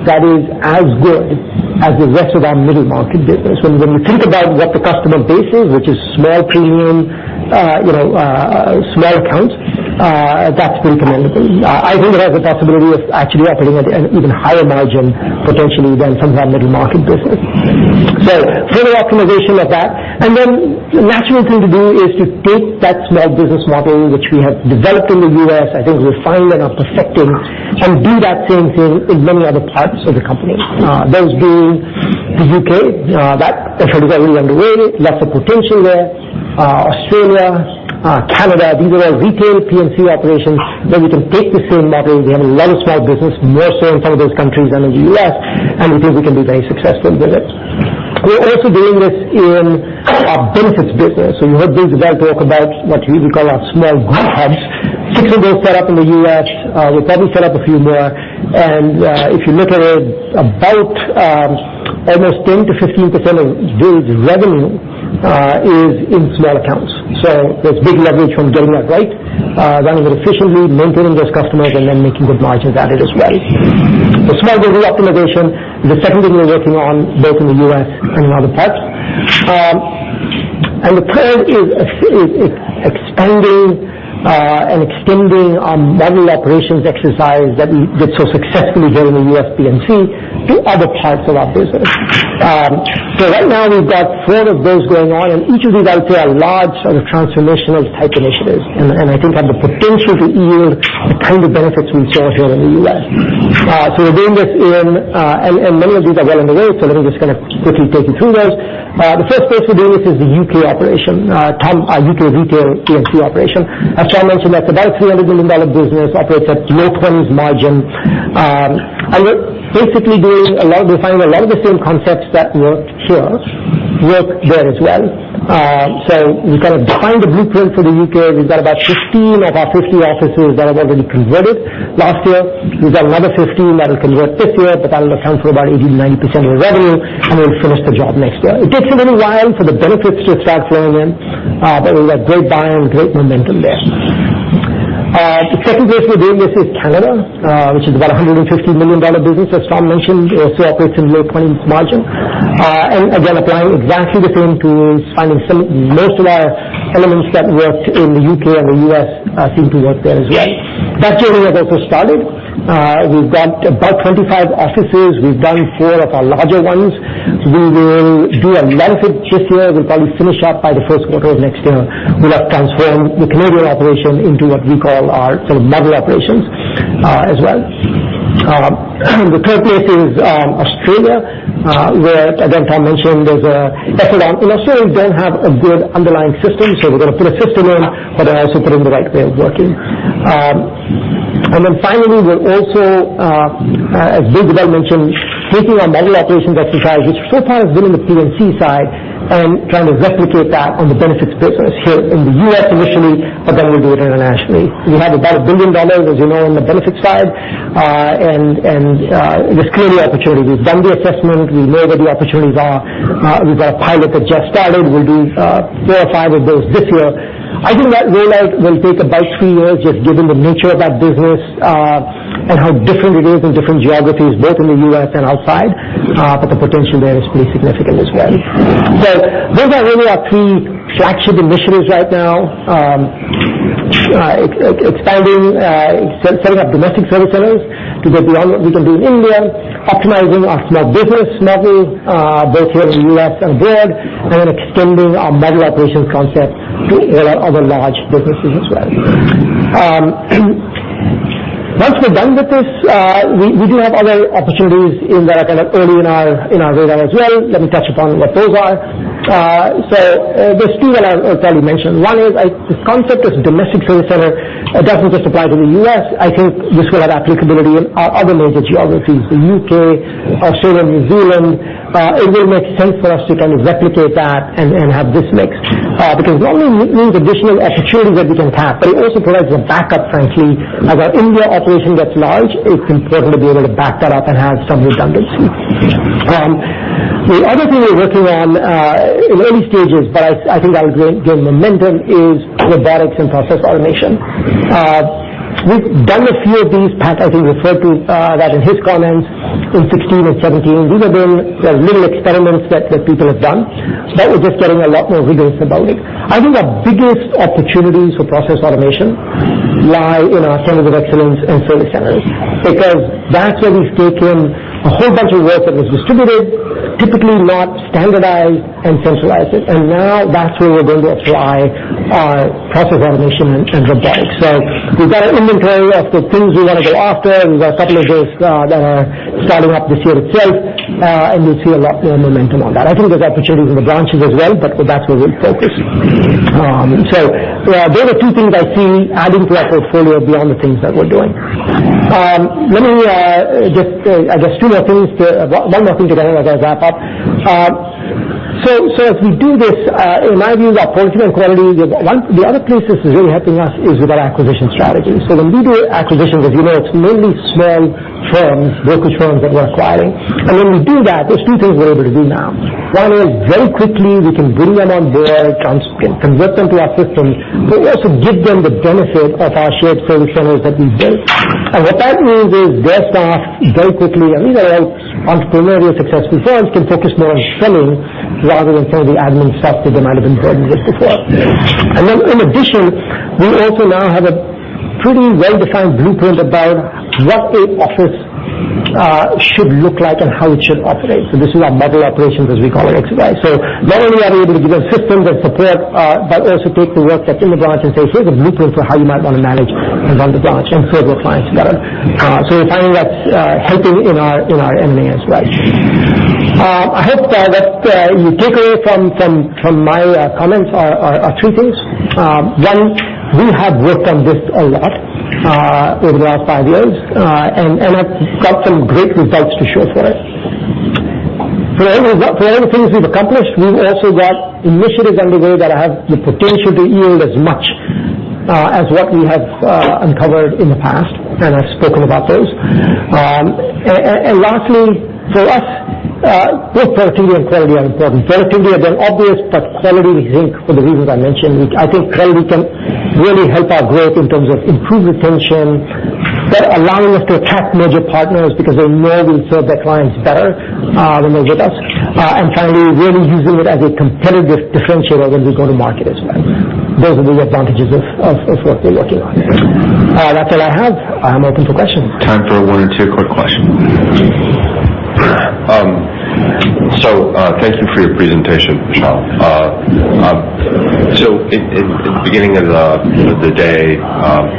that is as good as the rest of our middle-market business. When you think about what the customer base is, which is small premium, small accounts, that's pretty commendable. I think it has a possibility of actually operating at an even higher margin potentially than some of our middle-market business. Further optimization of that. The natural thing to do is to take that small business model, which we have developed in the U.S., I think refined and are perfecting, and do that same thing in many other parts of the company. Those being the U.K. That effort is already underway. Lots of potential there. Australia, Canada, these are all retail P&C operations where we can take the same model. We have a lot of small business, more so in some of those countries than in the U.S., and we think we can be very successful with it. We're also doing this in our benefits business. You heard Bill Ziebell talk about what we call our small group hubs. Six of those set up in the U.S. We'll probably set up a few more. If you look at it, about almost 10%-15% of Dave's revenue is in small accounts. There's big leverage from getting that right, running it efficiently, mentoring those customers, and then making good margins at it as well. The small business optimization is the second thing we're working on both in the U.S. and in other parts. The third is expanding and extending our model operations exercise that we did so successfully here in the U.S. P&C to other parts of our business. Right now we've got three of those going on, and each of these, I would say, are large sort of transformational type initiatives, and I think have the potential to yield the kind of benefits we saw here in the U.S. We're doing this in-- Many of these are well underway, so let me just kind of quickly take you through those. The first place we're doing this is the U.K. operation, U.K. retail P&C operation. As Tom mentioned, that's about a $300 million business, operates at low teens margin. We're basically doing a lot. We find a lot of the same concepts that worked here work there as well. We kind of defined a blueprint for the U.K. We've got about 15 of our 50 offices that have already converted last year. We've got another 15 that will convert this year. That'll account for about 80%-90% of the revenue, and we'll finish the job next year. It takes a little while for the benefits to start flowing in, but we've got great buy-in, great momentum there. The second place we're doing this is Canada, which is about a $150 million business, as Tom mentioned. Still operates in low 20s margin. Again, applying exactly the same tools, finding most of our elements that worked in the U.K. and the U.S. seem to work there as well. That journey has also started. We've got about 25 offices. We've done four of our larger ones. We will do a benefit this year. We'll probably finish up by the first quarter of next year. We'll have transformed the Canadian operation into what we call our sort of model operations as well. The third place is Australia, where, again, Tom mentioned there's an echelon. In Australia, we don't have a good underlying system, so we're going to put a system in, but then also put in the right way of working. Finally, we're also, as Bill developed and mentioned, taking our model operations exercise, which so far has been in the P&C side, and trying to replicate that on the benefits business here in the U.S. initially, but then we'll do it internationally. We have about $1 billion, as you know, on the benefits side, and there's clearly opportunity. We've done the assessment. We know where the opportunities are. We've got a pilot that just started. We'll do four or five of those this year. I think that rollout will take about three years, just given the nature of that business, and how different it is in different geographies, both in the U.S. and outside. The potential there is pretty significant as well. Those are really our three flagship initiatives right now. Expanding, setting up domestic service centers to get beyond what we can do in India, optimizing our small business model, both here in the U.S. and there, and then extending our model operations concept to a lot of other large businesses as well. Once we're done with this, we do have other opportunities in that are kind of early in our radar as well. Let me touch upon what those are. There's two, and I'll probably mention. One is this concept of domestic service center. It doesn't just apply to the U.S. I think this will have applicability in our other major geographies, the U.K., Australia, New Zealand. It will make sense for us to kind of replicate that and have this mix. Not only means additional opportunities that we can tap, but it also provides a backup, frankly. As our India operation gets large, it's important to be able to back that up and have some redundancy. The other thing we're working on in early stages, but I think that will gain momentum, is robotics and process automation. We've done a few of these. Pat, I think, referred to that in his comments in 2016 and 2017. These have been little experiments that people have done, but we're just getting a lot more rigorous about it. I think our biggest opportunities for process automation lie in our centers of excellence and service centers because that's where we've taken a whole bunch of work that was distributed, typically not standardized, and centralized it. Now that's where we're going to apply our process automation and robotics. We've got an inventory of the things we want to go after. We've got a couple of those that are starting up this year itself, and we'll see a lot more momentum on that. I think there's opportunities in the branches as well, but that's where we'll focus. Those are two things I see adding to our portfolio beyond the things that we're doing. Let me just I guess two more things to One more thing together, and I'll wrap up. As we do this, in my view, our productivity and quality, the other place this is really helping us is with our acquisition strategy. When we do acquisitions, as you know, it's mainly small firms, brokerage firms that we're acquiring. When we do that, there's two things we're able to do now. One is very quickly, we can bring them on board, convert them to our systems, but also give them the benefit of our shared service centers that we built. What that means is their staff very quickly, and these are all entrepreneurial successful firms, can focus more on selling rather than some of the admin stuff that they might have been burdened with before. In addition, we also now have a pretty well-defined blueprint about what an office should look like and how it should operate. This is our model operations, as we call it, exercise. Not only are we able to give them systems and support, but also take the work that's in the branches and say, "Here's a blueprint for how you might want to manage and run the branch and serve your clients better." We're finding that's helping in our M&A as well. I hope that you take away from my comments are three things. One, we have worked on this a lot over the last five years, and have got some great results to show for it. For all the things we've accomplished, we've also got initiatives underway that have the potential to yield as much as what we have uncovered in the past, and I've spoken about those. Lastly, for us, both productivity and quality are important. Productivity again, obvious, but quality, I think for the reasons I mentioned, which I think quality can really help our growth in terms of improved retention, but allowing us to attract major partners because they know we'll serve their clients better when they're with us. Finally, really using it as a competitive differentiator when we go to market as well. Those are the advantages of what we're working on. That's all I have. I'm open for questions. Time for one or two quick questions. Thank you for your presentation, Vishal. In the beginning of the day,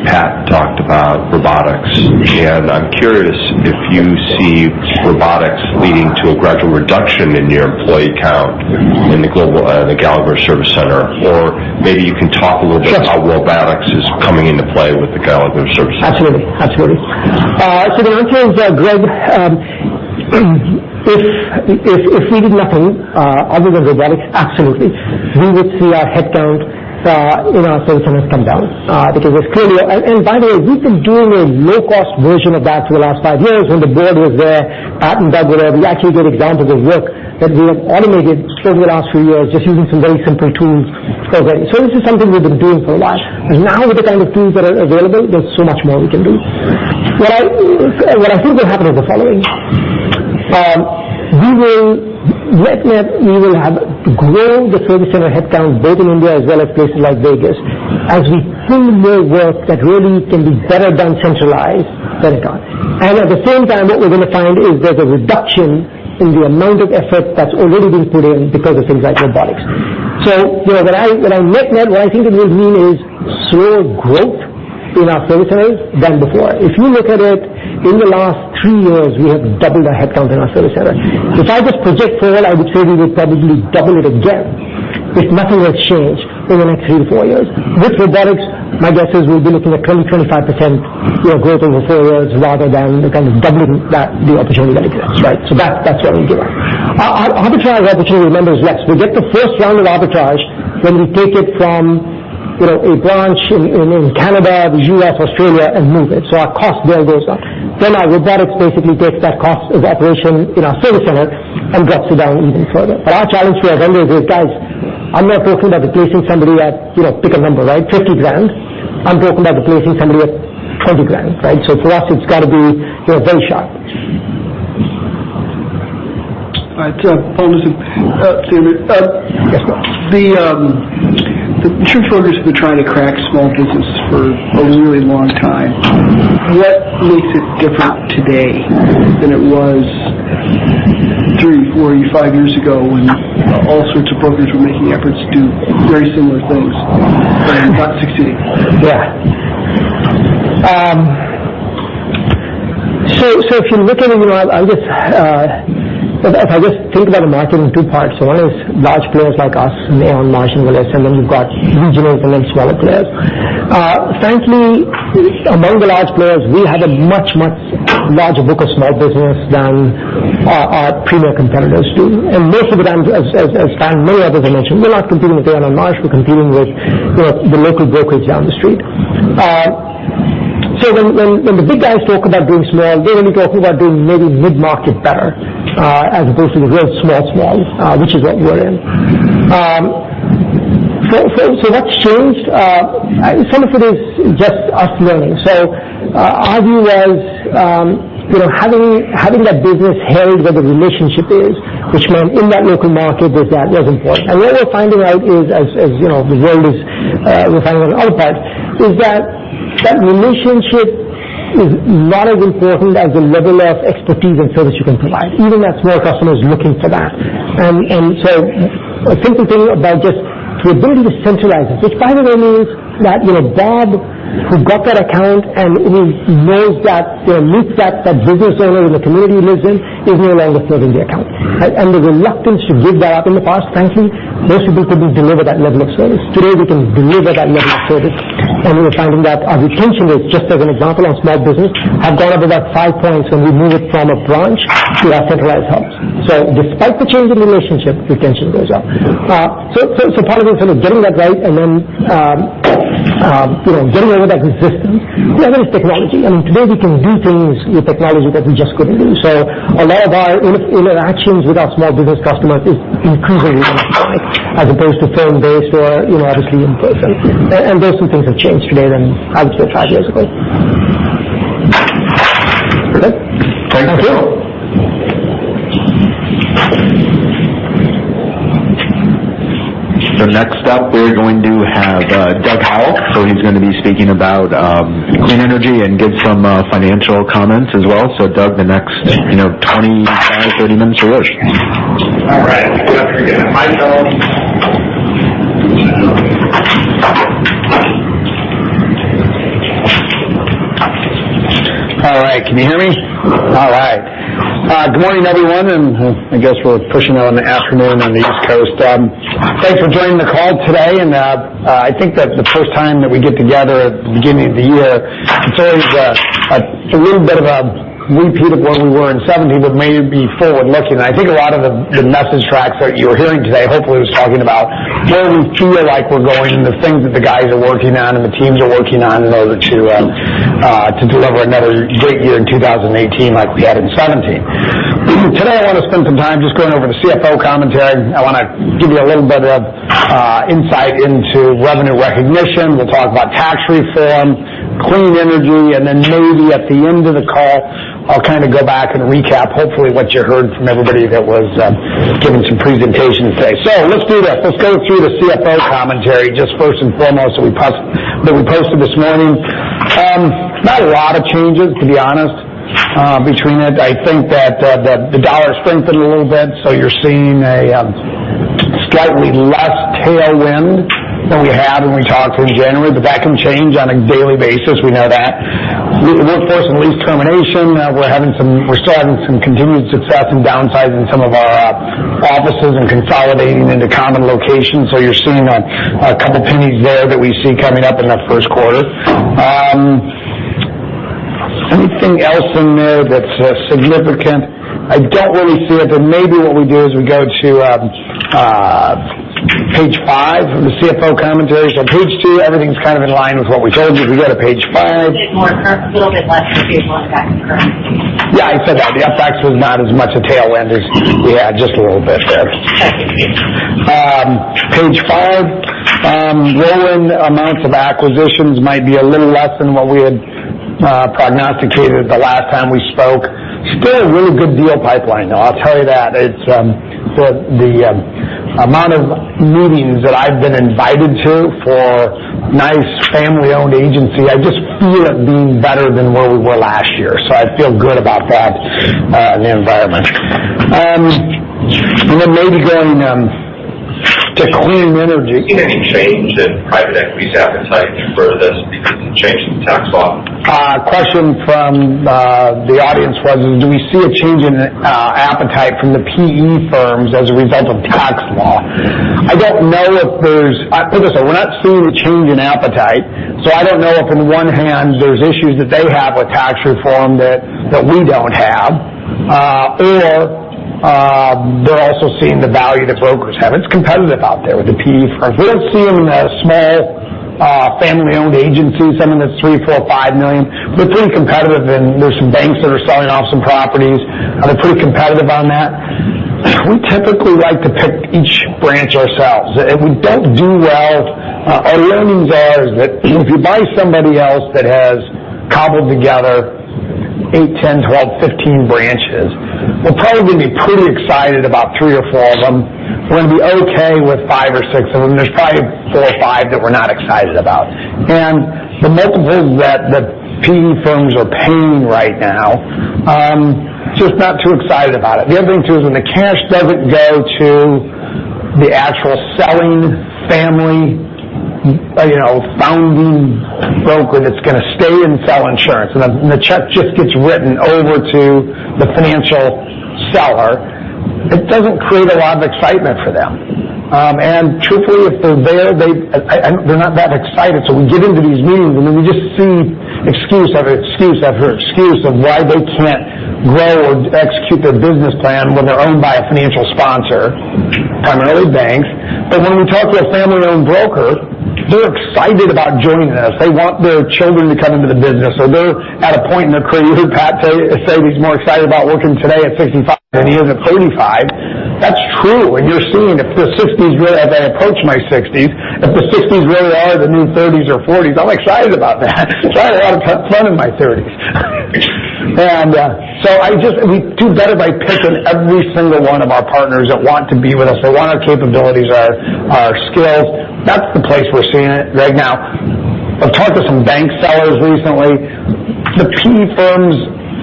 Pat talked about robotics, and I'm curious if you see robotics leading to a gradual reduction in your employee count in the Gallagher Service Center, or maybe you can talk a little bit- Sure. -about robotics is coming into play with the Gallagher Service Center. Absolutely. The answer is, Greg, if we did nothing other than robotics, absolutely. We would see our headcount in our service centers come down because there's clearly. By the way, we've been doing a low-cost version of that for the last 5 years when the board was there, Pat and Doug were there. We actually gave examples of work that we have automated just over the last few years, just using some very simple tools. This is something we've been doing for a while. With the kind of tools that are available, there's so much more we can do. What I think will happen is the following. We will have grown the service center headcount both in India as well as places like Vegas, as we pull more work that really can be better done centralized than it can. At the same time, what we're going to find is there's a reduction in the amount of effort that's already been put in because of things like robotics. When I net that, what I think it will mean is slow growth in our service centers than before. If you look at it, in the last 3 years, we have doubled our headcount in our service center. If I just project forward, I would say we will probably double it again if nothing were to change over the next 3-4 years. With robotics, my guess is we'll be looking at 20%-25% growth over 4 years rather than doubling the opportunity that exists. That's what I would give up. Arbitrage opportunity, remember, is less. We get the first round of arbitrage when we take it from a branch in Canada, the U.S., Australia, and move it. Our cost there goes up. Our robotics basically takes that cost of operation in our service center and drops it down even further. Our challenge here is always with, guys, I am not talking about replacing somebody at, pick a number, $50,000. I am talking about replacing somebody at $20,000. For us, it has got to be very sharp. All right. Vishal. Yes, Paul. The true focus has been trying to crack small business for a really long time. What makes it different today than it was three, four, five years ago when all sorts of programs were making efforts to do very similar things and not succeeding? Yeah. If you look at it, if I just think about the market in two parts, one is large players like us and Aon, Marsh, and Willis, then you've got regional and then smaller players. Frankly, among the large players, we had a much, much larger book of small business than our premier competitors do. Most of the time, as Stan, many others have mentioned, we're not competing with Aon and Marsh, we're competing with the local brokerage down the street. When the big guys talk about doing small, they're really talking about doing maybe mid-market better as opposed to the real small, which is what you're in. What's changed? Some of it is just us learning. Our view was having that business held where the relationship is, which meant in that local market was that it was important. What we're finding out is, as the world is, we're finding on the other parts, is that that relationship is not as important as the level of expertise and service you can provide, even as more customers looking for that. A simple thing about just we're doing this centralized, which by the way means that Bob, who got that account and knows that business owner in the community he lives in, is no longer serving the account. The reluctance to give that up in the past, frankly, most people couldn't deliver that level of service. Today, we can deliver that level of service, and we're finding that our retention rates, just as an example on small business, have gone up about five points when we move it from a branch to our centralized hubs. Despite the change in relationship, retention goes up. Part of it is sort of getting that right and then getting over that resistance. The other is technology. I mean, today we can do things with technology that we just couldn't do. A lot of our interactions with our small business customers is increasingly electronic as opposed to phone-based or obviously in person. Those two things have changed today than obviously five years ago. Okay. Thank you. Next up, we're going to have Doug Howell. He's going to be speaking about clean energy and give some financial comments as well. Doug, the next 25, 30 minutes are yours. All right. After getting a microphone. All right. Can you hear me? All right. Good morning, everyone. I guess we're pushing on afternoon on the East Coast. Thanks for joining the call today. I think that the first time that we get together at the beginning of the year, it's always a little bit of a repeat of where we were in 2017, maybe forward-looking. I think a lot of the message tracks that you're hearing today hopefully was talking about where we feel like we're going and the things that the guys are working on and the teams are working on in order to deliver another great year in 2018 like we had in 2017. Today, I want to spend some time just going over the CFO Commentary. I want to give you a little bit of insight into revenue recognition. We'll talk about tax reform, clean energy, maybe at the end of the call, I'll go back and recap hopefully what you heard from everybody that was giving some presentations today. Let's do that. Let's go through the CFO Commentary, just first and foremost that we posted this morning. Not a lot of changes, to be honest, between it. I think that the dollar strengthened a little bit. You're seeing a slightly less tailwind than we had when we talked in January, that can change on a daily basis. We know that. Workforce and lease termination. We're starting some continued success in downsizing some of our offices and consolidating into common locations. You're seeing a couple of pennies there that we see coming up in the first quarter. Anything else in there that's significant? I don't really see it. Maybe what we do is we go to page five of the CFO Commentary. Page two, everything's kind of in line with what we told you. If we go to page five- A little bit less favorable on the back of currency. Yeah, I said that. The FX was not as much a tailwind as we had just a little bit there. Thank you. Page five. Rolling amounts of acquisitions might be a little less than what we had prognosticated the last time we spoke. Still a really good deal pipeline, though. I'll tell you that. The amount of meetings that I've been invited to for nice family-owned agency, I just feel it being better than where we were last year. I feel good about that in the environment. Maybe going to clean energy. Any change in private equity's appetite for this because of the change in the tax law? A question from the audience was, do we see a change in appetite from the PE firms as a result of tax law? Put it this way, we're not seeing a change in appetite. I don't know if on one hand, there's issues that they have with tax reform that we don't have. They're also seeing the value that brokers have. It's competitive out there with the PE firms. We don't see them in the small family-owned agencies, something that's three, four, five million. We're pretty competitive, and there are some banks that are selling off some properties. They're pretty competitive on that. We typically like to pick each branch ourselves. Our learnings are that if you buy somebody else that has cobbled together eight, 10, 12, 15 branches, we're probably going to be pretty excited about three or four of them. We're going to be okay with five or six of them. There's probably four or five that we're not excited about. The multiples that the PE firms are paying right now, just not too excited about it. The other thing, too, is when the cash doesn't go to the actual selling family, founding broker that's going to stay and sell insurance, the check just gets written over to the financial seller, it doesn't create a lot of excitement for them. Truthfully, if they're there, they're not that excited. We get into these meetings, we just see excuse after excuse after excuse of why they can't grow or execute their business plan when they're owned by a financial sponsor, primarily banks. When we talk to a family-owned broker, they're excited about joining us. They want their children to come into the business, or they're at a point in their career. Pat say he's more excited about working today at 65 than he is at 45. That's true. As I approach my 60s, if the 60s really are the new 30s or 40s, I'm excited about that because I had a lot of fun in my 30s. We do better by picking every single one of our partners that want to be with us. They want our capabilities, our skills. That's the place we're seeing it right now. I've talked to some bank sellers recently. The PE firms,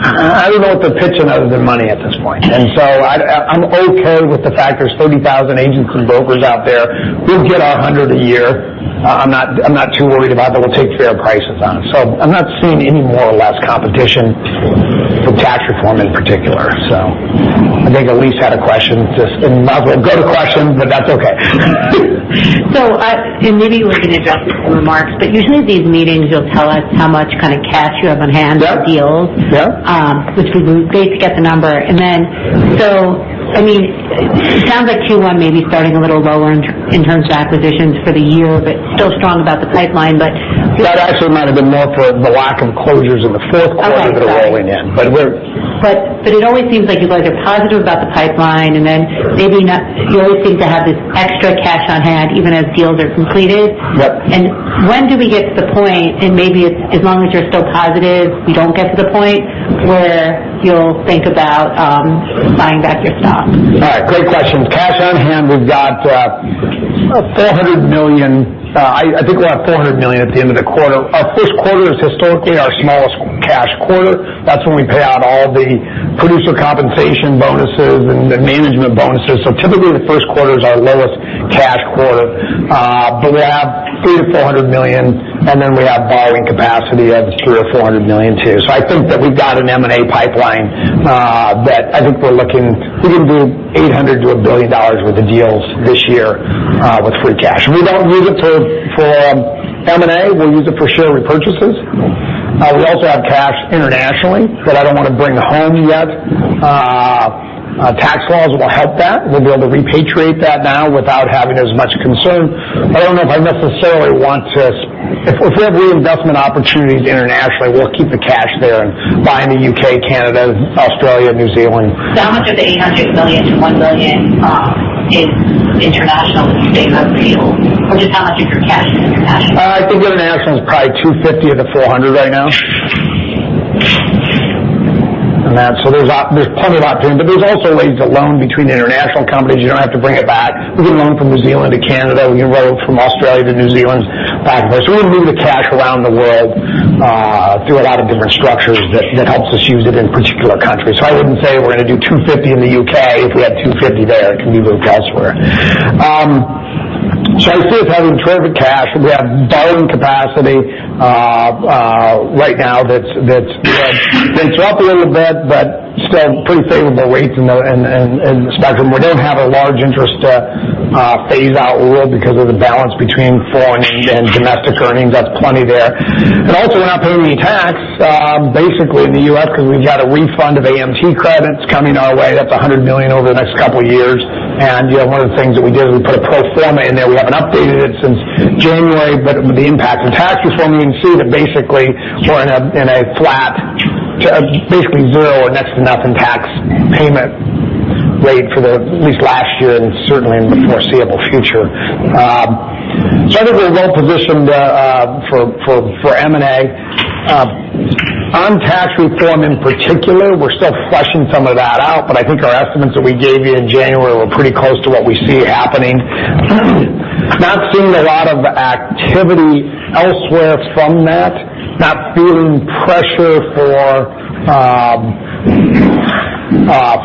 I don't know what to pitch them other than money at this point. I'm okay with the fact there's 30,000 agency brokers out there. We'll get our 100 a year. I'm not too worried about that. We'll take fair prices on it. I'm not seeing any more or less competition with tax reform in particular. I think Elyse had a question. Just go to questions, but that's okay. Maybe we can address this in remarks, usually these meetings, you'll tell us how much cash you have on hand for deals. Yes. Which would be great to get the number. It sounds like Q1 may be starting a little lower in terms of acquisitions for the year, still strong about the pipeline. That actually might have been more for the lack of closures in the fourth quarter than a rolling in. It always seems like you're positive about the pipeline, and then maybe not. You always seem to have this extra cash on hand even as deals are completed. Yes. When do we get to the point, and maybe as long as you're still positive, you don't get to the point where you'll think about buying back your stock? All right. Great question. Cash on hand, we've got $400 million. I think we'll have $400 million at the end of the quarter. Our first quarter is historically our smallest cash quarter. That's when we pay out all the producer compensation bonuses and the management bonuses. Typically, the first quarter is our lowest cash quarter. We'll have $300 million-$400 million, we have borrowing capacity of $300 million or $400 million too. I think that we've got an M&A pipeline that I think we can do $800 million to $1 billion worth of deals this year with free cash. We don't use it for M&A. We'll use it for share repurchases. We also have cash internationally that I don't want to bring home yet. Tax laws will help that. We'll be able to repatriate that now without having as much concern. I don't know if I necessarily. If we have reinvestment opportunities internationally, we'll keep the cash there and buy in the U.K., Canada, Australia, New Zealand. How much of the $800 million to $1 billion is international that you have available? How much of your cash is international? I think international is probably $250 of the $400 right now. There's plenty of opportunity. There's also ways to loan between international companies. You don't have to bring it back. We can loan from New Zealand to Canada. We can loan from Australia to New Zealand, back and forth. We move the cash around the world through a lot of different structures that helps us use it in particular countries. I wouldn't say we're going to do $250 in the U.K. if we have $250 there. It can be moved elsewhere. I see us having terrific cash. We have borrowing capacity right now that's up a little bit, but still pretty favorable rates in the spectrum. We don't have a large interest to phase out loan because of the balance between foreign and domestic earnings. That's plenty there. Also, we're not paying any tax, basically in the U.S., because we've got a refund of AMT credits coming our way. That's $100 million over the next couple of years. One of the things that we did is we put a pro forma in there. We haven't updated it since January, but the impact of tax reform, you can see that basically, we're in a flat, basically zero or next to nothing tax payment rate for at least last year and certainly in the foreseeable future. I think we're well-positioned for M&A. On tax reform in particular, we're still fleshing some of that out, but I think our estimates that we gave you in January were pretty close to what we see happening. Not seeing a lot of activity elsewhere from that. Not feeling pressure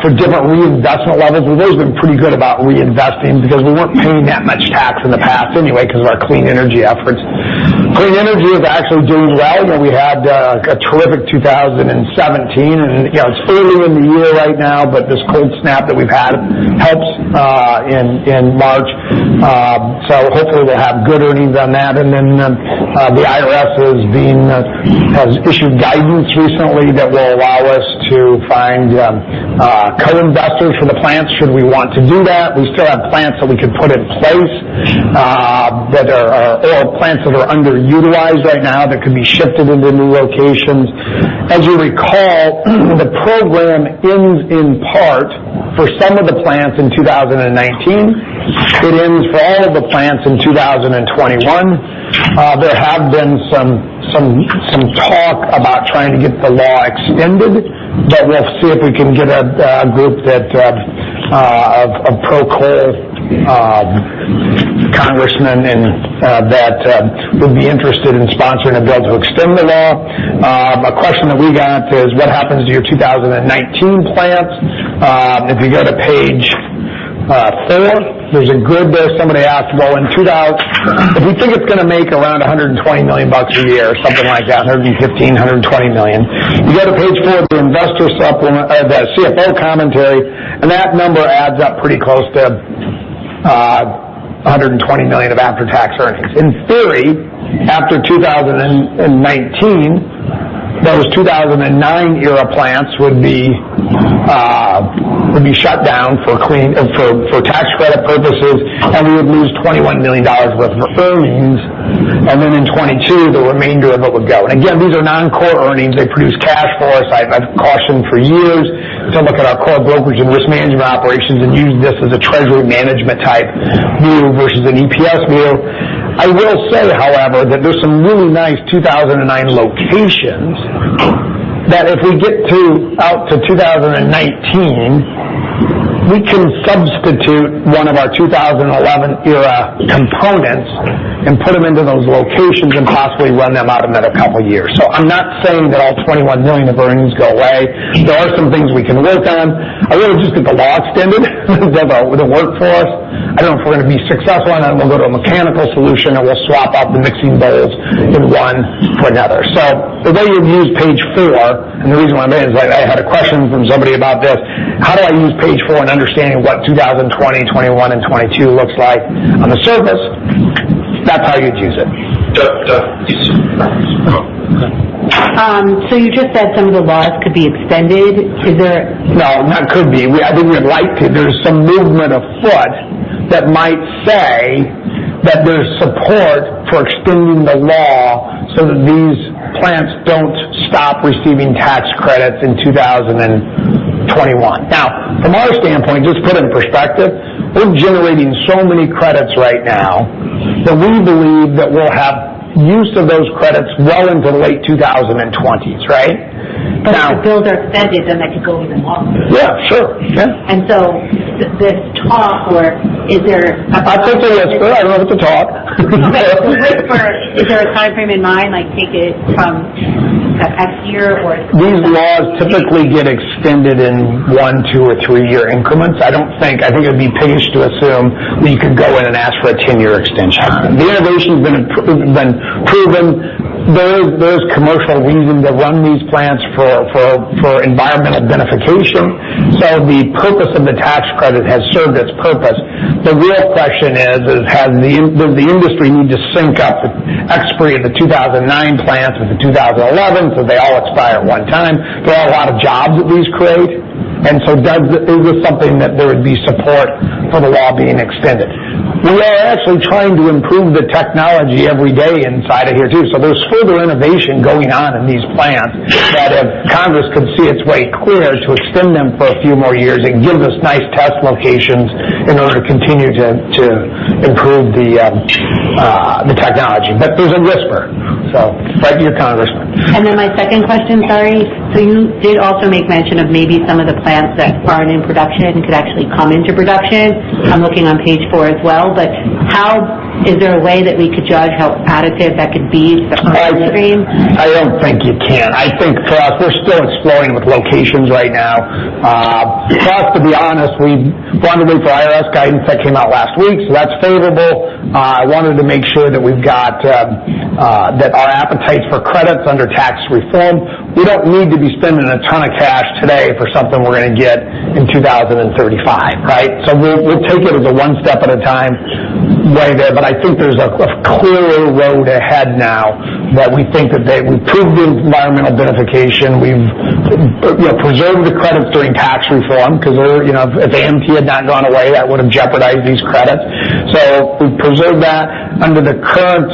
for different reinvestment levels. We've always been pretty good about reinvesting because we weren't paying that much tax in the past anyway because of our clean energy efforts. Clean energy is actually doing well. We had a terrific 2017 and it's early in the year right now, but this cold snap that we've had helps in March. Hopefully we'll have good earnings on that. The IRS has issued guidance recently that will allow us to find co-investors for the plants, should we want to do that. We still have plants that we could put in place, or plants that are underutilized right now that could be shifted into new locations. As you recall, the program ends in part for some of the plants in 2019. It ends for all of the plants in 2021. There have been some talk about trying to get the law extended, but we'll see if we can get a group of pro-coal congressmen that would be interested in sponsoring a bill to extend the law. A question that we got is: what happens to your 2019 plants? If you go to page four, somebody asked, if we think it's going to make around $120 million a year or something like that, $115 million, $120 million. If you go to page four of the CFO Commentary, that number adds up pretty close to $120 million of after-tax earnings. In theory, after 2019, those 2009 era plants would be shut down for tax credit purposes, and we would lose $21 million worth of earnings. Then in 2022, the remainder of it would go. Again, these are non-core earnings. They produce cash for us. I've cautioned for years to look at our core brokerage and risk management operations and use this as a treasury management type view versus an EPS view. I will say, however, that there's some really nice 2009 locations that if we get out to 2019, we can substitute one of our 2011 era components and put them into those locations and possibly run them out another couple of years. I'm not saying that all $21 million of earnings go away. There are some things we can work on. I really would just get the law extended if that would work for us. I don't know if we're going to be successful or not, and we'll go to a mechanical solution, or we'll swap out the mixing bowls in one for another. The way you'd use page four, and the reason why I made it is I had a question from somebody about this. How do I use page four in understanding what 2020, 2021, and 2022 looks like? On the surface, that's how you'd use it. You just said some of the laws could be extended. Is there? No, not could be. I think we'd like to. There's some movement afoot that might say that there's support for extending the law so that these plants don't stop receiving tax credits in 2021. From our standpoint, just put in perspective, we're generating so many credits right now that we believe that we'll have use of those credits well into the late 2020s, right? If those are extended, they could go even longer. Yeah, sure. This talk, or is there? I think there is, but I love to talk. Is there a time frame in mind, like take it from X year or Y year? These laws typically get extended in one, two, or three-year increments. I think it'd be piggish to assume that you could go in and ask for a 10-year extension. The innovation's been proven. There's commercial reason to run these plants for environmental beneficiation. The purpose of the tax credit has served its purpose. The real question is, does the industry need to sync up the expiry of the 2009 plants with the 2011 so they all expire at one time? There are a lot of jobs that these create, is this something that there would be support for the law being extended? We are actually trying to improve the technology every day inside of here, too. There's further innovation going on in these plants that if Congress could see its way clear to extend them for a few more years, it gives us nice test locations in order to continue to improve the technology. There's a whisper. Write your congressman. My second question, sorry. You did also make mention of maybe some of the plants that aren't in production could actually come into production. I'm looking on page four as well. Is there a way that we could judge how additive that could be to the current stream? I don't think you can. I think we're still exploring with locations right now. To be honest, we've been waiting for IRS guidance that came out last week. That's favorable. I wanted to make sure that our appetites for credits under tax reform, we don't need to be spending a ton of cash today for something we're going to get in 2035, right? We'll take it as a one step at a time way there. I think there's a clearer road ahead now that we think that we've proved the environmental beneficiation. We've preserved the credits during tax reform because if the AMT had not gone away, that would have jeopardized these credits. We've preserved that under the current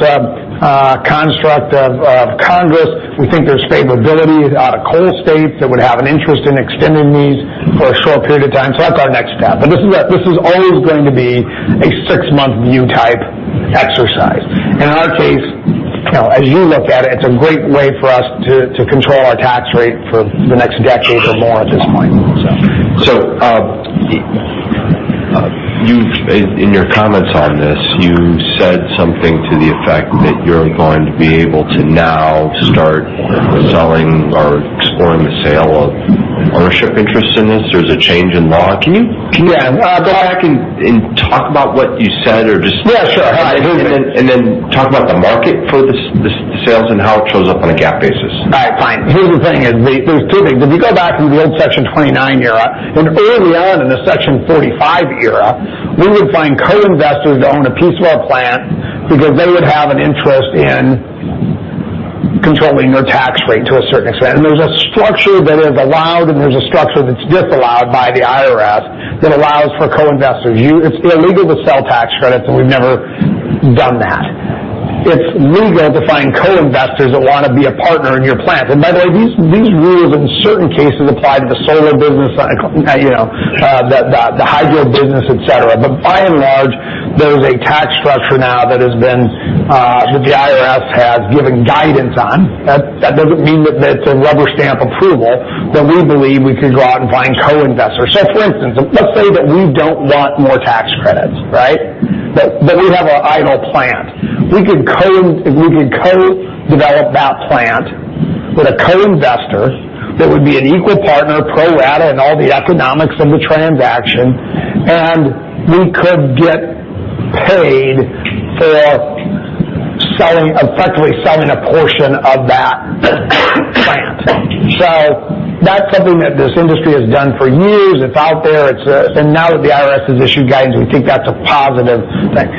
construct of Congress. We think there's favorability out of coal states that would have an interest in extending these for a short period of time. That's our next step. This is always going to be a six-month view type exercise. In our case, as you look at it's a great way for us to control our tax rate for the next decade or more at this point. In your comments on this, you said something to the effect that you're going to be able to now start selling or exploring the sale of ownership interests in this. There's a change in law. Yeah. Go back and talk about what you said. Yeah, sure. Then talk about the market for the sales and how it shows up on a GAAP basis. All right, fine. Here's the thing. There's two things. If you go back in the old Section 29 era, and early on in the Section 45 era, we would find co-investors to own a piece of our plant because they would have an interest in controlling their tax rate to a certain extent. There's a structure that is allowed, and there's a structure that's disallowed by the IRS that allows for co-investors. It's illegal to sell tax credits, and we've never done that. It's legal to find co-investors that want to be a partner in your plant. By the way, these rules, in certain cases, apply to the solar business, the hydro business, et cetera. By and large, there is a tax structure now that the IRS has given guidance on. That doesn't mean that it's a rubber stamp approval, but we believe we could go out and find co-investors. For instance, let's say that we don't want more tax credits, right? That we have an idle plant. We could co-develop that plant with a co-investor that would be an equal partner, pro rata in all the economics of the transaction, and we could get paid for effectively selling a portion of that plant. That's something that this industry has done for years. It's out there. Now that the IRS has issued guidance, we think that's a positive thing.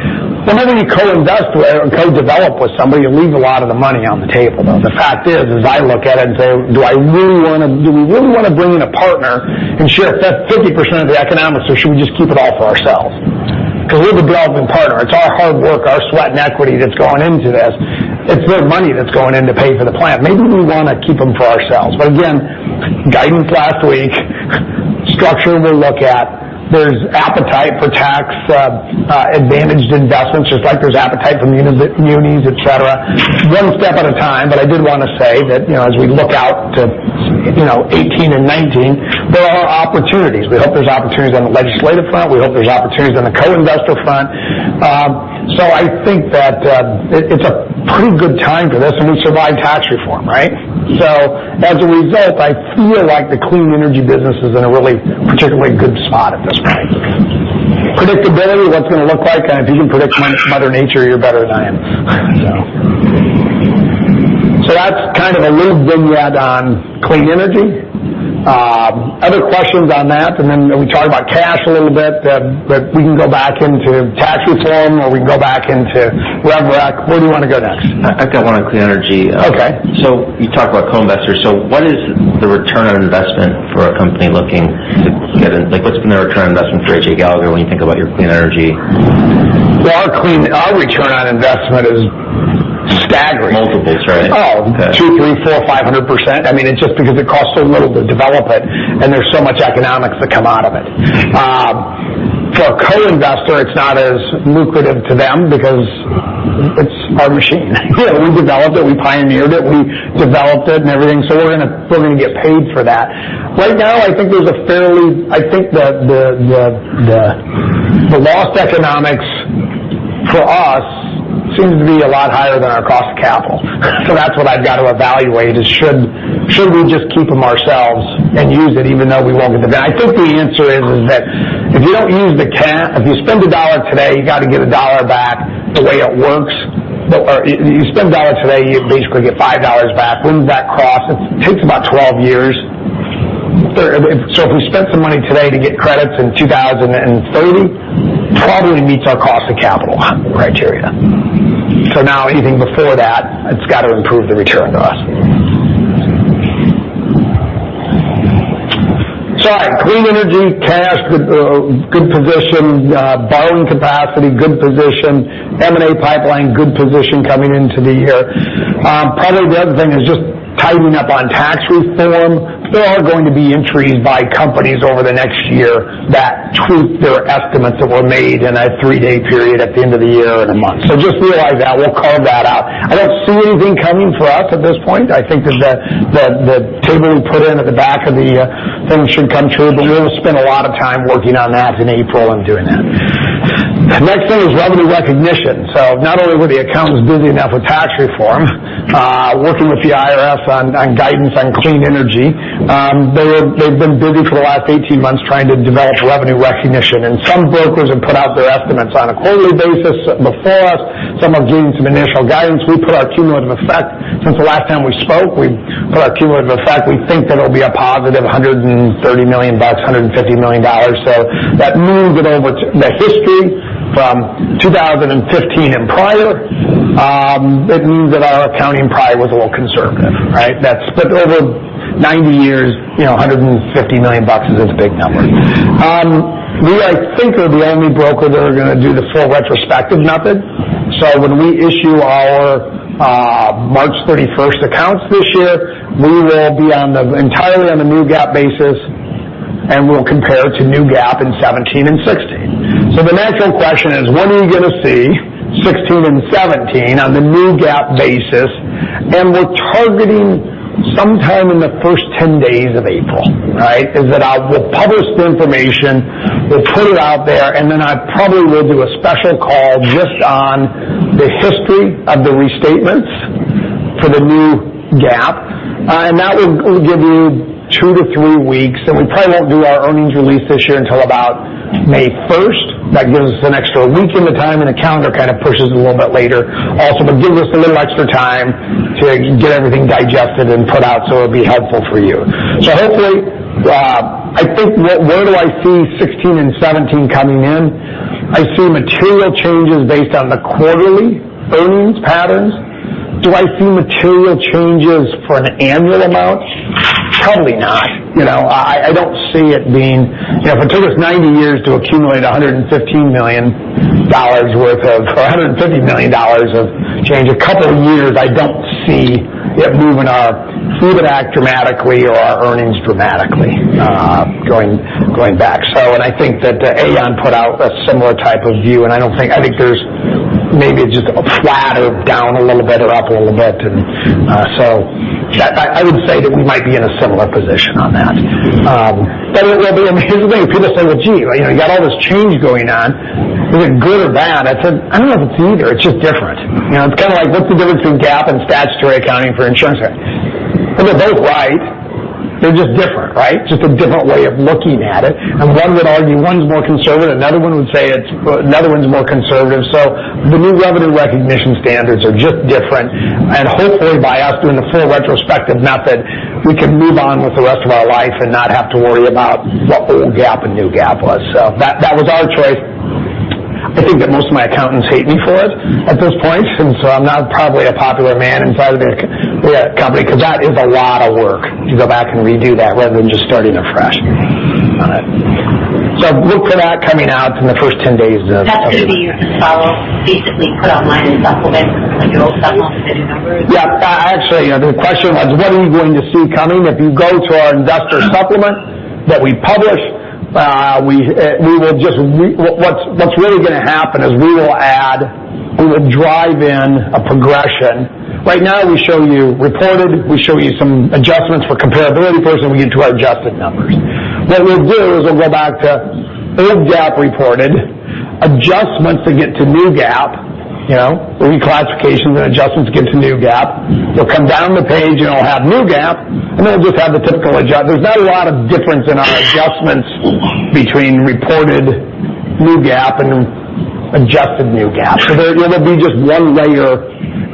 Whenever you co-invest or co-develop with somebody, you leave a lot of the money on the table, though. The fact is, as I look at it and say, do we really want to bring in a partner and share 50% of the economics, or should we just keep it all for ourselves? Because we're the developing partner. It's our hard work, our sweat, and equity that's going into this. It's their money that's going in to pay for the plant. Maybe we want to keep them for ourselves. Again, guidance last week, structure we'll look at. There's appetite for tax-advantaged investments, just like there's appetite for munis, et cetera. One step at a time, but I did want to say that as we look out to 2018 and 2019, there are opportunities. We hope there's opportunities on the legislative front. We hope there's opportunities on the co-investor front. I think that it's a pretty good time for this, and we survived tax reform, right? As a result, I feel like the clean energy business is in a really particularly good spot at this point. Predictability, what's it going to look like? If you can predict Mother Nature, you're better than I am. That's kind of a little vignette on clean energy. Other questions on that, and then we talked about cash a little bit, but we can go back into tax reform, or we can go back into wherever. Where do we want to go next? I've got one on clean energy. Okay. You talk about co-investors. What is the return on investment for a company looking to get in? What's the return on investment for AJ Gallagher when you think about your clean energy? Well, our return on investment is staggering. Multiples, right? Oh, 200%, 300%, 400%, 500%. I mean, it's just because it costs so little to develop it, and there's so much economics that come out of it. For a co-investor, it's not as lucrative to them because it's our machine. We developed it, we pioneered it, we developed it and everything, so we're going to get paid for that. Right now, I think the lost economics for us seems to be a lot higher than our cost of capital. That's what I've got to evaluate, is should we just keep them ourselves and use it even though I think the answer is that if you don't use the if you spend a $1 today, you got to get a $1 back the way it works. You spend a $1 today, you basically get $5 back. When does that cross? It takes about 12 years. If we spent some money today to get credits in 2030, it probably meets our cost of capital criteria. Now anything before that, it's got to improve the return to us. All right. Clean energy, cash, good position. Borrowing capacity, good position. M&A pipeline, good position coming into the year. Probably the other thing is just tightening up on tax reform. There are going to be entries by companies over the next year that tweak their estimates that were made in a three-day period at the end of the year and a month. Just realize that. We'll carve that out. I don't see anything coming for us at this point. I think that the table we put in at the back of the thing should come true, we will spend a lot of time working on that in April and doing that. The next thing is revenue recognition. Not only were the accountants busy enough with tax reform, working with the IRS on guidance on clean energy. They've been busy for the last 18 months trying to develop revenue recognition. Some brokers have put out their estimates on a quarterly basis before us. Some are giving some initial guidance. We put our cumulative effect since the last time we spoke. We put our cumulative effect. We think that it'll be a positive $130 million, $150 million. That moves it over the history from 2015 and prior. It means that our accounting probably was a little conservative, right? Over 90 years, $150 million is a big number. We, I think, are the only broker that are going to do the full retrospective method. When we issue our March 31st accounts this year, we will be entirely on the new GAAP basis, and we'll compare to new GAAP in 2017 and 2016. The natural question is, what are you going to see 2016 and 2017 on the new GAAP basis? We're targeting sometime in the first 10 days of April, right? Is that I will publish the information, we'll put it out there, and then I probably will do a special call just on the history of the restatements for the new GAAP. That will give you two to three weeks, and we probably won't do our earnings release this year until about May 1st. That gives us an extra week in the time, the calendar kind of pushes a little bit later also, gives us a little extra time to get everything digested and put out, it'll be helpful for you. Hopefully, I think, where do I see 2016 and 2017 coming in? I see material changes based on the quarterly earnings patterns. Do I see material changes for an annual amount? Probably not. I don't see it being if it took us 90 years to accumulate $115 million worth of, or $150 million of change. A couple of years, I don't see it moving our book back dramatically or our earnings dramatically, going back. I think that Aon put out a similar type of view, I think there's maybe just a flatter down a little bit or up a little bit. I would say that we might be in a similar position on that. Here's the thing. People say, "Well, gee, you got all this change going on. Is it good or bad?" I said, "I don't know if it's either. It's just different." It's kind of like, what's the difference between GAAP and statutory accounting for insurance? They're both right. They're just different, right? Just a different way of looking at it. One would argue one's more conservative, another one's more conservative. The new revenue recognition standards are just different. Hopefully, by us doing the full retrospective method, we can move on with the rest of our life and not have to worry about what old GAAP and new GAAP was. That was our choice. I think that most of my accountants hate me for it at this point, and so I'm not probably a popular man inside of the company because that is a lot of work to go back and redo that rather than just starting afresh on it. Look for that coming out in the first 10 days of April. That's going to be your follow, basically put online a supplement, like an old supplement with the new numbers? Yeah. Actually, the question was what are you going to see coming? If you go to our investor supplement that we publish, what's really going to happen is we will add, we will drive in a progression. Right now, we show you reported, we show you some adjustments for comparability purposes, and we get to our adjusted numbers. What we'll do is we'll go back to old GAAP reported, adjustments to get to new GAAP, reclassification, the adjustments get to new GAAP. You'll come down the page, and I'll have new GAAP, and then we'll just have the typical adjust. There's not a lot of difference in our adjustments between reported new GAAP and adjusted new GAAP. There'll be just one layer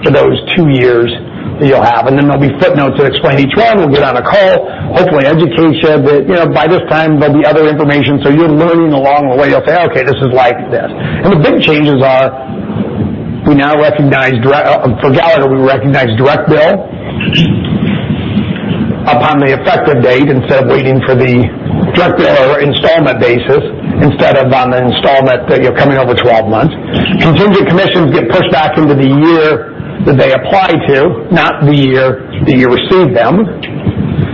for those two years that you'll have, and then there'll be footnotes that explain each one. We'll get on a call, hopefully educate you that by this time, there'll be other information, so you're learning along the way. You'll say, "Okay, this is like this." The big changes are for Gallagher, we recognize direct bill upon the effective date instead of waiting for the direct bill or installment basis, instead of on the installment that you're coming over 12 months. Contingent commissions get pushed back into the year that they apply to, not the year that you receive them.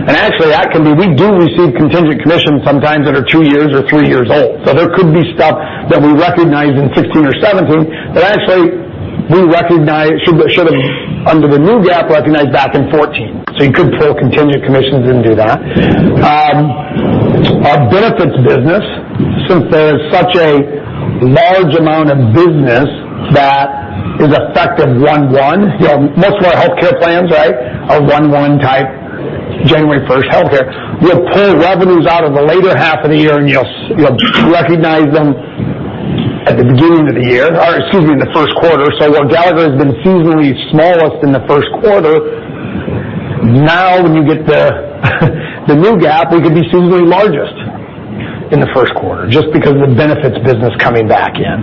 Actually, we do receive contingent commissions sometimes that are two years or three years old. There could be stuff that we recognize in 2016 or 2017 that actually we recognize should have, under the new GAAP, recognized back in 2014. You could pull contingent commissions and do that. Our benefits business, since there's such a large amount of business that is effective 1/1, most of our healthcare plans, right, are 1/1 type, January 1st healthcare. We'll pull revenues out of the later half of the year, and you'll recognize them at the beginning of the year, or excuse me, in the first quarter. While Gallagher has been seasonally smallest in the first quarter, now when you get the new GAAP, we could be seasonally largest in the first quarter, just because of the benefits business coming back in.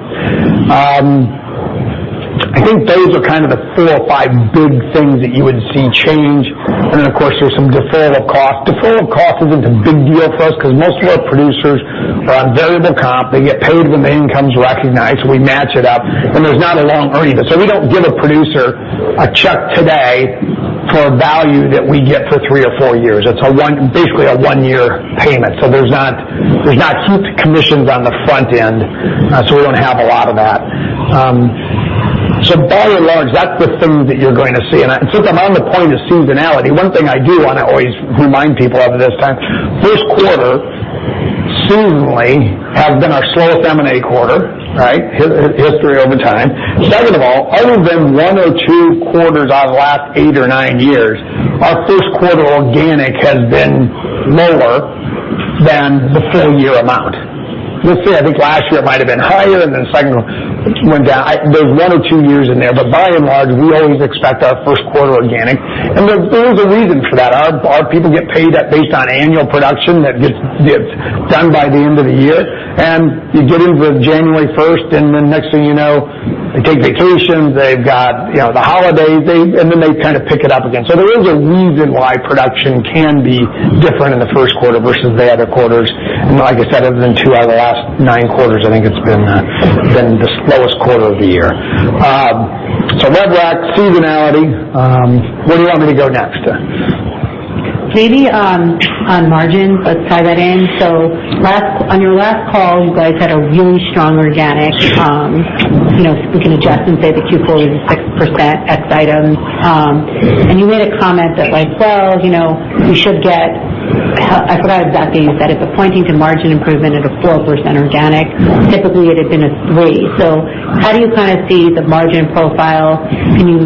I think those are kind of the four or five big things that you would see change. Then, of course, there's some deferral costs. Deferral cost isn't a big deal for us because most of our producers are on variable comp. They get paid when the income's recognized. We match it up, and there's not a long earning. We don't give a producer a check today for value that we get for three or four years. It's basically a one-year payment. There's not huge commissions on the front end. We don't have a lot of that. By and large, that's the thing that you're going to see. Since I'm on the point of seasonality, one thing I do want to always remind people of at this time, first quarter seasonally has been our slowest M&A quarter, right? History over time. Second of all, other than one or two quarters out of the last eight or nine years, our first quarter organic has been lower than the full year amount. Let's see, I think last year it might have been higher, then second went down. There's one or two years in there. By and large, we always expect our first quarter organic, and there is a reason for that. Our people get paid based on annual production that gets done by the end of the year. You get into January 1st, next thing you know, they take vacations, they've got the holidays, they kind of pick it up again. There is a reason why production can be different in the first quarter versus the other quarters. Like I said, other than two out of the last nine quarters, I think it's been the slowest quarter of the year. Rev rec, seasonality. Where do you want me to go next? Maybe on margin. Let's tie that in. On your last call, you guys had a really strong organic. We can adjust and say that Q4 was 6% ex items. You made a comment that like, "Well, I thought I heard that being said, if we're pointing to margin improvement at a 4% organic, typically it had been a 3%." How do you see the margin profile? Can you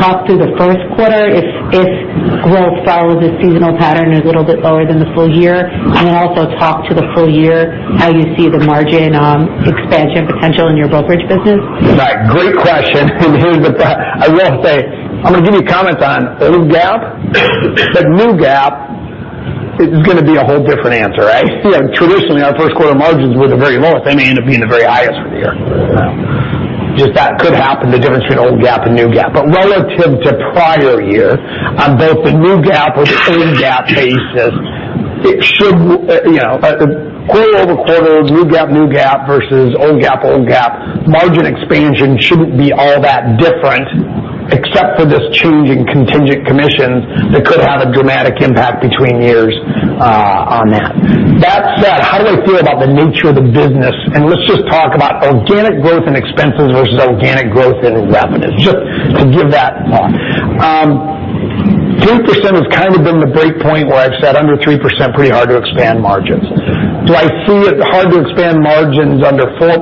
talk through the first quarter if growth follows a seasonal pattern a little bit lower than the full year? Then also talk to the full year, how you see the margin expansion potential in your brokerage business. Right. Great question. Here's I will say, I'm going to give you comments on old GAAP, new GAAP is going to be a whole different answer, right? Traditionally, our first quarter margins were the very lowest. They may end up being the very highest for the year. Just that could happen, the difference between old GAAP and new GAAP. Relative to prior year, on both the new GAAP or the old GAAP basis, quarter-over-quarter, new GAAP versus old GAAP, margin expansion shouldn't be all that different except for this change in contingent commissions that could have a dramatic impact between years on that. That said, how do I feel about the nature of the business? Let's just talk about organic growth and expenses versus organic growth into revenues, just to give that thought. 3% has kind of been the break point where I've said under 3%, pretty hard to expand margins. Do I see it hard to expand margins under 4%?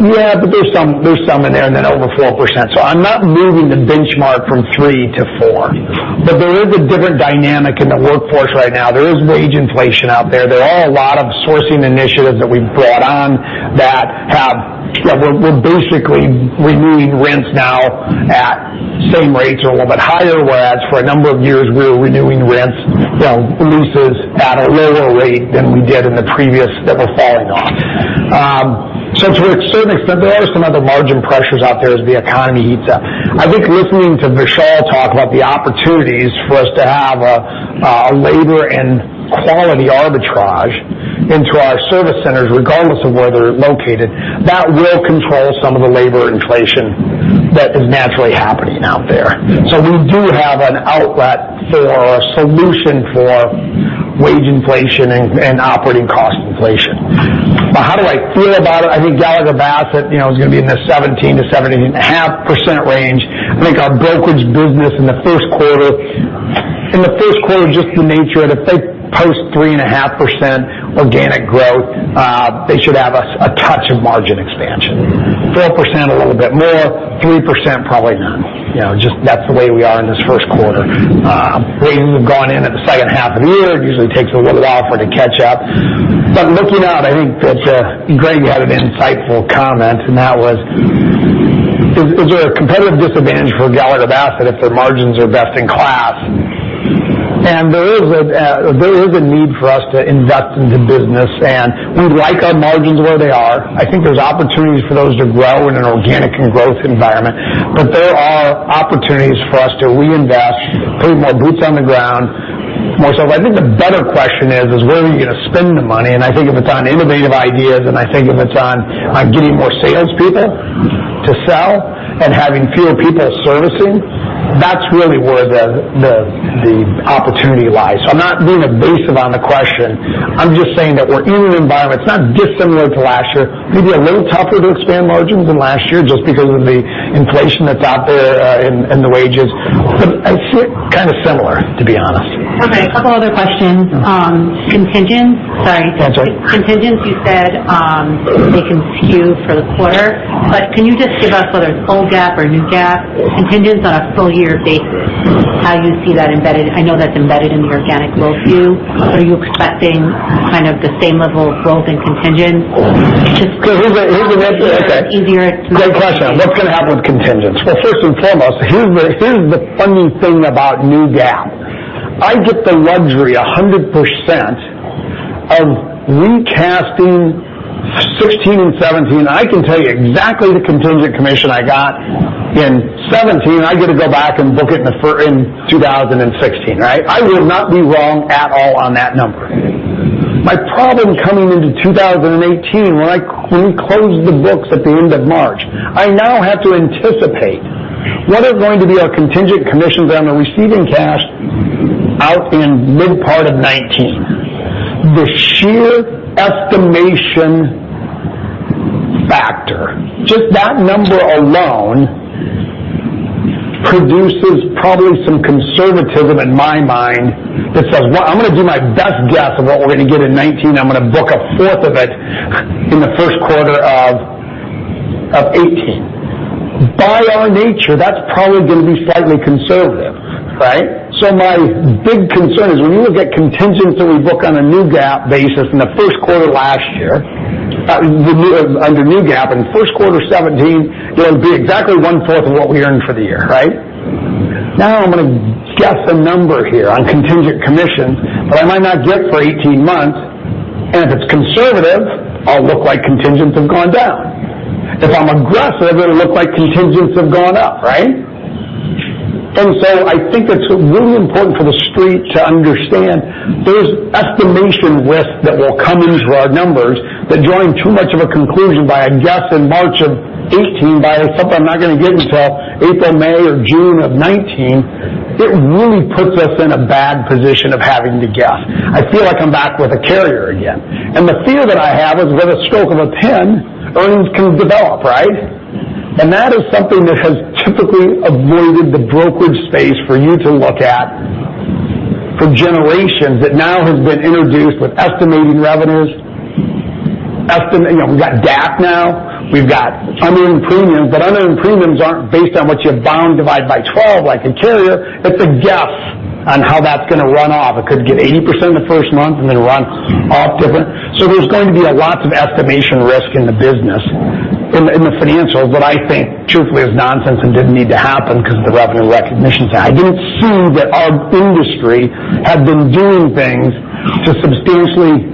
Yeah, there's some in there over 4%. I'm not moving the benchmark from 3% to 4%. There is a different dynamic in the workforce right now. There is wage inflation out there. There are a lot of sourcing initiatives that we've brought on that we're basically renewing rents now at same rates or a little bit higher, whereas for a number of years, we were renewing rents, leases at a lower rate than we did in the previous that were falling off. To a certain extent, there are some other margin pressures out there as the economy heats up. I think listening to Vishal talk about the opportunities for us to have a labor and quality arbitrage into our service centers, regardless of where they're located, that will control some of the labor inflation that is naturally happening out there. We do have an outlet for a solution for wage inflation and operating cost inflation. How do I feel about it? I think Gallagher Bassett is going to be in the 17%-17.5% range. I think our brokerage business in the first quarter, just the nature that if they post 3.5% organic growth, they should have a touch of margin expansion. 4%, a little bit more, 3%, probably none. That's the way we are in this first quarter. We've gone in at the second half of the year. It usually takes a little while for it to catch up. Looking out, I think that Greg had an insightful comment, and that was, is there a competitive disadvantage for Gallagher Bassett if their margins are best in class? There is a need for us to invest into business, and we like our margins where they are. I think there's opportunities for those to grow in an organic and growth environment. There are opportunities for us to reinvest, put more boots on the ground, more so. I think the better question is, where are we going to spend the money? I think if it's on innovative ideas, and I think if it's on getting more salespeople to sell and having fewer people servicing, that's really where the opportunity lies. I'm not being evasive on the question. I'm just saying that we're in an environment that's not dissimilar to last year. Maybe a little tougher to expand margins than last year just because of the inflation that's out there and the wages. I see it kind of similar, to be honest. Okay, a couple other questions. Contingents. Sorry. That's okay. Contingents, you said they can skew for the quarter. Can you just give us whether it's old GAAP or new GAAP, contingents on a full year basis, how you see that embedded? I know that's embedded in the organic growth view. Are you expecting kind of the same level of growth in contingents? So here's the- easier to understand. Great question. What's going to happen with contingents? First and foremost, here's the funny thing about new GAAP. I get the luxury 100% of recasting 2016 and 2017. I can tell you exactly the contingent commission I got in 2017. I get to go back and book it in 2016, right? I will not be wrong at all on that number. My problem coming into 2018, when we close the books at the end of March, I now have to anticipate what are going to be our contingent commissions on the receiving cash out in mid part of 2019. The sheer estimation factor, just that number alone produces probably some conservatism in my mind that says, "Well, I'm going to do my best guess of what we're going to get in 2019, and I'm going to book a fourth of it in the first quarter of 2018." By our nature, that's probably going to be slightly conservative, right? My big concern is when you look at contingents that we book on a new GAAP basis in the first quarter last year, under new GAAP, in first quarter 2017, it'll be exactly one fourth of what we earned for the year, right? Now I'm going to guess a number here on contingent commissions that I might not get for 18 months, and if it's conservative, I'll look like contingents have gone down. If I'm aggressive, it'll look like contingents have gone up, right? I think it's really important for the Street to understand there's estimation risk that will come into our numbers, that drawing too much of a conclusion by a guess in March of 2018 by something I'm not going to get until April, May, or June of 2019, it really puts us in a bad position of having to guess. I feel like I'm back with a carrier again. The fear that I have is with a stroke of a pen, earnings can develop, right? That is something that has typically avoided the brokerage space for you to look at for generations that now has been introduced with estimating revenues. We've got GAAP now. We've got unearned premiums, but unearned premiums aren't based on what you have bound divide by 12 like a carrier. It's a guess on how that's going to run off. It could get 80% in the first month and then run off different. There's going to be lots of estimation risk in the business, in the financials, that I think truthfully is nonsense and didn't need to happen because of the revenue recognition side. I didn't see that our industry had been doing things to substantially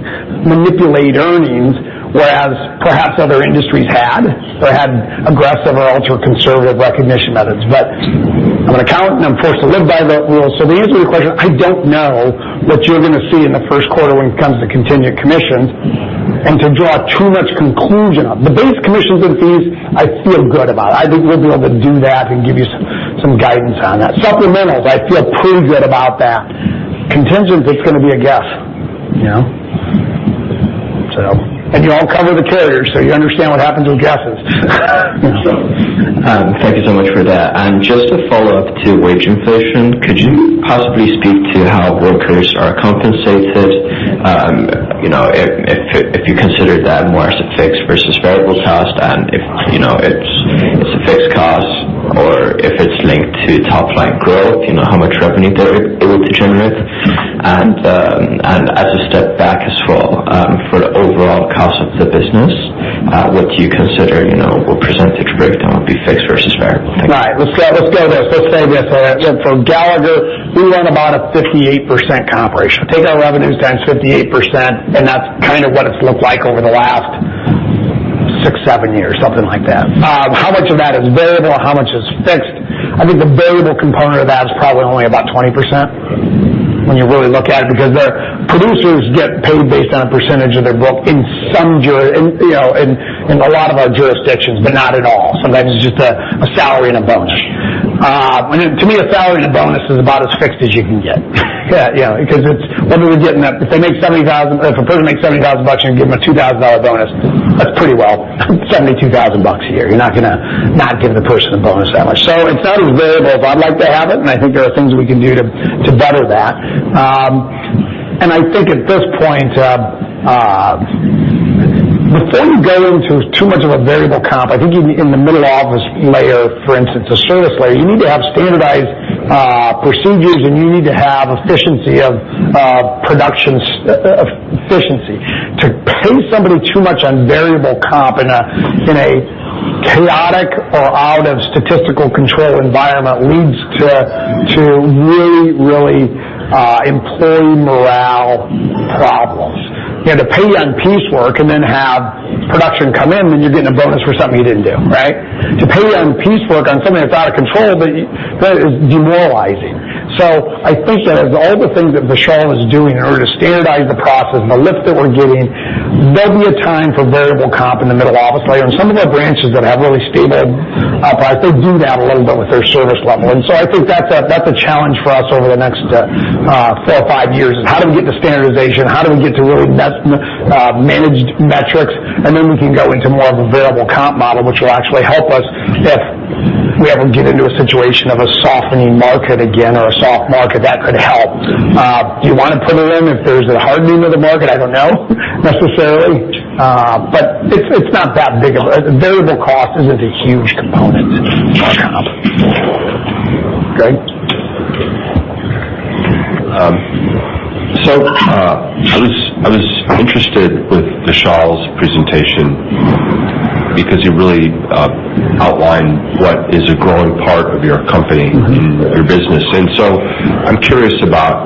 manipulate earnings, whereas perhaps other industries had, or had aggressive or ultra-conservative recognition methods. I'm an accountant. I'm forced to live by the rules. To answer your question, I don't know what you're going to see in the first quarter when it comes to contingent commissions and to draw too much conclusion on. The base commissions and fees I feel good about. I think we'll be able to do that and give you some guidance on that. Supplementals, I feel pretty good about that. Contingents, it's going to be a guess. You all cover the carriers, you understand what happens with guesses. Thank you so much for that. Just a follow-up to wage inflation, could you possibly speak to how brokers are compensated? If you consider that more as a fixed versus variable cost, and if it's a fixed cost or if it's linked to top-line growth, how much revenue they're able to generate. As a step back as well, for the overall cost of the business, what do you consider, what percentage breakdown would be fixed versus variable? Thank you. Right. Let's go this. Let's stay with that. For Gallagher, we run about a 58% comp ratio. Take our revenues times 58%, and that's kind of what it's looked like over the last six, seven years, something like that. How much of that is variable and how much is fixed? I think the variable component of that is probably only about 20% when you really look at it, because their producers get paid based on a percentage of their book in a lot of our jurisdictions, but not in all. Sometimes it's just a salary and a bonus. To me, a salary and a bonus is about as fixed as you can get because what are we getting at? If a person makes $70,000, and you give them a $2,000 bonus, that's pretty well $72,000 a year. You're not going to not give the person a bonus that much. It's not as variable as I'd like to have it, and I think there are things we can do to better that. I think at this point, before you go into too much of a variable comp, I think in the middle office layer, for instance, a service layer, you need to have standardized procedures, and you need to have efficiency of production. To pay somebody too much on variable comp in a chaotic or out of statistical control environment leads to really employee morale problems. To pay on piecework and then have production come in when you're getting a bonus for something you didn't do. To pay on piecework on something that's out of control, that is demoralizing. I think that as all the things that Vishal is doing in order to standardize the process and the lift that we're getting, there'll be a time for variable comp in the middle office layer. In some of our branches that have really stable price, they do that a little bit with their service level. I think that's a challenge for us over the next four or five years is how do we get to standardization? How do we get to really managed metrics? Then we can go into more of a variable comp model, which will actually help us if we ever get into a situation of a softening market again or a soft market, that could help. Do you want to put it in if there's a hardening of the market? I don't know necessarily. Variable cost isn't a huge component in our comp. Greg? I was interested with Vishal's presentation because you really outlined what is a growing part of your company, your business. I'm curious about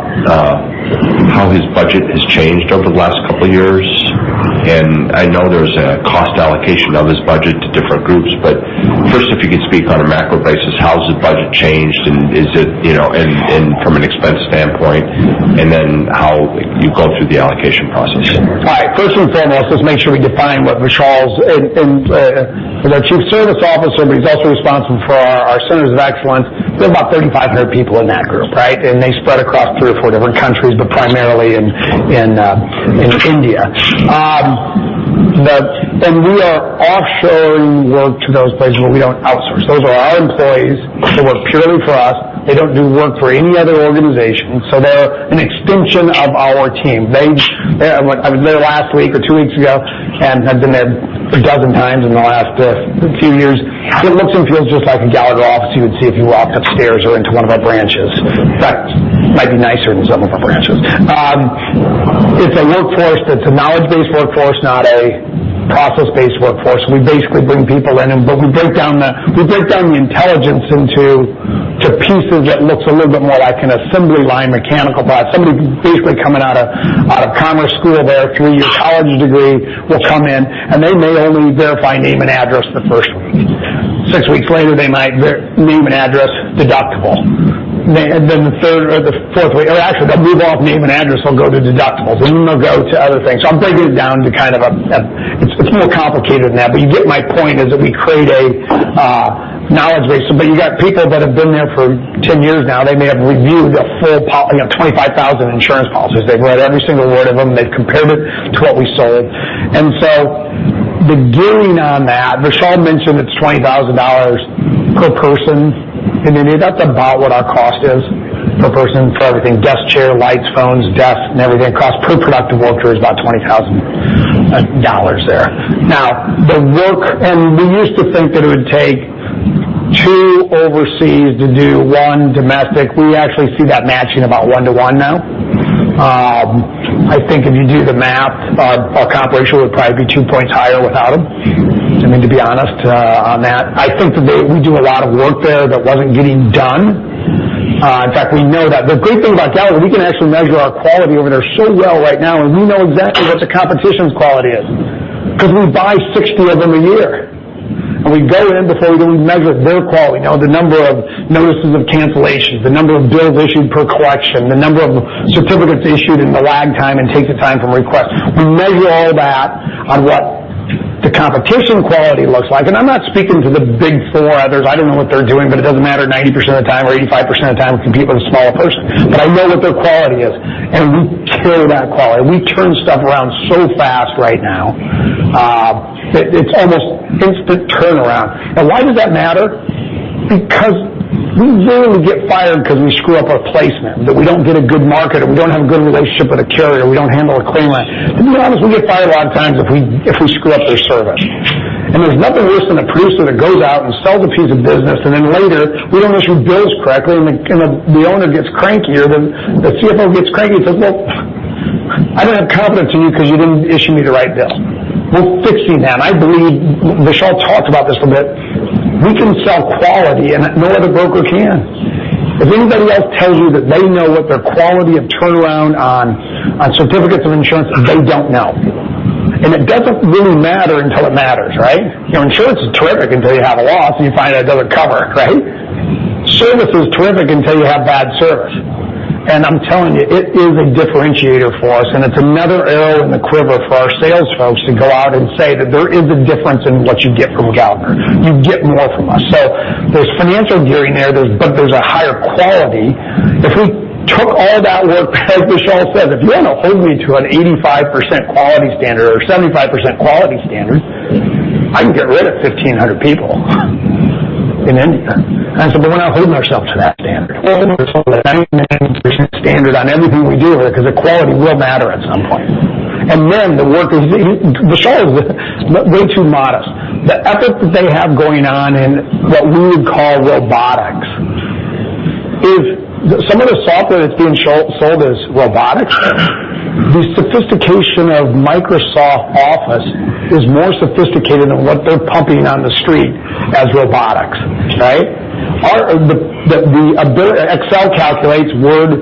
how his budget has changed over the last couple of years. I know there's a cost allocation of his budget to different groups. First, if you could speak on a macro basis, how has the budget changed, and from an expense standpoint, and then how you go through the allocation process? All right. First and foremost, let's make sure we define what Vishal's. He's our Chief Service Officer, but he's also responsible for our centers of excellence. There are about 3,500 people in that group. They spread across three or four different countries, but primarily in India. We are offshoring work to those places, but we don't outsource. Those are our employees. They work purely for us. They don't do work for any other organization. They're an extension of our team. I was there last week or two weeks ago, and I've been there a dozen times in the last few years. It looks and feels just like a Gallagher office you would see if you walked upstairs or into one of our branches. In fact, it might be nicer than some of our branches. It's a workforce that's a knowledge-based workforce, not a process-based workforce. We basically bring people in, we break down the intelligence into pieces that looks a little bit more like an assembly line mechanical bot. Somebody basically coming out of commerce school there, three-year college degree, will come in, and they may only verify name and address the first week. Six weeks later, they might name and address, deductible. The third or fourth week, or actually, they'll move off name and address, they'll go to deductibles, and then they'll go to other things. It's more complicated than that, but you get my point is that we create a knowledge base. You've got people that have been there for 10 years now. They may have reviewed a full 25,000 insurance policies. They've read every single word of them. They've compared it to what we sold. The gearing on that, Vishal mentioned it's $20,000 per person. That's about what our cost is per person for everything, desk chair, lights, phones, desks, and everything. Cost per productive worker is about $20,000 there. Now, we used to think that it would take 2 overseas to do 1 domestic. We actually see that matching about 1 to 1 now. I think if you do the math, our comp ratio would probably be 2 points higher without them. To be honest on that, I think that we do a lot of work there that wasn't getting done. In fact, we know that. The great thing about Gallagher, we can actually measure our quality over there so well right now, and we know exactly what the competition's quality is because we buy 60 of them a year, and we go in before we do, and we measure their quality. The number of notices of cancellations, the number of bills issued per collection, the number of certificates issued in the lag time and take the time from request. We measure all that on what the competition quality looks like. I'm not speaking to the big four others. I don't know what they're doing, but it doesn't matter 90% of the time or 85% of the time. We compete with a smaller person. I know what their quality is, and we carry that quality. We turn stuff around so fast right now, that it's almost instant turnaround. Why does that matter? We rarely get fired because we screw up our placement, that we don't get a good market, or we don't have a good relationship with a carrier, we don't handle a claim right. To be honest, we get fired a lot of times if we screw up their service. There's nothing worse than a producer that goes out and sells a piece of business, and then later we don't issue bills correctly, and the owner gets crankier, then the CFO gets cranky and says, "Well, I didn't have confidence in you because you didn't issue me the right bill." We're fixing that, and I believe Vishal talked about this a bit. We can sell quality, no other broker can. If anybody else tells you that they know what their quality of turnaround on certificates of insurance is, they don't know. It doesn't really matter until it matters, right? Insurance is terrific until you have a loss and you find out it doesn't cover, right? Service is terrific until you have bad service. I'm telling you, it is a differentiator for us, and it's another arrow in the quiver for our sales folks to go out and say that there is a difference in what you get from Gallagher. You get more from us. There's financial gearing there, but there's a higher quality. If we took all that work, as Vishal said, if you want to hold me to an 85% quality standard or 75% quality standard, I can get rid of 1,500 people in India. I said, "But we're not holding ourselves to that standard." Standard on everything we do here because the quality will matter at some point. Vishal is way too modest. The effort that they have going on in what we would call robotics is some of the software that's being sold as robotics. The sophistication of Microsoft Office is more sophisticated than what they're pumping on the street as robotics, right? Excel calculates, Word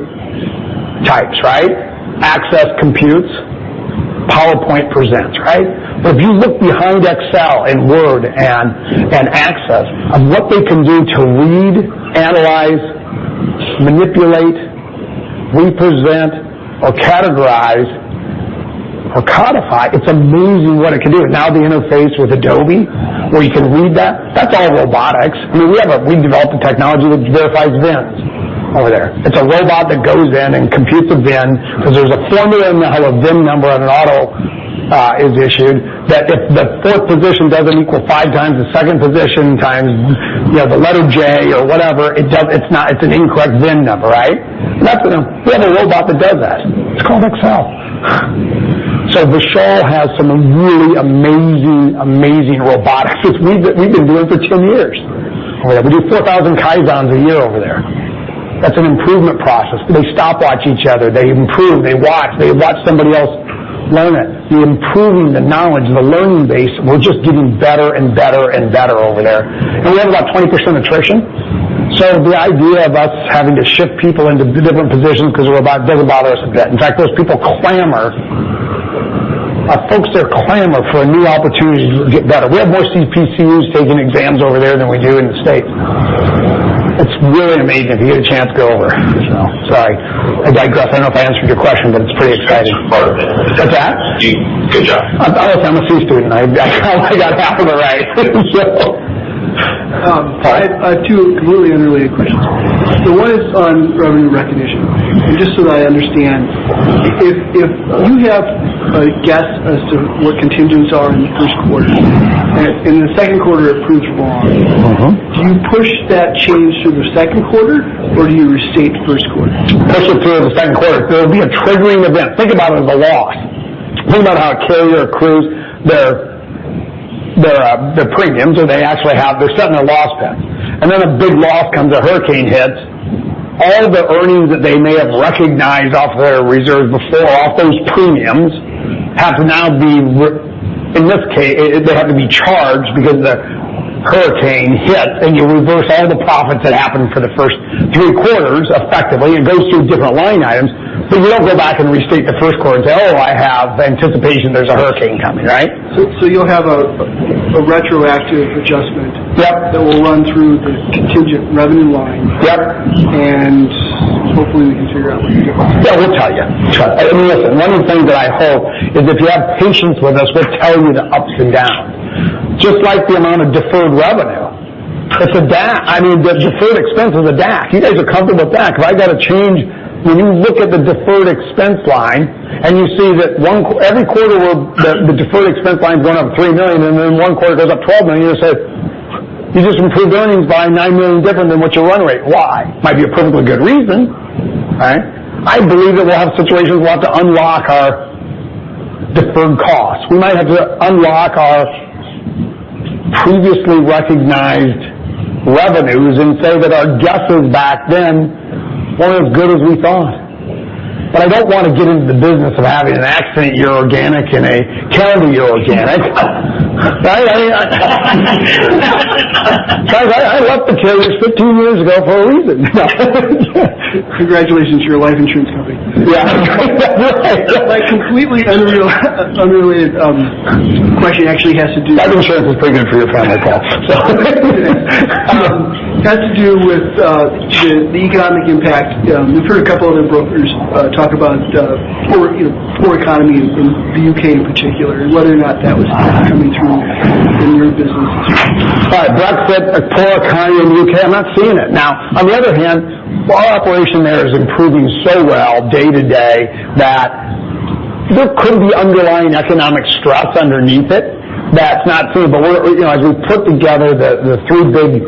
types, right? Access computes, PowerPoint presents, right? If you look behind Excel and Word and Access of what they can do to read, analyze, manipulate, represent or categorize or codify, it's amazing what it can do. They interface with Adobe, where you can read that. That's all robotics. We developed a technology that verifies VINs over there. It's a robot that goes in and computes a VIN because there's a formula in how a VIN number on an auto is issued that if the fourth position doesn't equal five times the second position times the letter J or whatever, it's an incorrect VIN number, right? We have a robot that does that. It's called Excel. Vishal has some really amazing robotics, which we've been doing for 10 years. We do 4,000 Kaizens a year over there. That's an improvement process. They stopwatch each other. They improve. They watch. They let somebody else learn it. The improving the knowledge, the learning base, we're just getting better and better over there. We have about 20% attrition. The idea of us having to shift people into different positions because a robot doesn't bother us with that. In fact, those people clamor. Folks there clamor for new opportunities to get better. We have more CPCUs taking exams over there than we do in the U.S. It's really amazing. If you get a chance, go over. Sorry, I digress. I don't know if I answered your question, it's pretty exciting. Part of it. Is that? Good job. I'm a C student. I probably got half of it right. Two completely unrelated questions. One is on revenue recognition. Just so that I understand, if you have a guess as to what contingents are in the first quarter, and in the second quarter, it proves wrong. Do you push that change through the second quarter, or do you restate the first quarter? Push it through the second quarter. There will be a triggering event. Think about it as a loss. Think about how a carrier accrues their premiums, or they actually have They're setting their loss payments. A big loss comes, a hurricane hits. All the earnings that they may have recognized off their reserves before, off those premiums, in this case, they have to be charged because the hurricane hit, and you reverse all the profits that happened for the first three quarters effectively. It goes through different line items, we don't go back and restate the first quarter and say, "Oh, I have anticipation there's a hurricane coming," right? You'll have a retroactive adjustment. Yep that will run through Revenue line. Yep Hopefully we can figure out what you did. Yeah. We'll tell you. Listen, one of the things that I hope is if you have patience with us, we're telling you the ups and downs, just like the amount of deferred revenue. The deferred expense is a DAC. You guys are comfortable with DAC. When you look at the deferred expense line and you see that every quarter the deferred expense line's going up $3 million, and then one quarter goes up $12 million, you'll say, "You just improved earnings by $9 million different than what your run rate. Why?" Might be a perfectly good reason. I believe that we'll have situations we'll have to unlock our deferred costs. We might have to unlock our previously recognized revenues and say that our guesses back then weren't as good as we thought. I don't want to get into the business of having an accident year organic and a carrier year organic. Guys, I left the carriers 15 years ago for a reason. Congratulations to your life insurance company. Yeah. A completely unrelated question actually has to do with. Life insurance is pretty good for your family, Paul. Has to do with the economic impact. We've heard a couple other brokers talk about poor economy in the U.K. in particular, whether or not that was coming through in your businesses. All right. Brad said a poor economy in the U.K. I'm not seeing it. On the other hand, our operation there is improving so well day to day that there could be underlying economic stress underneath it that's not through. As we put together the three big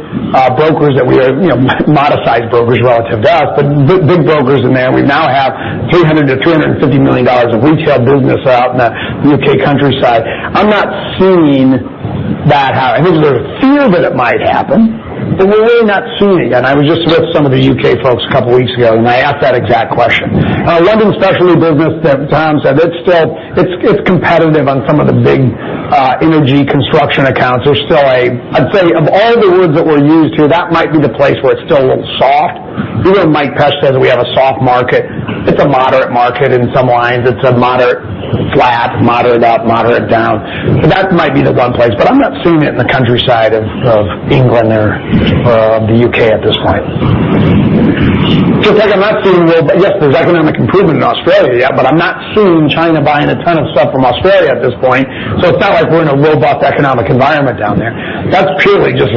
brokers that we are, modest size brokers relative to us, but big brokers in there. We now have $300 million-$350 million of retail business out in the U.K. countryside. I'm not seeing that happening. I think there's a fear that it might happen, but we're really not seeing it. I was just with some of the U.K. folks a couple weeks ago, and I asked that exact question. London specialty business, Tom said it's competitive on some of the big energy construction accounts. I'd say of all the words that were used here, that might be the place where it's still a little soft. Even Mike Pesch says we have a soft market. It's a moderate market in some lines. It's a moderate flat, moderate up, moderate down. That might be the one place, but I'm not seeing it in the countryside of England or of the U.K. at this point. Just like I'm not seeing robust. Yes, there's economic improvement in Australia, yeah, but I'm not seeing China buying a ton of stuff from Australia at this point, it's not like we're in a robust economic environment down there. That's purely just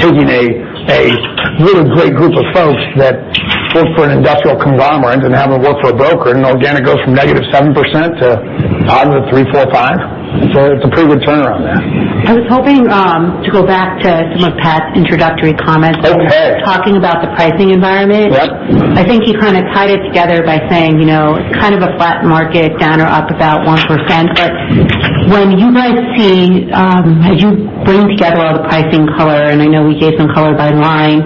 taking a really great group of folks that worked for an industrial conglomerate and having them work for a broker, and organic goes from negative 7% to positive three, four, five. It's a pretty good turnaround there. I was hoping to go back to some of Pat's introductory comments. Okay. Talking about the pricing environment. Yep. I think you kind of tied it together by saying, kind of a flat market down or up about 1%. When you guys see as you bring together all the pricing color, and I know we gave some color by line,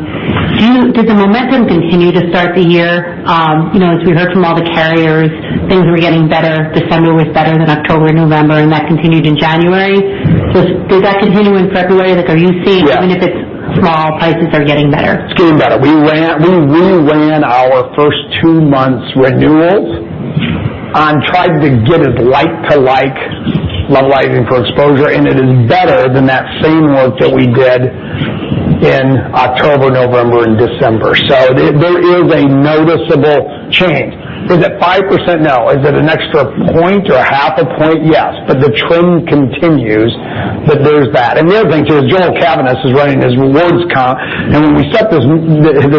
does the momentum continue to start the year? As we heard from all the carriers, things were getting better. December was better than October and November, and that continued in January. Does that continue in February? Are you seeing? Yeah Even if it's small, prices are getting better? It's getting better. We re-ran our first two months renewals and tried to get as like to like levelizing for exposure, and it is better than that same work that we did in October, November, and December. There is a noticeable change. Is it 5%? No. Is it an extra point or half a point? Yes, but the trend continues that there's that. The other thing, too, is Joel Cavaness is running his rewards comp, and when we set this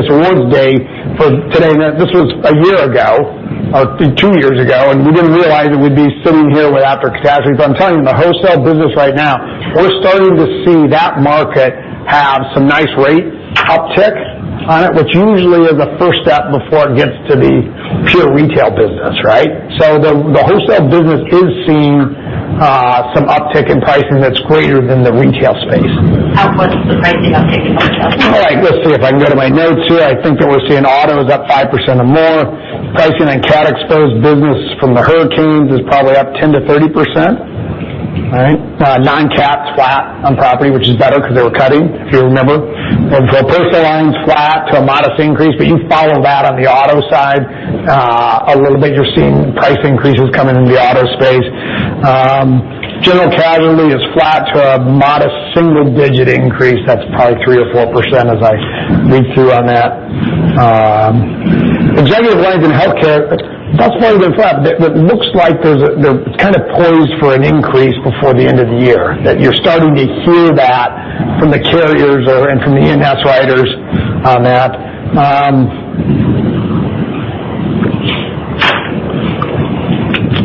rewards day for today, this was a year ago, two years ago, and we didn't realize that we'd be sitting here with after catastrophes. I'm telling you, in the wholesale business right now, we're starting to see that market have some nice rate uptick on it, which usually is a first step before it gets to the pure retail business, right? The wholesale business is seeing some uptick in pricing that's greater than the retail space. How much is the pricing uptick in wholesale? Let's see if I can go to my notes here. I think that we're seeing auto is up 5% or more. Pricing on cat-exposed business from the hurricanes is probably up 10%-30%. All right. Non-cat's flat on property, which is better because they were cutting, if you remember. Personal lines flat to a modest increase, but you follow that on the auto side a little bit. You're seeing price increases coming into the auto space. General casualty is flat to a modest single-digit increase. That's probably 3% or 4% as I read through on that. Executive life and healthcare, thus far they're flat, but it looks like they're kind of poised for an increase before the end of the year, that you're starting to hear that from the carriers or from the in-house writers on that.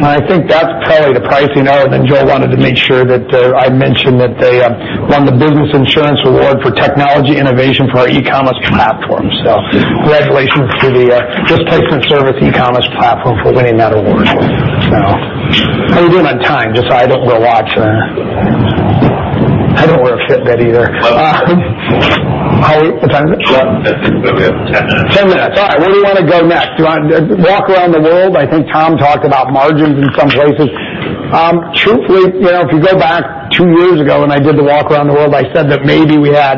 I think that's probably the pricing element. Joel wanted to make sure that I mentioned that they won the Business Insurance award for technology innovation for our e-commerce platform. Congratulations to the RPS Small Business e-commerce platform for winning that award. How are we doing on time? Just so I don't wear a watch or I don't wear a Fitbit either. How are we at time? I think probably have 10 minutes. 10 minutes. All right. Where do we want to go next? Do you want to walk around the world? I think Tom talked about margins in some places. Truthfully, if you go back two years ago when I did the walk around the world, I said that maybe we had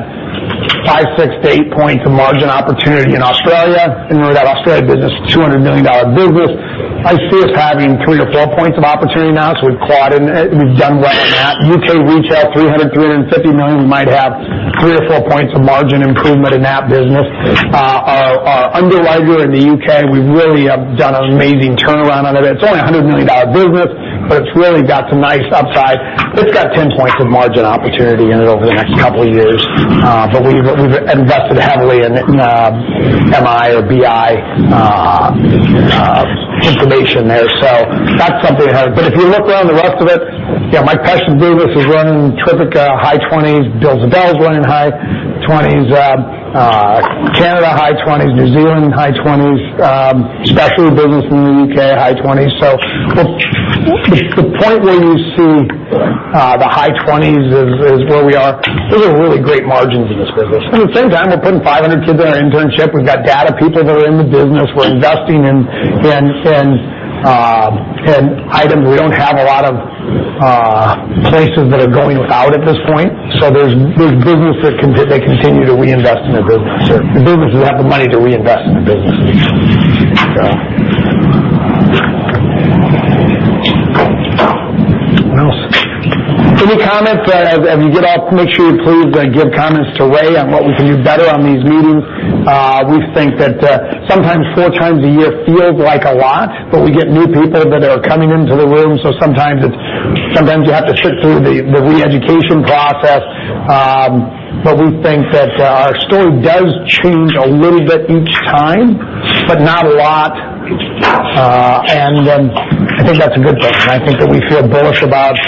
five, six to eight points of margin opportunity in Australia. Remember that Australia business is a $200 million business. I see us having three to four points of opportunity now, we've quadrupled and we've done well on that. U.K. retail, $300 million-$350 million, we might have three or four points of margin improvement in that business. Our underwriter in the U.K., we really have done an amazing turnaround on it. It's only a $100 million business, but it's really got some nice upside. It's got 10 points of margin opportunity in it over the next couple of years. We've invested heavily in MI or BI information there. That's something hard. If you look around the rest of it, Mike Pesch's business is running terrific, high 20s%. Bill Ziebell is running high 20s%. Canada, high 20s%. New Zealand, high 20s%. Specialty business in the U.K., high 20s%. The point where you see the high 20s% is where we are. Those are really great margins in this business. At the same time, we're putting 500 kids in our internship. We've got data people that are in the business. We're investing in items. We don't have a lot of places that are going out at this point. There's business that they continue to reinvest in the business or the businesses have the money to reinvest in the business. Any comments? As we get off, make sure you please give comments to Ray on what we can do better on these meetings. We think that sometimes four times a year feels like a lot, but we get new people that are coming into the room, so sometimes you have to shift through the re-education process. We think that our story does change a little bit each time, but not a lot. I think that's a good thing. I think that we feel bullish about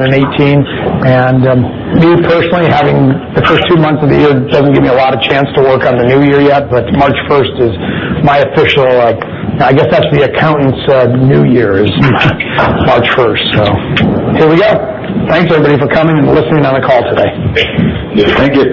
2018. Me personally, having the first two months of the year doesn't give me a lot of chance to work on the new year yet, but March 1st is my official, I guess that's the accountant's new year is March 1st. Here we go. Thanks, everybody, for coming and listening on the call today. Thank you.